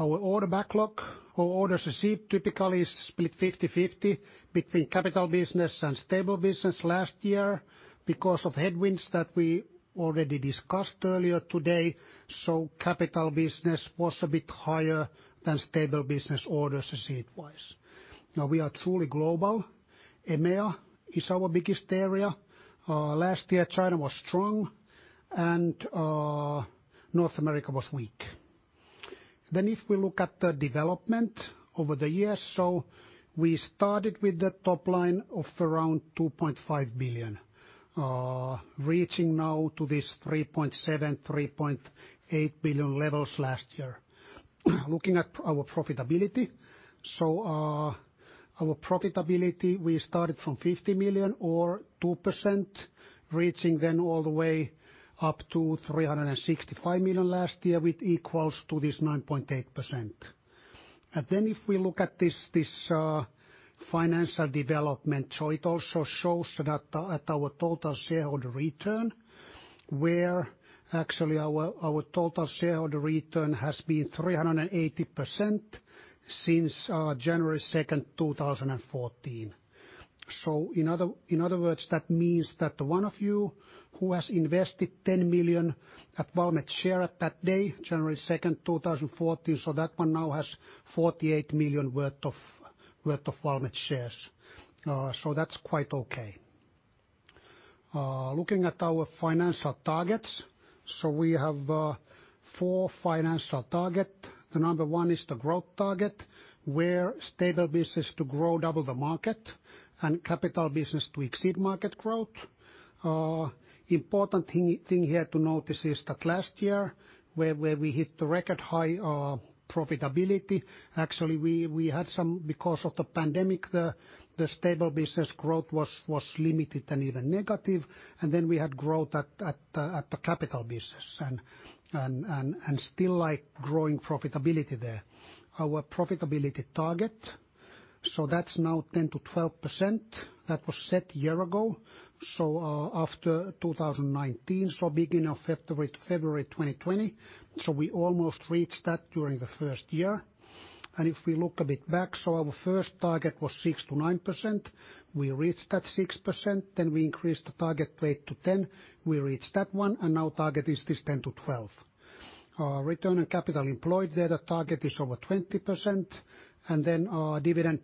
Our order backlog or orders received typically is split 50/50 between capital business and stable business last year because of headwinds that we already discussed earlier today, so capital business was a bit higher than stable business orders received wise. Now we are truly global. EMEA is our biggest area. Last year, China was strong and North America was weak. If we look at the development over the years, we started with the top line of around 2.5 billion, reaching now to these 3.7, 3.8 billion levels last year. Looking at our profitability. Our profitability, we started from 50 million or 2%, reaching then all the way up to 365 million last year, with equals to this 9.8%. If we look at this financial development, it also shows that at our total shareholder return, where actually our total shareholder return has been 380% since January 2nd, 2014. In other words, that means that one of you who has invested 10 million at Valmet share at that day, January 2nd, 2014, that one now has 48 million worth of Valmet shares. That's quite okay. Looking at our financial targets. We have four financial target. The number one is the growth target, where stable business to grow double the market and capital business to exceed market growth. Important thing here to notice is that last year where we hit the record high profitability, actually, we had some because of the pandemic, the stable business growth was limited and even negative. We had growth at the capital business and still growing profitability there. Our profitability target. That's now 10%-12%. That was set a year ago. After 2019, beginning of February 2020. We almost reached that during the first year. If we look a bit back, our first target was 6%-9%. We reached that 6%, then we increased the target rate to 10%, we reached that one, and now target is this 10%-12%. Return on capital employed, there the target is over 20%, and then our dividend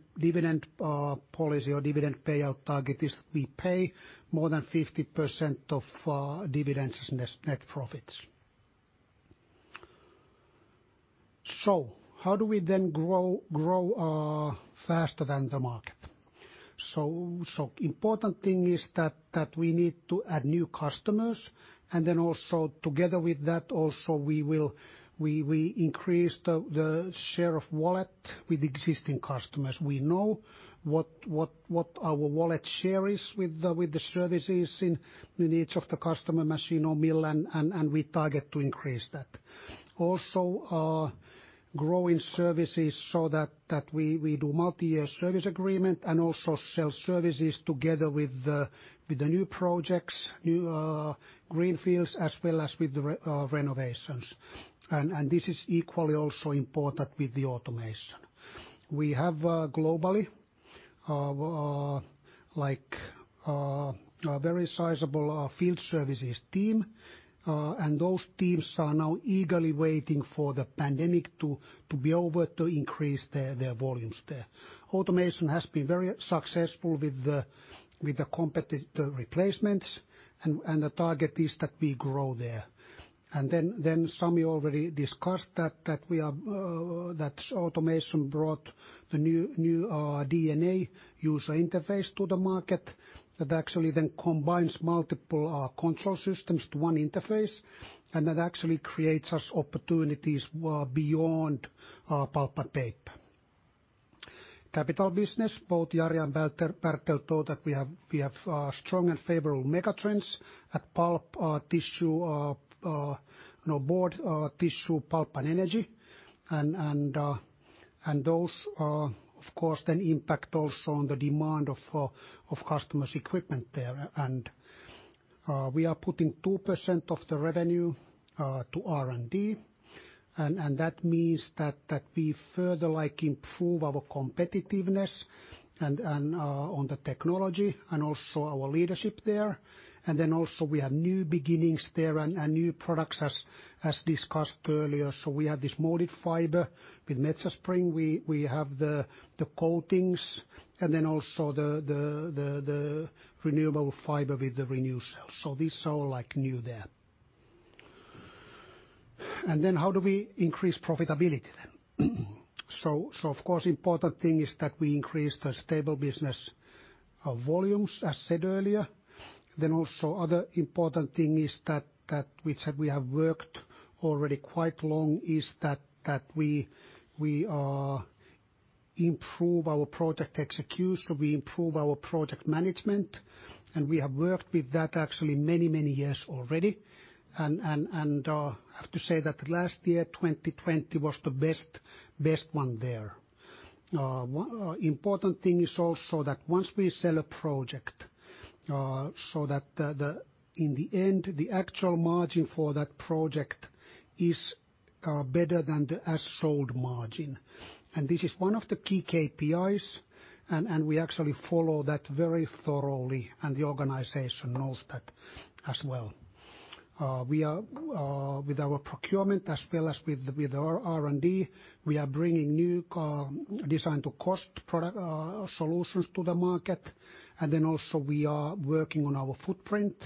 policy or dividend payout target is we pay more than 50% of dividends as net profits. How do we then grow faster than the market? Important thing is that, we need to add new customers, and then also together with that also we increase the share of wallet with existing customers. We know what our wallet share is with the services in each of the customer machine or mill, and we target to increase that. Also growing services so that we do multi-year service agreement and also sell services together with the new projects, new greenfields, as well as with the renovations. This is equally also important with the automation. We have globally a very sizable field services team. Those teams are now eagerly waiting for the pandemic to be over to increase their volumes there. Automation has been very successful with the competitor replacements, and the target is that we grow there. Then Sami already discussed that automation brought the new DNA user interface to the market that actually then combines multiple control systems to one interface. That actually creates us opportunities beyond pulp and paper. Capital business, both Jari and Bertel thought that we have strong and favorable megatrends at pulp tissue, board tissue, pulp and energy. Those are, of course, then impact also on the demand of customers equipment there. We are putting 2% of the revenue to R&D. That means that we further improve our competitiveness and on the technology and also our leadership there. Then also we have new beginnings there and new products as discussed earlier. We have this modified fiber with Metsä Spring. We have the coatings and then also the renewable fiber with the Renewcell. These are new there. How do we increase profitability then? Of course, important thing is that we increase the stable business volumes as said earlier. Also other important thing is that which we have worked already quite long, is that we improve our project execution, we improve our project management, and we have worked with that actually many years already. I have to say that last year, 2020 was the best one there. Important thing is also that once we sell a project, so that in the end, the actual margin for that project is better than the as sold margin. This is one of the key KPIs, and we actually follow that very thoroughly, and the organization knows that as well. With our procurement as well as with R&D, we are bringing new design to cost product solutions to the market. We are working on our footprint.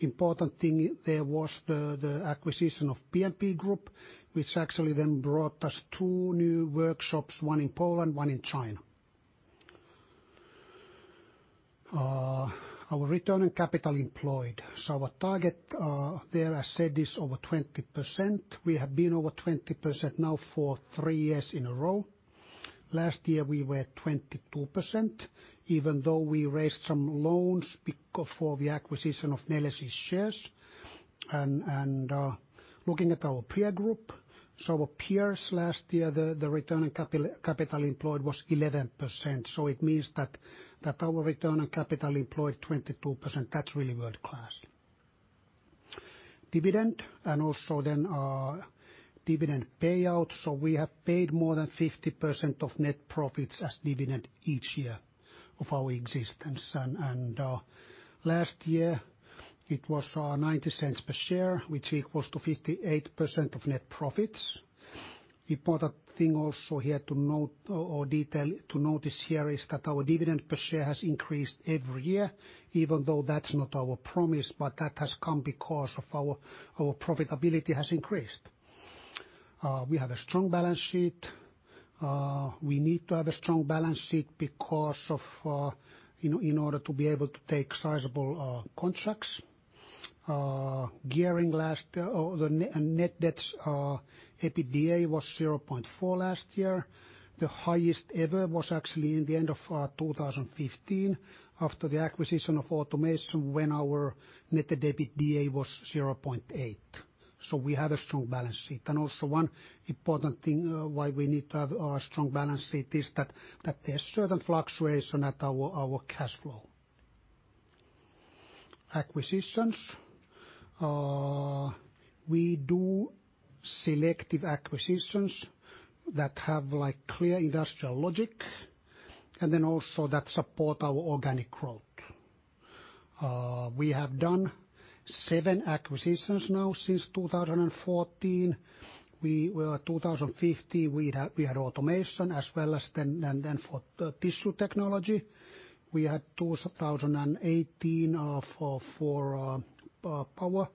Important thing there was the acquisition of PMP Group, which actually then brought us two new workshops, one in Poland, one in China. Our return on capital employed. Our target there, as said, is over 20%. We have been over 20% now for three years in a row. Last year, we were 22%, even though we raised some loans for the acquisition of Neles shares. Looking at our peer group, our peers last year, the return on capital employed was 11%. It means that our return on capital employed, 22%, that's really world-class. Dividend, also our dividend payout. We have paid more than 50% of net profits as dividend each year of our existence. Last year it was 0.90 per share, which equals to 58% of net profits. Important thing also here to note or detail to notice here is that our dividend per share has increased every year, even though that's not our promise, but that has come because of our profitability has increased. We have a strong balance sheet. We need to have a strong balance sheet in order to be able to take sizable contracts. EBITDA was 0.4 last year. The highest ever was actually in the end of 2015 after the acquisition of automation when our net debt to EBITDA was 0.8. We have a strong balance sheet. Also one important thing why we need to have our strong balance sheet is that there are certain fluctuation at our cash flow. Acquisitions. We do selective acquisitions that have clear industrial logic and then also that support our organic growth. We have done seven acquisitions now since 2014. We were 2015, we had automation as well as then for tissue technology. We had 2018 for power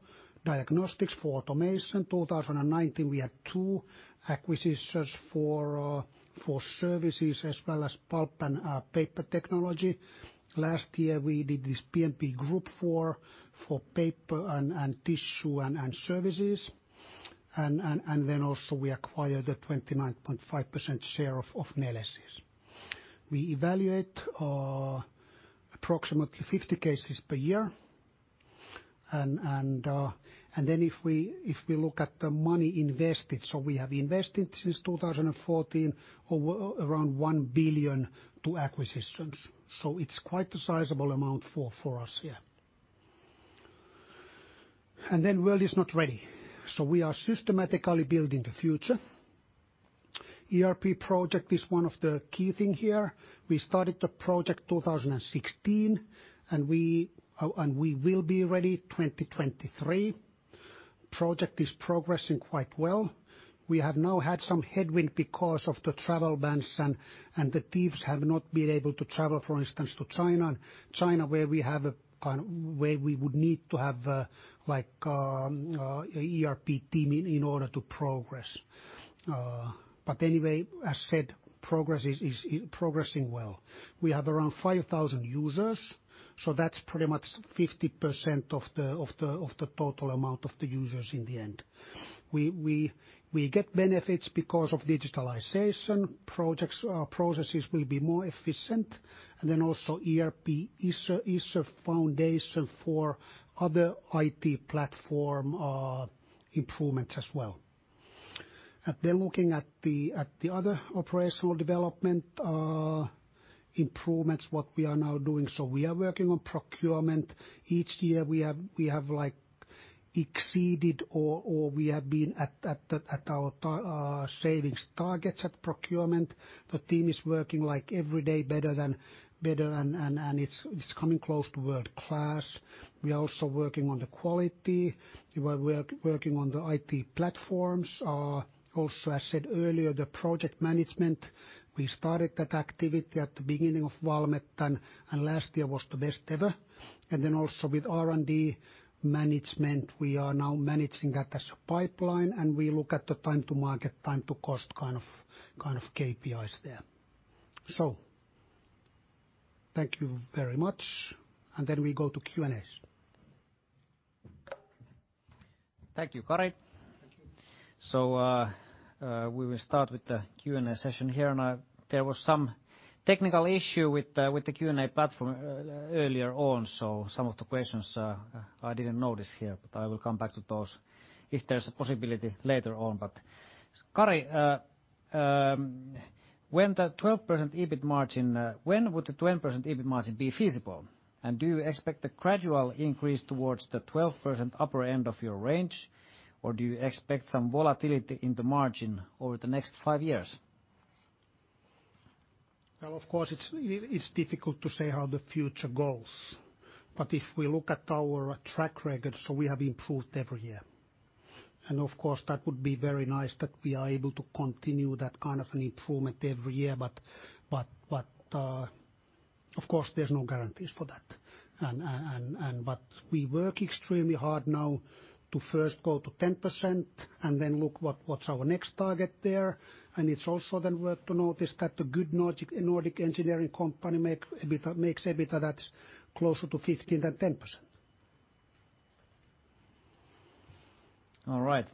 diagnostics for automation. 2019, we had two acquisitions for services as well as pulp and paper technology. Last year, we did this PMP Group for paper and tissue and services. Also we acquired the 29.5% share of Neles. If we look at the money invested, so we have invested since 2014 around 1 billion to acquisitions. It's quite a sizable amount for us here. Then world is not ready. We are systematically building the future. ERP project is one of the key thing here. We started the project 2016, and we will be ready 2023. Project is progressing quite well. We have now had some headwind because of the travel bans and the teams have not been able to travel, for instance, to China, where we would need to have an ERP team in order to progress. as said, progress is progressing well. We have around 5,000 users, that's pretty much 50% of the total amount of the users in the end. We get benefits because of digitalization projects. Our processes will be more efficient. ERP is a foundation for other IT platform improvements as well. looking at the other operational development improvements, what we are now doing, we are working on procurement. Each year we have exceeded or we have been at our savings targets at procurement. The team is working like every day better, and it's coming close to world-class. We are also working on the quality. We are working on the IT platforms. Also, as said earlier, the project management, we started that activity at the beginning of Valmet and last year was the best ever. Also with R&D management, we are now managing that as a pipeline, and we look at the time to market, time to cost kind of KPIs there. Thank you very much. We go to Q&As. Thank you, Kari. Thank you. We will start with the Q&A session here. There was some technical issue with the Q&A platform earlier on, so some of the questions I didn't notice here, but I will come back to those if there's a possibility later on. Kari, when the 12% EBIT margin, when would the 12% EBIT margin be feasible? Do you expect a gradual increase towards the 12% upper end of your range, or do you expect some volatility in the margin over the next five years? Well, of course it's difficult to say how the future goes. If we look at our track record, we have improved every year. Of course, that would be very nice that we are able to continue that kind of an improvement every year, but of course, there's no guarantees for that. We work extremely hard now to first go to 10%, and look what's our next target there. It's also worth to notice that the good Nordic engineering company makes EBITDA that's closer to 15% than 10%. All right.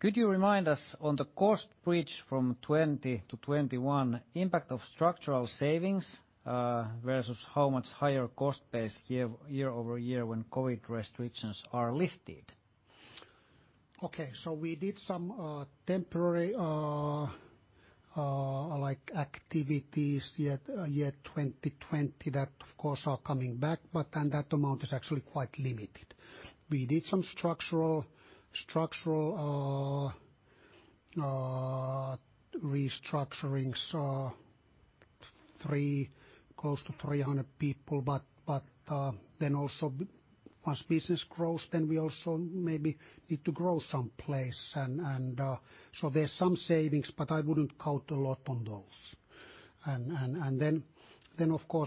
Could you remind us on the cost bridge from 2020 to 2021, impact of structural savings, versus how much higher cost base year-over-year when COVID restrictions are lifted? We did some temporary activities year 2020 that of course are coming back, that amount is actually quite limited. We did some structural restructurings, close to 300 people. Once business grows, then we also maybe need to grow some place. There's some savings, I wouldn't count a lot on those.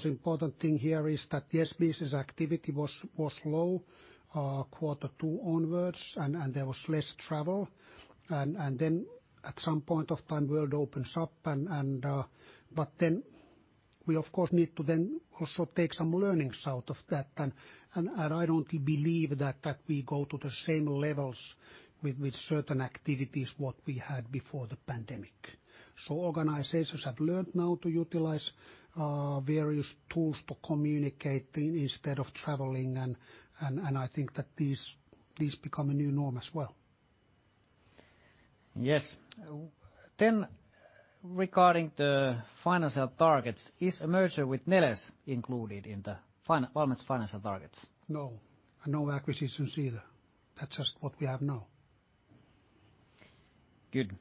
Important thing here is that, yes, business activity was low quarter two onwards and there was less travel. At some point of time, world opens up, we of course need to then also take some learnings out of that, I don't believe that we go to the same levels with certain activities what we had before the pandemic. Organizations have learned now to utilize various tools to communicate instead of traveling, and I think that these become a new norm as well. Yes. Regarding the financial targets, is a merger with Neles included in the Valmet's financial targets? No. No acquisitions either. That's just what we have now. Good.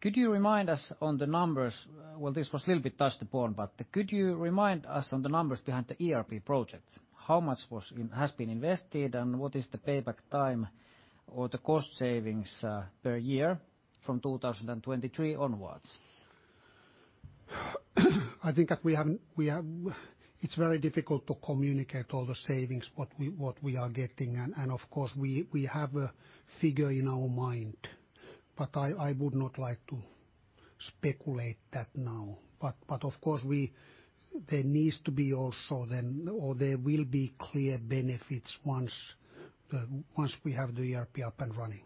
Could you remind us on the numbers? This was little bit touched upon, but could you remind us on the numbers behind the ERP project? How much has been invested, and what is the payback time or the cost savings per year from 2023 onwards? I think It's very difficult to communicate all the savings what we are getting. Of course, we have a figure in our mind, but I would not like to speculate that now. Of course there needs to be also then or there will be clear benefits once we have the ERP up and running.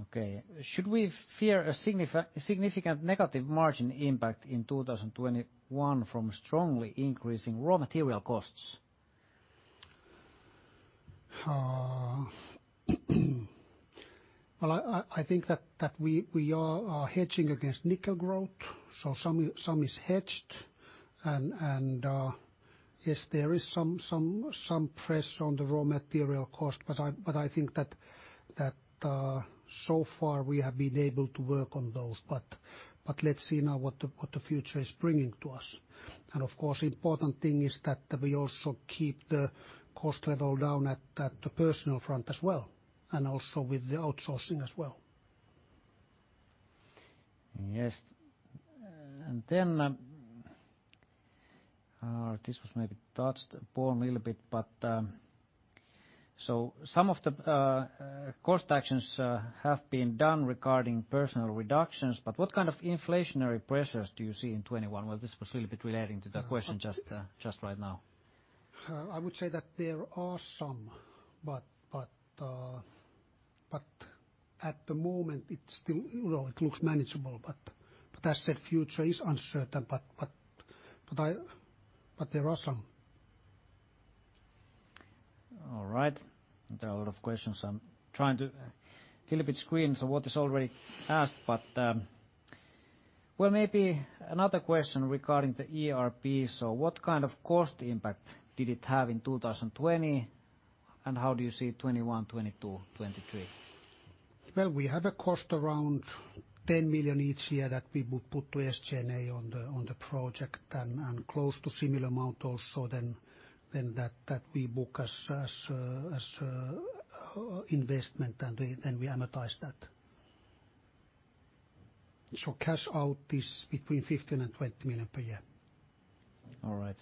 Okay. Should we fear a significant negative margin impact in 2021 from strongly increasing raw material costs? Well, I think that we are hedging against nickel growth, some is hedged. Yes, there is some pressure on the raw material cost, I think that so far we have been able to work on those. Let's see now what the future is bringing to us. Of course, important thing is that we also keep the cost level down at the personal front as well, and also with the outsourcing as well. Yes. This was maybe touched upon a little bit, but so some of the cost actions have been done regarding personnel reductions, but what kind of inflationary pressures do you see in 2021? This was a little bit relating to the question just right now. I would say that there are some, but at the moment it looks manageable. As said, future is uncertain, but there are some. All right. There are a lot of questions I'm trying to keep it screened so what is already asked. Well, maybe another question regarding the ERP. What kind of cost impact did it have in 2020, and how do you see 2021, 2022, 2023? We have a cost around 10 million each year that we would put to SG&A on the project, and close to similar amount also then that we book as investment and then we amortize that. Cash out is between 15 million-20 million per year. All right.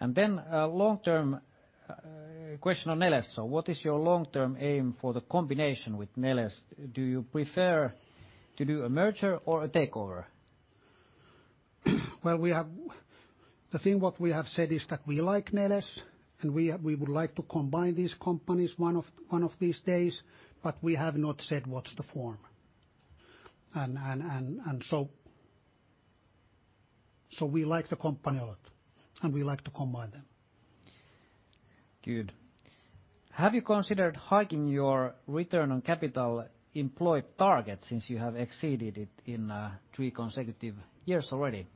Long-term question on Neles. What is your long-term aim for the combination with Neles? Do you prefer to do a merger or a takeover? Well, the thing what we have said is that we like Neles and we would like to combine these companies one of these days, but we have not said what's the form. So we like the company a lot, and we like to combine them. Good. Have you considered hiking your return on capital employed target since you have exceeded it in three consecutive years already?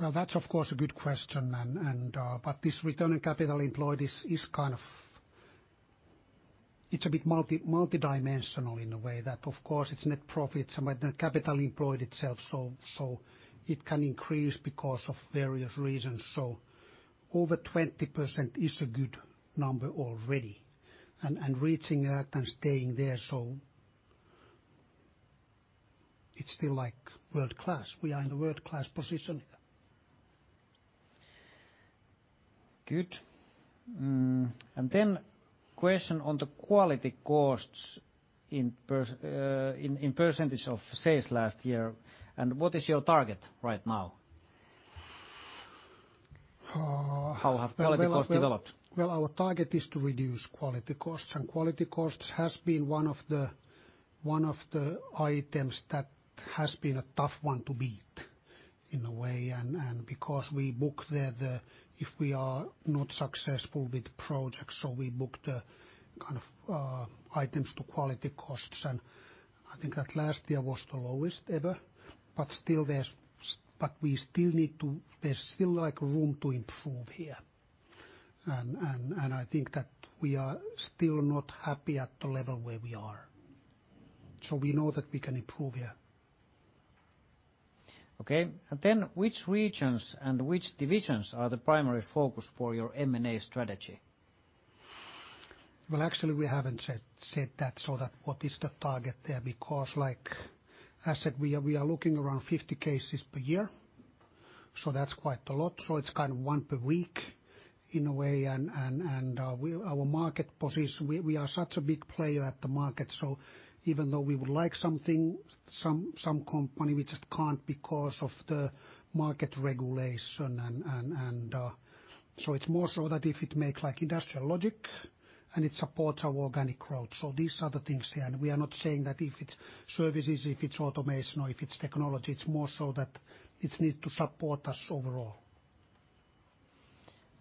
Well, that's of course a good question, but this return on capital employed is kind of It's a bit multi-dimensional in a way that of course it's net profits and the capital employed itself, so it can increase because of various reasons. Over 20% is a good number already, and reaching that and staying there so it's still world-class. We are in the world-class position. Good. Question on the quality costs in percentage of sales last year, and what is your target right now? Uh. How have quality costs developed? Well, our target is to reduce quality costs, and quality costs has been one of the items that has been a tough one to beat in a way. Because we book there, if we are not successful with projects, so we book the kind of items to quality costs, and I think that last year was the lowest ever. There's still room to improve here, and I think that we are still not happy at the level where we are. We know that we can improve here. Okay. Which regions and which divisions are the primary focus for your M&A strategy? Well, actually, we haven't set that so that what is the target there? As I said, we are looking around 50 cases per year, that's quite a lot. It's kind of one per week in a way, and our market position, we are such a big player at the market, so even though we would like something, some company, we just can't because of the market regulation. It's more so that if it makes industrial logic and it supports our organic growth. These are the things here, and we are not saying that if it's services, if it's automation, or if it's technology, it's more so that it needs to support us overall.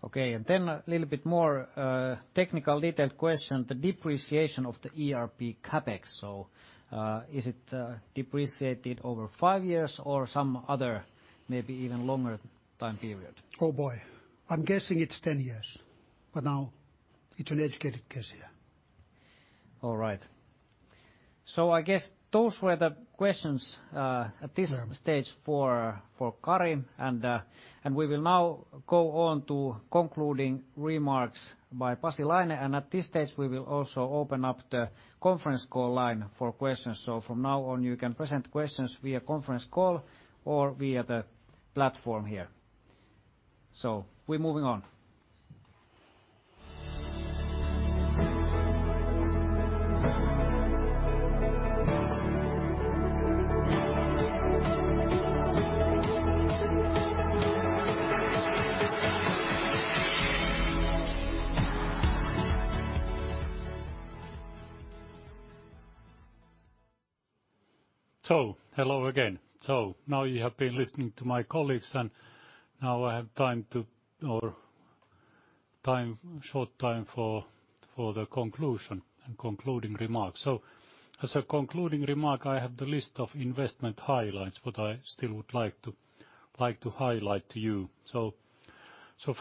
Okay, a little bit more technical detailed question, the depreciation of the ERP CapEx. Is it depreciated over five years or some other, maybe even longer time period? Oh, boy. I'm guessing it's 10 years, but now it's an educated guess, yeah. All right. I guess those were the questions at this. Yeah. Stage for Kari. We will now go on to concluding remarks by Pasi Laine. At this stage, we will also open up the conference call line for questions. From now on, you can present questions via conference call or via the platform here. We're moving on. Hello again. Now you have been listening to my colleagues, and now I have short time for the conclusion and concluding remarks. As a concluding remark, I have the list of investment highlights, what I still would like to highlight to you.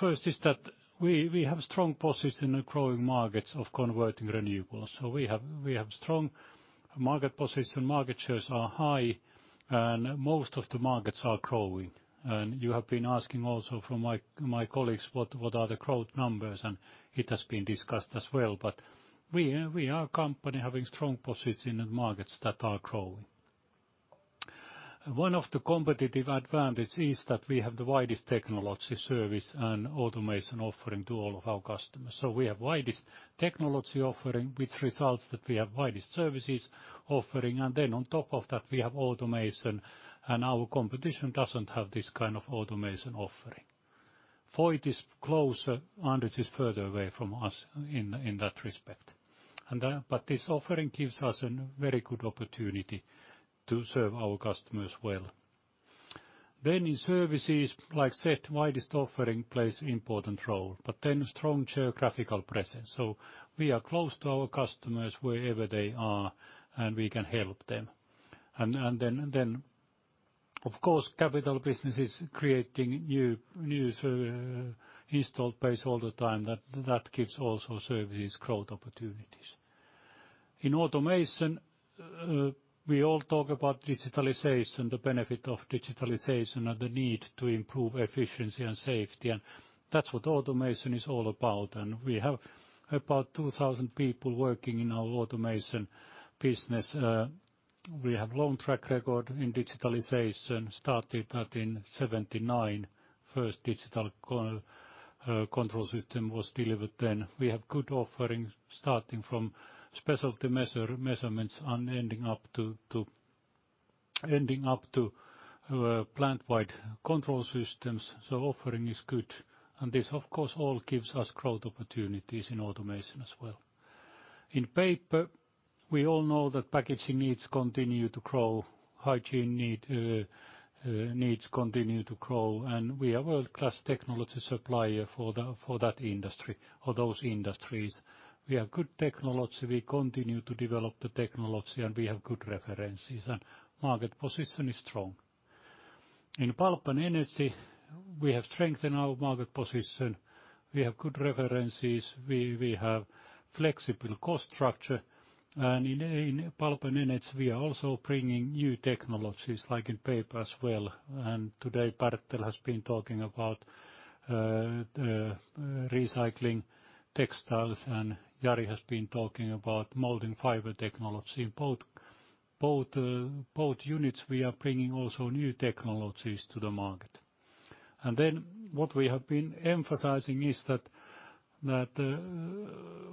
First is that we have strong position in growing markets of converting renewables. We have strong market position, market shares are high, and most of the markets are growing. You have been asking also from my colleagues what are the growth numbers, and it has been discussed as well. We are a company having strong position in markets that are growing. One of the competitive advantage is that we have the widest technology service and automation offering to all of our customers. We have widest technology offering, which results that we have widest services offering. On top of that, we have automation. Our competition doesn't have this kind of automation offering. It is closer, and it is further away from us in that respect. This offering gives us a very good opportunity to serve our customers well. In services, like I said, widest offering plays important role. Strong geographical presence. We are close to our customers wherever they are, and we can help them. Of course, capital business is creating new user installed base all the time that gives also services growth opportunities. In automation, we all talk about digitalization, the benefit of digitalization, and the need to improve efficiency and safety, and that's what automation is all about. We have about 2,000 people working in our automation business. We have long track record in digitalization, started that in 1979. First digital control system was delivered then. We have good offerings starting from specialty measurements and ending up to plant-wide control systems. Offering is good, and this, of course, all gives us growth opportunities in automation as well. In paper, we all know that packaging needs continue to grow, hygiene needs continue to grow, and we are world-class technology supplier for that industry or those industries. We have good technology, we continue to develop the technology, and we have good references, and market position is strong. In pulp and energy, we have strength in our market position, we have good references, we have flexible cost structure. In pulp and energy, we are also bringing new technologies, like in paper as well. Today, Bertel has been talking about recycling textiles, and Jari has been talking about molding fiber technology. Both units we are bringing also new technologies to the market. What we have been emphasizing is that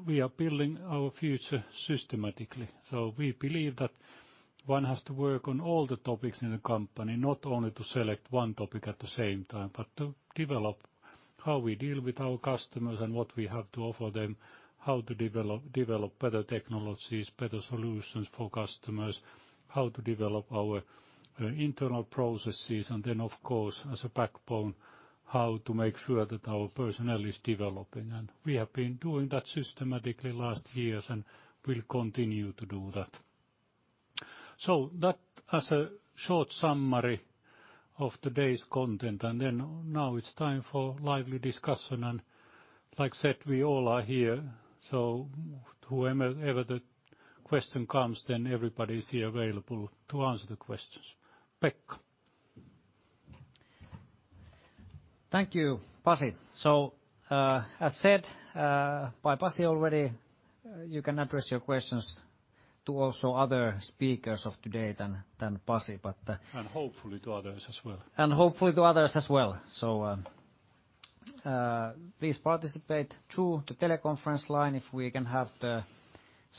we are building our future systematically. We believe that one has to work on all the topics in the company, not only to select one topic at the same time, but to develop how we deal with our customers and what we have to offer them, how to develop better technologies, better solutions for customers, how to develop our internal processes, of course, as a backbone, how to make sure that our personnel is developing. We have been doing that systematically last years and will continue to do that. That as a short summary of today's content, now it's time for lively discussion. Like I said, we all are here. Whomever the question comes, everybody's here available to answer the questions. Pekka. Thank you, Pasi. As said by Pasi already, you can address your questions to also other speakers of today than Pasi. Hopefully to others as well. Hopefully to others as well. Please participate through the teleconference line if we can have the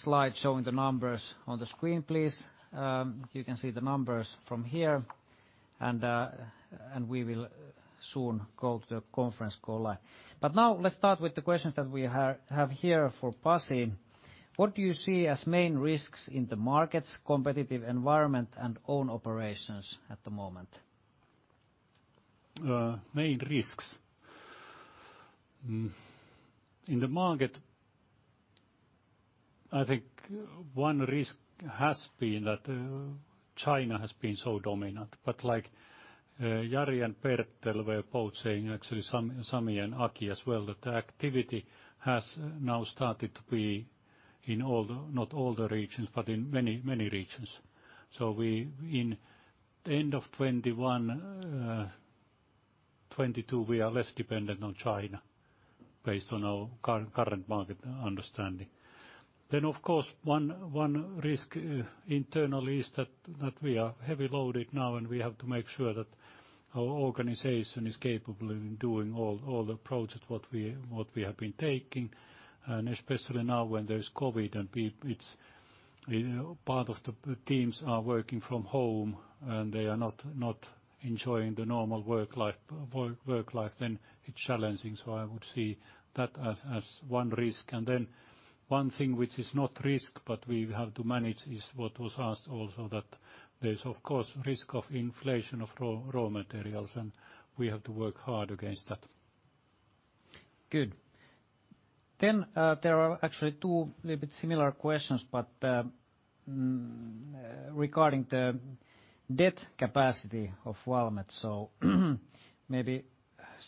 slide showing the numbers on the screen, please. You can see the numbers from here, and we will soon go to the conference call line. Now let's start with the questions that we have here for Pasi. What do you see as main risks in the markets, competitive environment, and own operations at the moment? Main risks. In the market, I think one risk has been that China has been so dominant, but like Jari and Bertel were both saying, actually Sami and Aki as well, that the activity has now started to be in all the, not all the regions, but in many regions. We in end of 2021, 2022, we are less dependent on China based on our current market understanding. Of course, one risk internally is that we are heavy loaded now and we have to make sure that our organization is capable in doing all the projects what we have been taking, and especially now when there's COVID and part of the teams are working from home and they are not enjoying the normal work life, then it's challenging. I would see that as one risk. One thing which is not risk, but we have to manage, is what was asked also that there is, of course, risk of inflation of raw materials, and we have to work hard against that. Good. There are actually two little bit similar questions, but regarding the debt capacity of Valmet. Maybe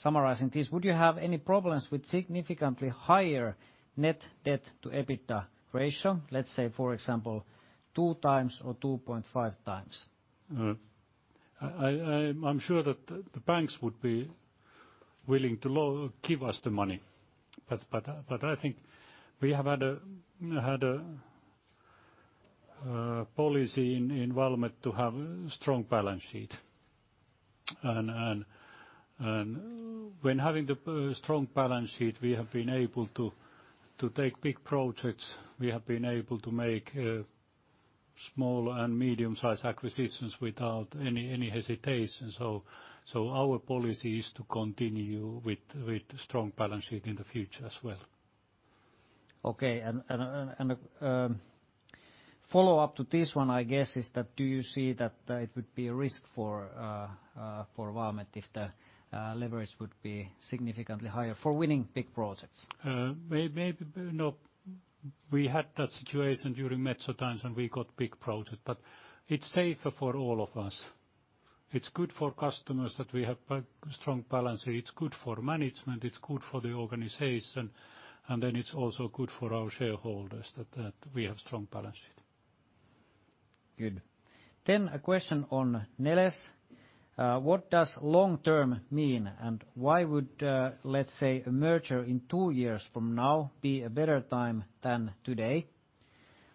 summarizing this, would you have any problems with significantly higher net debt to EBITDA ratio, let's say, for example, 2x or 2.5x? I'm sure that the banks would be willing to give us the money. I think we have had a policy in Valmet to have strong balance sheet. When having the strong balance sheet, we have been able to take big projects, we have been able to make small and medium-sized acquisitions without any hesitation. Our policy is to continue with strong balance sheet in the future as well. Okay. A follow-up to this one, I guess, is that do you see that it would be a risk for Valmet if the leverage would be significantly higher for winning big projects? Maybe. No. We had that situation during Metso times, and we got big project, but it's safer for all of us. It's good for customers that we have strong balance sheet. It's good for management, it's good for the organization, and then it's also good for our shareholders that we have strong balance sheet. Good. A question on Neles. What does long-term mean, and why would, let's say, a merger in two years from now be a better time than today?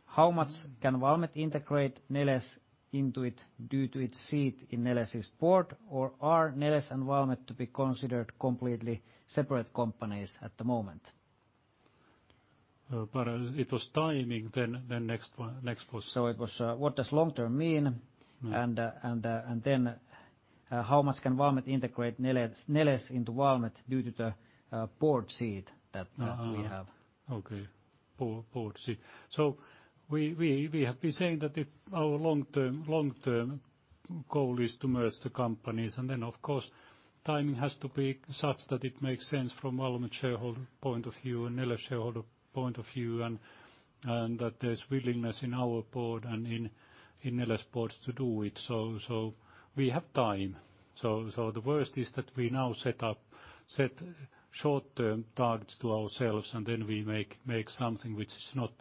How much can Valmet integrate Neles into it due to its seat in Neles' board? Or are Neles and Valmet to be considered completely separate companies at the moment? It was timing. It was, what does long-term mean? How much can Valmet integrate Neles into Valmet due to the board seat that we have? Okay. Board seat. We have been saying that if our long-term goal is to merge the companies, then of course, timing has to be such that it makes sense from Valmet shareholder point of view and Neles shareholder point of view, and that there's willingness in our board and in Neles boards to do it. We have time. The worst is that we now set short-term targets to ourselves, and then we make something which is not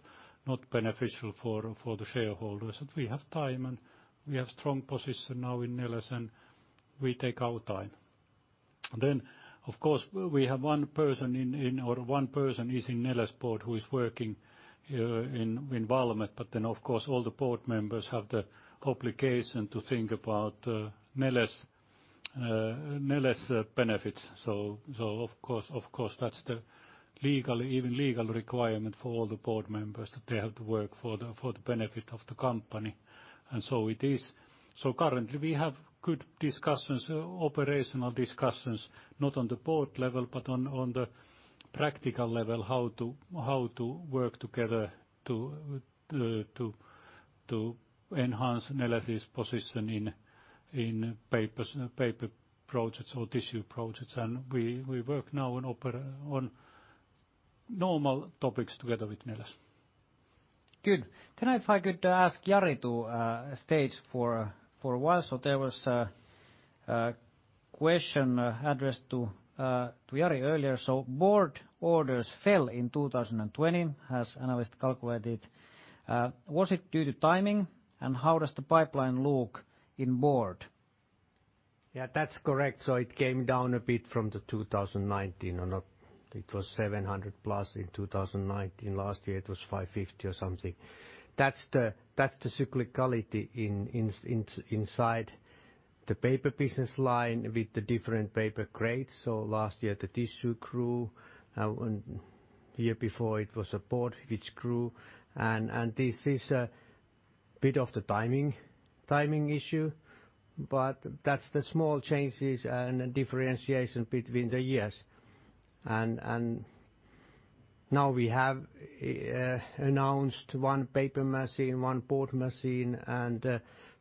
beneficial for the shareholders. We have time, and we have strong position now in Neles, and we take our time. Of course, we have one person is in Neles board who is working in Valmet, but then of course, all the board members have the obligation to think about Neles benefits. Of course, that's the even legal requirement for all the board members that they have to work for the benefit of the company. So it is. Currently, we have good operational discussions, not on the board level, but on the practical level, how to work together to enhance Neles' position in paper projects or tissue projects. We work now on normal topics together with Neles. Good. If I could ask Jari to stage for a while. There was a question addressed to Jari earlier. Board orders fell in 2020 as analyst calculated. Was it due to timing? How does the pipeline look in board? Yeah, that's correct. It came down a bit from the 2019. It was 700+ million in 2019. Last year, it was 550 million, or something. That's the cyclicality inside the Paper business line with the different paper grades. Last year, the tissue grew, and year before it was a board which grew, and this is a bit of the timing issue, but that's the small changes and the differentiation between the years. Now we have announced one paper machine, one board machine,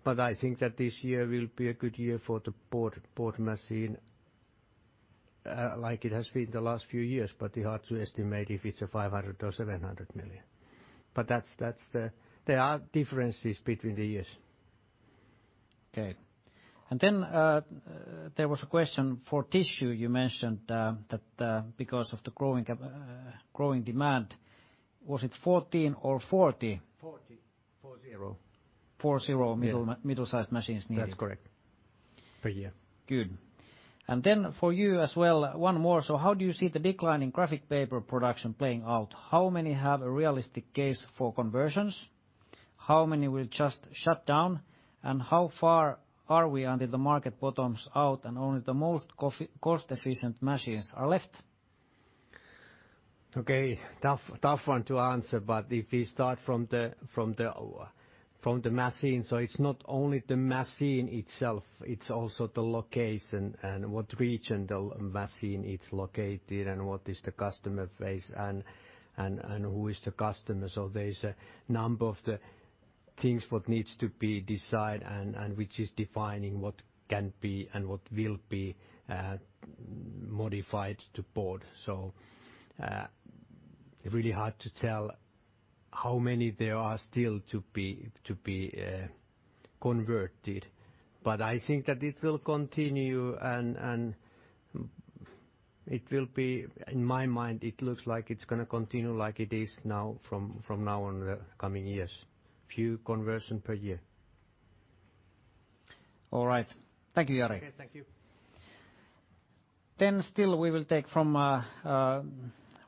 but I think that this year will be a good year for the board machine, like it has been the last few years, but hard to estimate if it's a 500 million or 700 million. There are differences between the years. Okay. There was a question for tissue, you mentioned that because of the growing demand, was it 14 or 40? 40. Four, zero. Four, zero. Yeah. middle-sized machines needed. That's correct. Per year. Good. For you as well, one more. How do you see the decline in graphic paper production playing out? How many have a realistic case for conversions? How many will just shut down? How far are we until the market bottoms out and only the most cost-efficient machines are left? Okay. Tough one to answer. If we start from the machine, so it's not only the machine itself, it's also the location and what region the machine it's located and what is the customer base and who is the customer. There is a number of the things what needs to be decided and which is defining what can be and what will be modified to board. Really hard to tell how many there are still to be converted. I think that it will continue, and in my mind, it looks like it's going to continue like it is now from now on the coming years. Few conversion per year. All right. Thank you, Jari. Okay. Thank you. Still we will take from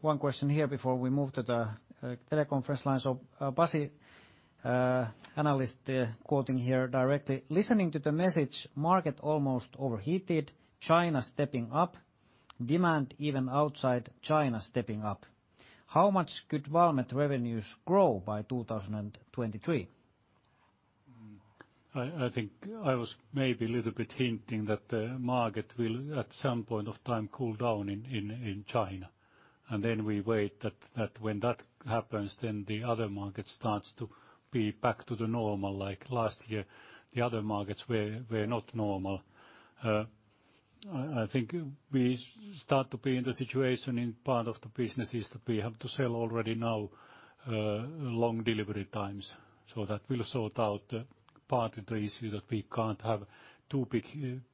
one question here before we move to the teleconference lines. Pasi, analyst quoting here directly, "Listening to the message, market almost overheated, China stepping up, demand even outside China stepping up. How much could Valmet revenues grow by 2023? I think I was maybe a little bit hinting that the market will, at some point of time, cool down in China. Then we wait that when that happens, then the other market starts to be back to the normal like last year, the other markets were not normal. I think we start to be in the situation in part of the businesses that we have to sell already now, long delivery times. That will sort out the part of the issue that we can't have too big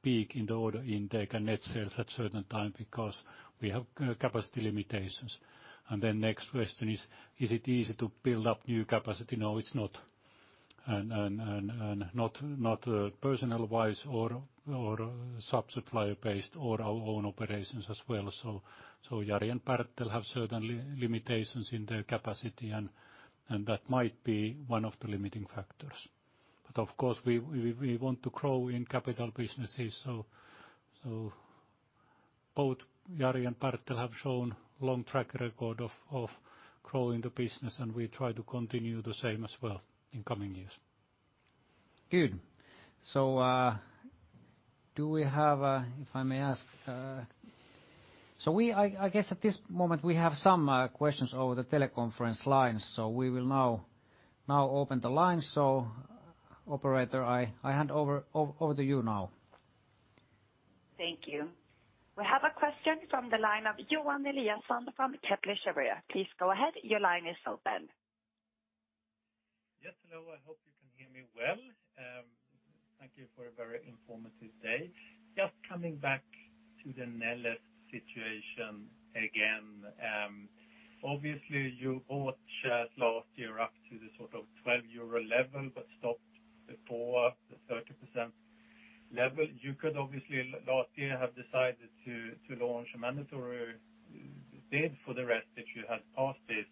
peak in the order intake and net sales at certain time because we have capacity limitations. Next question is it easy to build up new capacity? No, it's not. Not personal-wise or sub-supplier based or our own operations as well. Jari and Bertel have certain limitations in their capacity, and that might be one of the limiting factors. Of course, we want to grow in capital businesses. Both Jari and Bertel have shown long track record of growing the business, and we try to continue the same as well in coming years. Good. We have some questions over the teleconference lines. We will now open the lines. Operator, I hand over to you now. Thank you. We have a question from the line of Johan Eliason from Kepler Cheuvreux. Please go ahead. Your line is open. Yes, hello, I hope you can hear me well. Thank you for a very informative day. Just coming back to the Neles situation again. Obviously, you bought shares last year up to the sort of 12 euro level, but stopped before the 30% level. You could obviously last year have decided to launch a mandatory bid for the rest that you had passed it.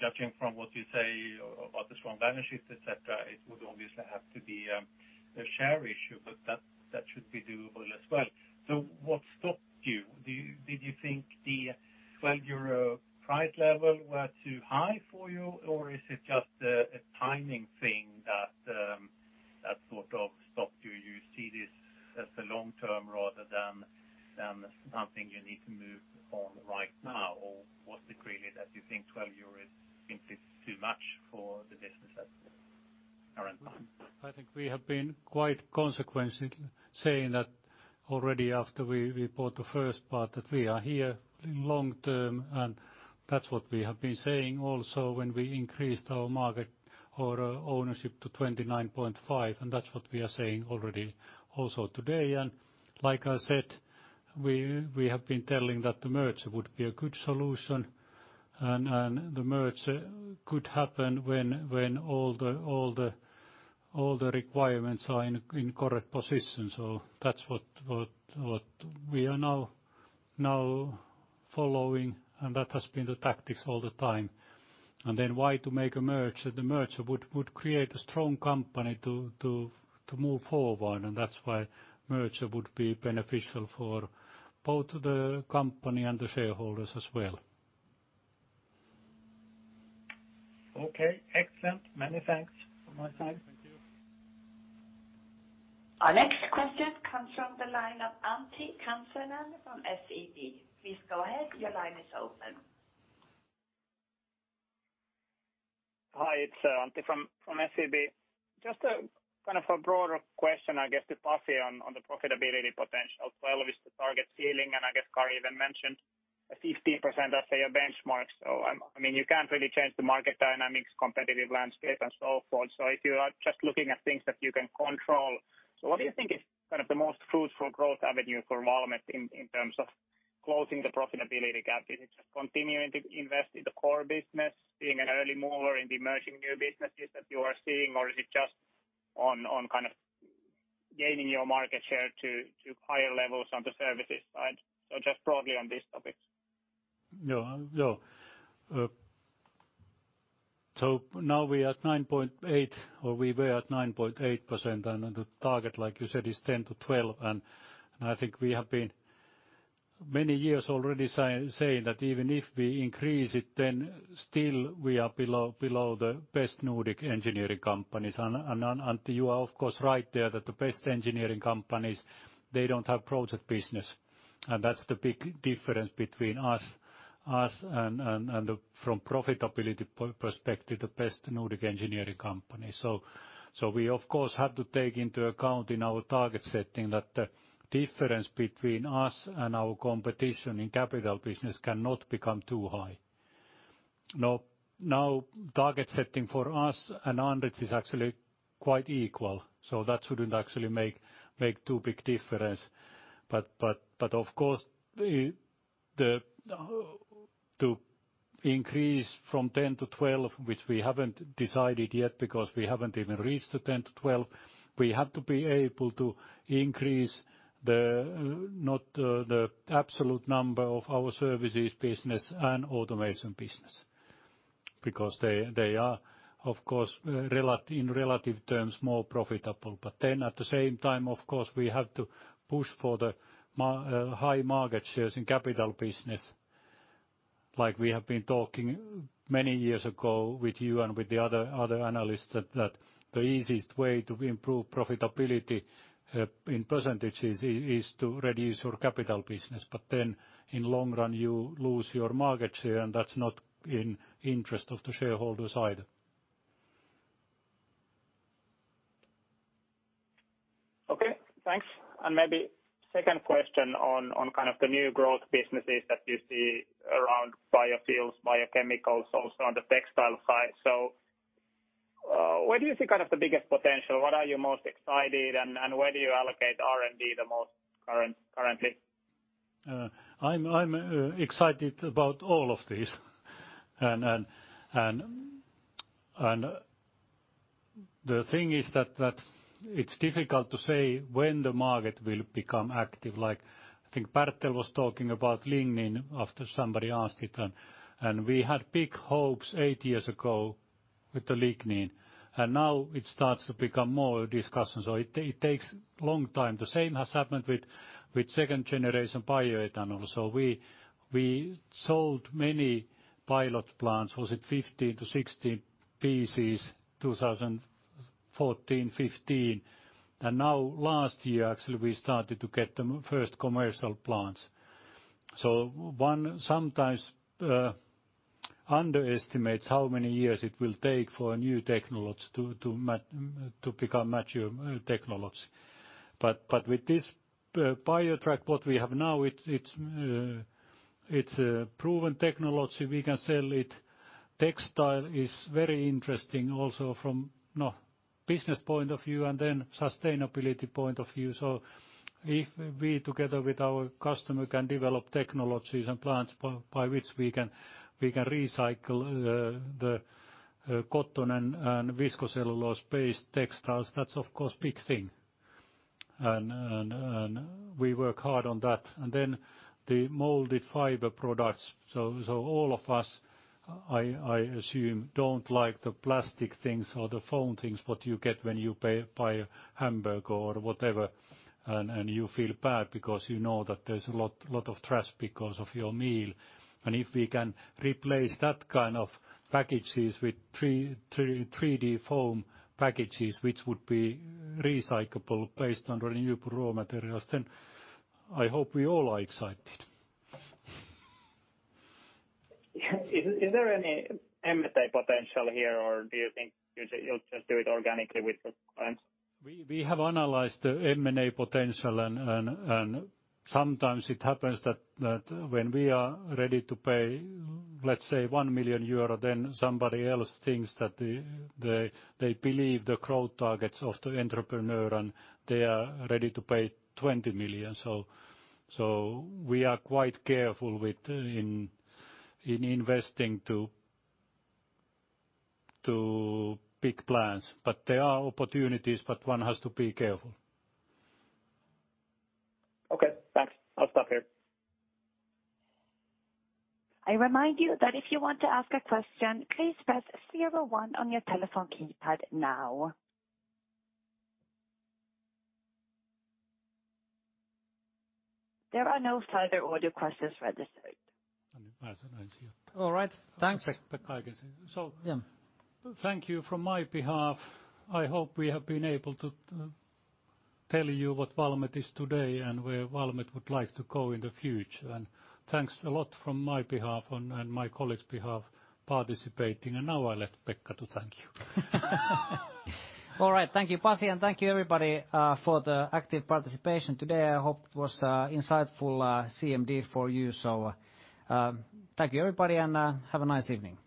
Judging from what you say about the strong balance sheets, et cetera, it would obviously have to be a share issue, but that should be doable as well. What stopped you? Did you think the 12 euro price level was too high for you, or is it just a timing thing that sort of stopped you? You see this as the long-term rather than something you need to move on right now, or was it really that you think 12 euros is simply too much for the business at the current time? I think we have been quite consistent saying that already after we bought the first part, that we are here long-term, and that's what we have been saying also when we increased our market or ownership to 29.5, and that's what we are saying already also today. Like I said, we have been telling that the merger would be a good solution and the merger could happen when all the requirements are in correct position. That's what we are now following, and that has been the tactics all the time. Why to make a merger? The merger would create a strong company to move forward, and that's why merger would be beneficial for both the company and the shareholders as well. Okay, excellent. Many thanks from my side. Thank you. Hi, it's Antti from SEB. Just kind of a broader question, I guess, to Pasi on the profitability potential. 12 is the target ceiling, and I guess Kari even mentioned a 50% as a benchmark. You can't really change the market dynamics, competitive landscape, and so forth. If you are just looking at things that you can control, what do you think is kind of the most fruitful growth avenue for Valmet in terms of closing the profitability gap? Is it just continuing to invest in the core business, being an early mover in the emerging new businesses that you are seeing, or is it just on kind of gaining your market share to higher levels on the services side? Just broadly on this topic. Yeah. Now we're at 9.8% or we were at 9.8%, and the target, like you said, is 10%-12%. I think we have been many years already saying that even if we increase it, then still we are below the best Nordic engineering companies. Antti, you are of course right there that the best engineering companies, they don't have project business, and that's the big difference between us and from profitability perspective, the best Nordic engineering company. We of course have to take into account in our target setting that the difference between us and our competition in capital business cannot become too high. Now, target setting for us and Andritz is actually quite equal, so that shouldn't actually make too big difference. Of course, to increase from 10 to 12, which we haven't decided yet because we haven't even reached the 10 to 12, we have to be able to increase not the absolute number of our services business and automation business because they are, of course, in relative terms, more profitable. At the same time, of course, we have to push for the high market shares in capital business. Like we have been talking many years ago with you and with the other analysts, that the easiest way to improve profitability in percentages is to reduce your capital business. In long run, you lose your market share, and that's not in interest of the shareholders either. Okay, thanks. Maybe second question on kind of the new growth businesses that you see around biofuels, biochemicals, also on the textile side. Where do you see kind of the biggest potential? What are you most excited, where do you allocate R&D the most currently? I'm excited about all of these. The thing is that it's difficult to say when the market will become active. I think Bertel was talking about lignin after somebody asked it, and we had big hopes eight years ago with the lignin, and now it starts to become more discussion. It takes long time. The same has happened with second-generation bioethanol. We sold many pilot plants. Was it 15-16 pieces, 2014, 2015? Now last year, actually, we started to get the first commercial plants. One sometimes underestimates how many years it will take for a new technology to become mature technology. With this BioTrac, what we have now, it's proven technology. We can sell it. Textile is very interesting also from business point of view and then sustainability point of view. If we together with our customer can develop technologies and plants by which we can recycle the cotton and viscose cellulose-based textiles, that's of course big thing. We work hard on that. The molded fiber products. All of us, I assume, don't like the plastic things or the foam things, what you get when you buy a hamburger or whatever. You feel bad because you know that there's a lot of trash because of your meal. If we can replace that kind of packages with 3D foam packages, which would be recyclable based on renewable raw materials, then I hope we all are excited. Is there any M&A potential here, or do you think you'll just do it organically with the clients? We have analyzed the M&A potential and sometimes it happens that when we are ready to pay, let's say, 1 million euro, then somebody else thinks that they believe the growth targets of the entrepreneur, and they are ready to pay 20 million. We are quite careful in investing to pick plans. There are opportunities, but one has to be careful. Okay, thanks. I'll stop here. I remind you that if you want to ask a question, please press zero one on your telephone keypad now. There are no further audio questions registered. All right, thanks. Pekka I guess. Yeah. Thank you from my behalf. I hope we have been able to tell you what Valmet is today and where Valmet would like to go in the future. Thanks a lot from my behalf and my colleagues' behalf participating. Now I let Pekka to thank you. All right. Thank you, Pasi, and thank you everybody for the active participation today. I hope it was insightful CMD for you. Thank you, everybody, and have a nice evening.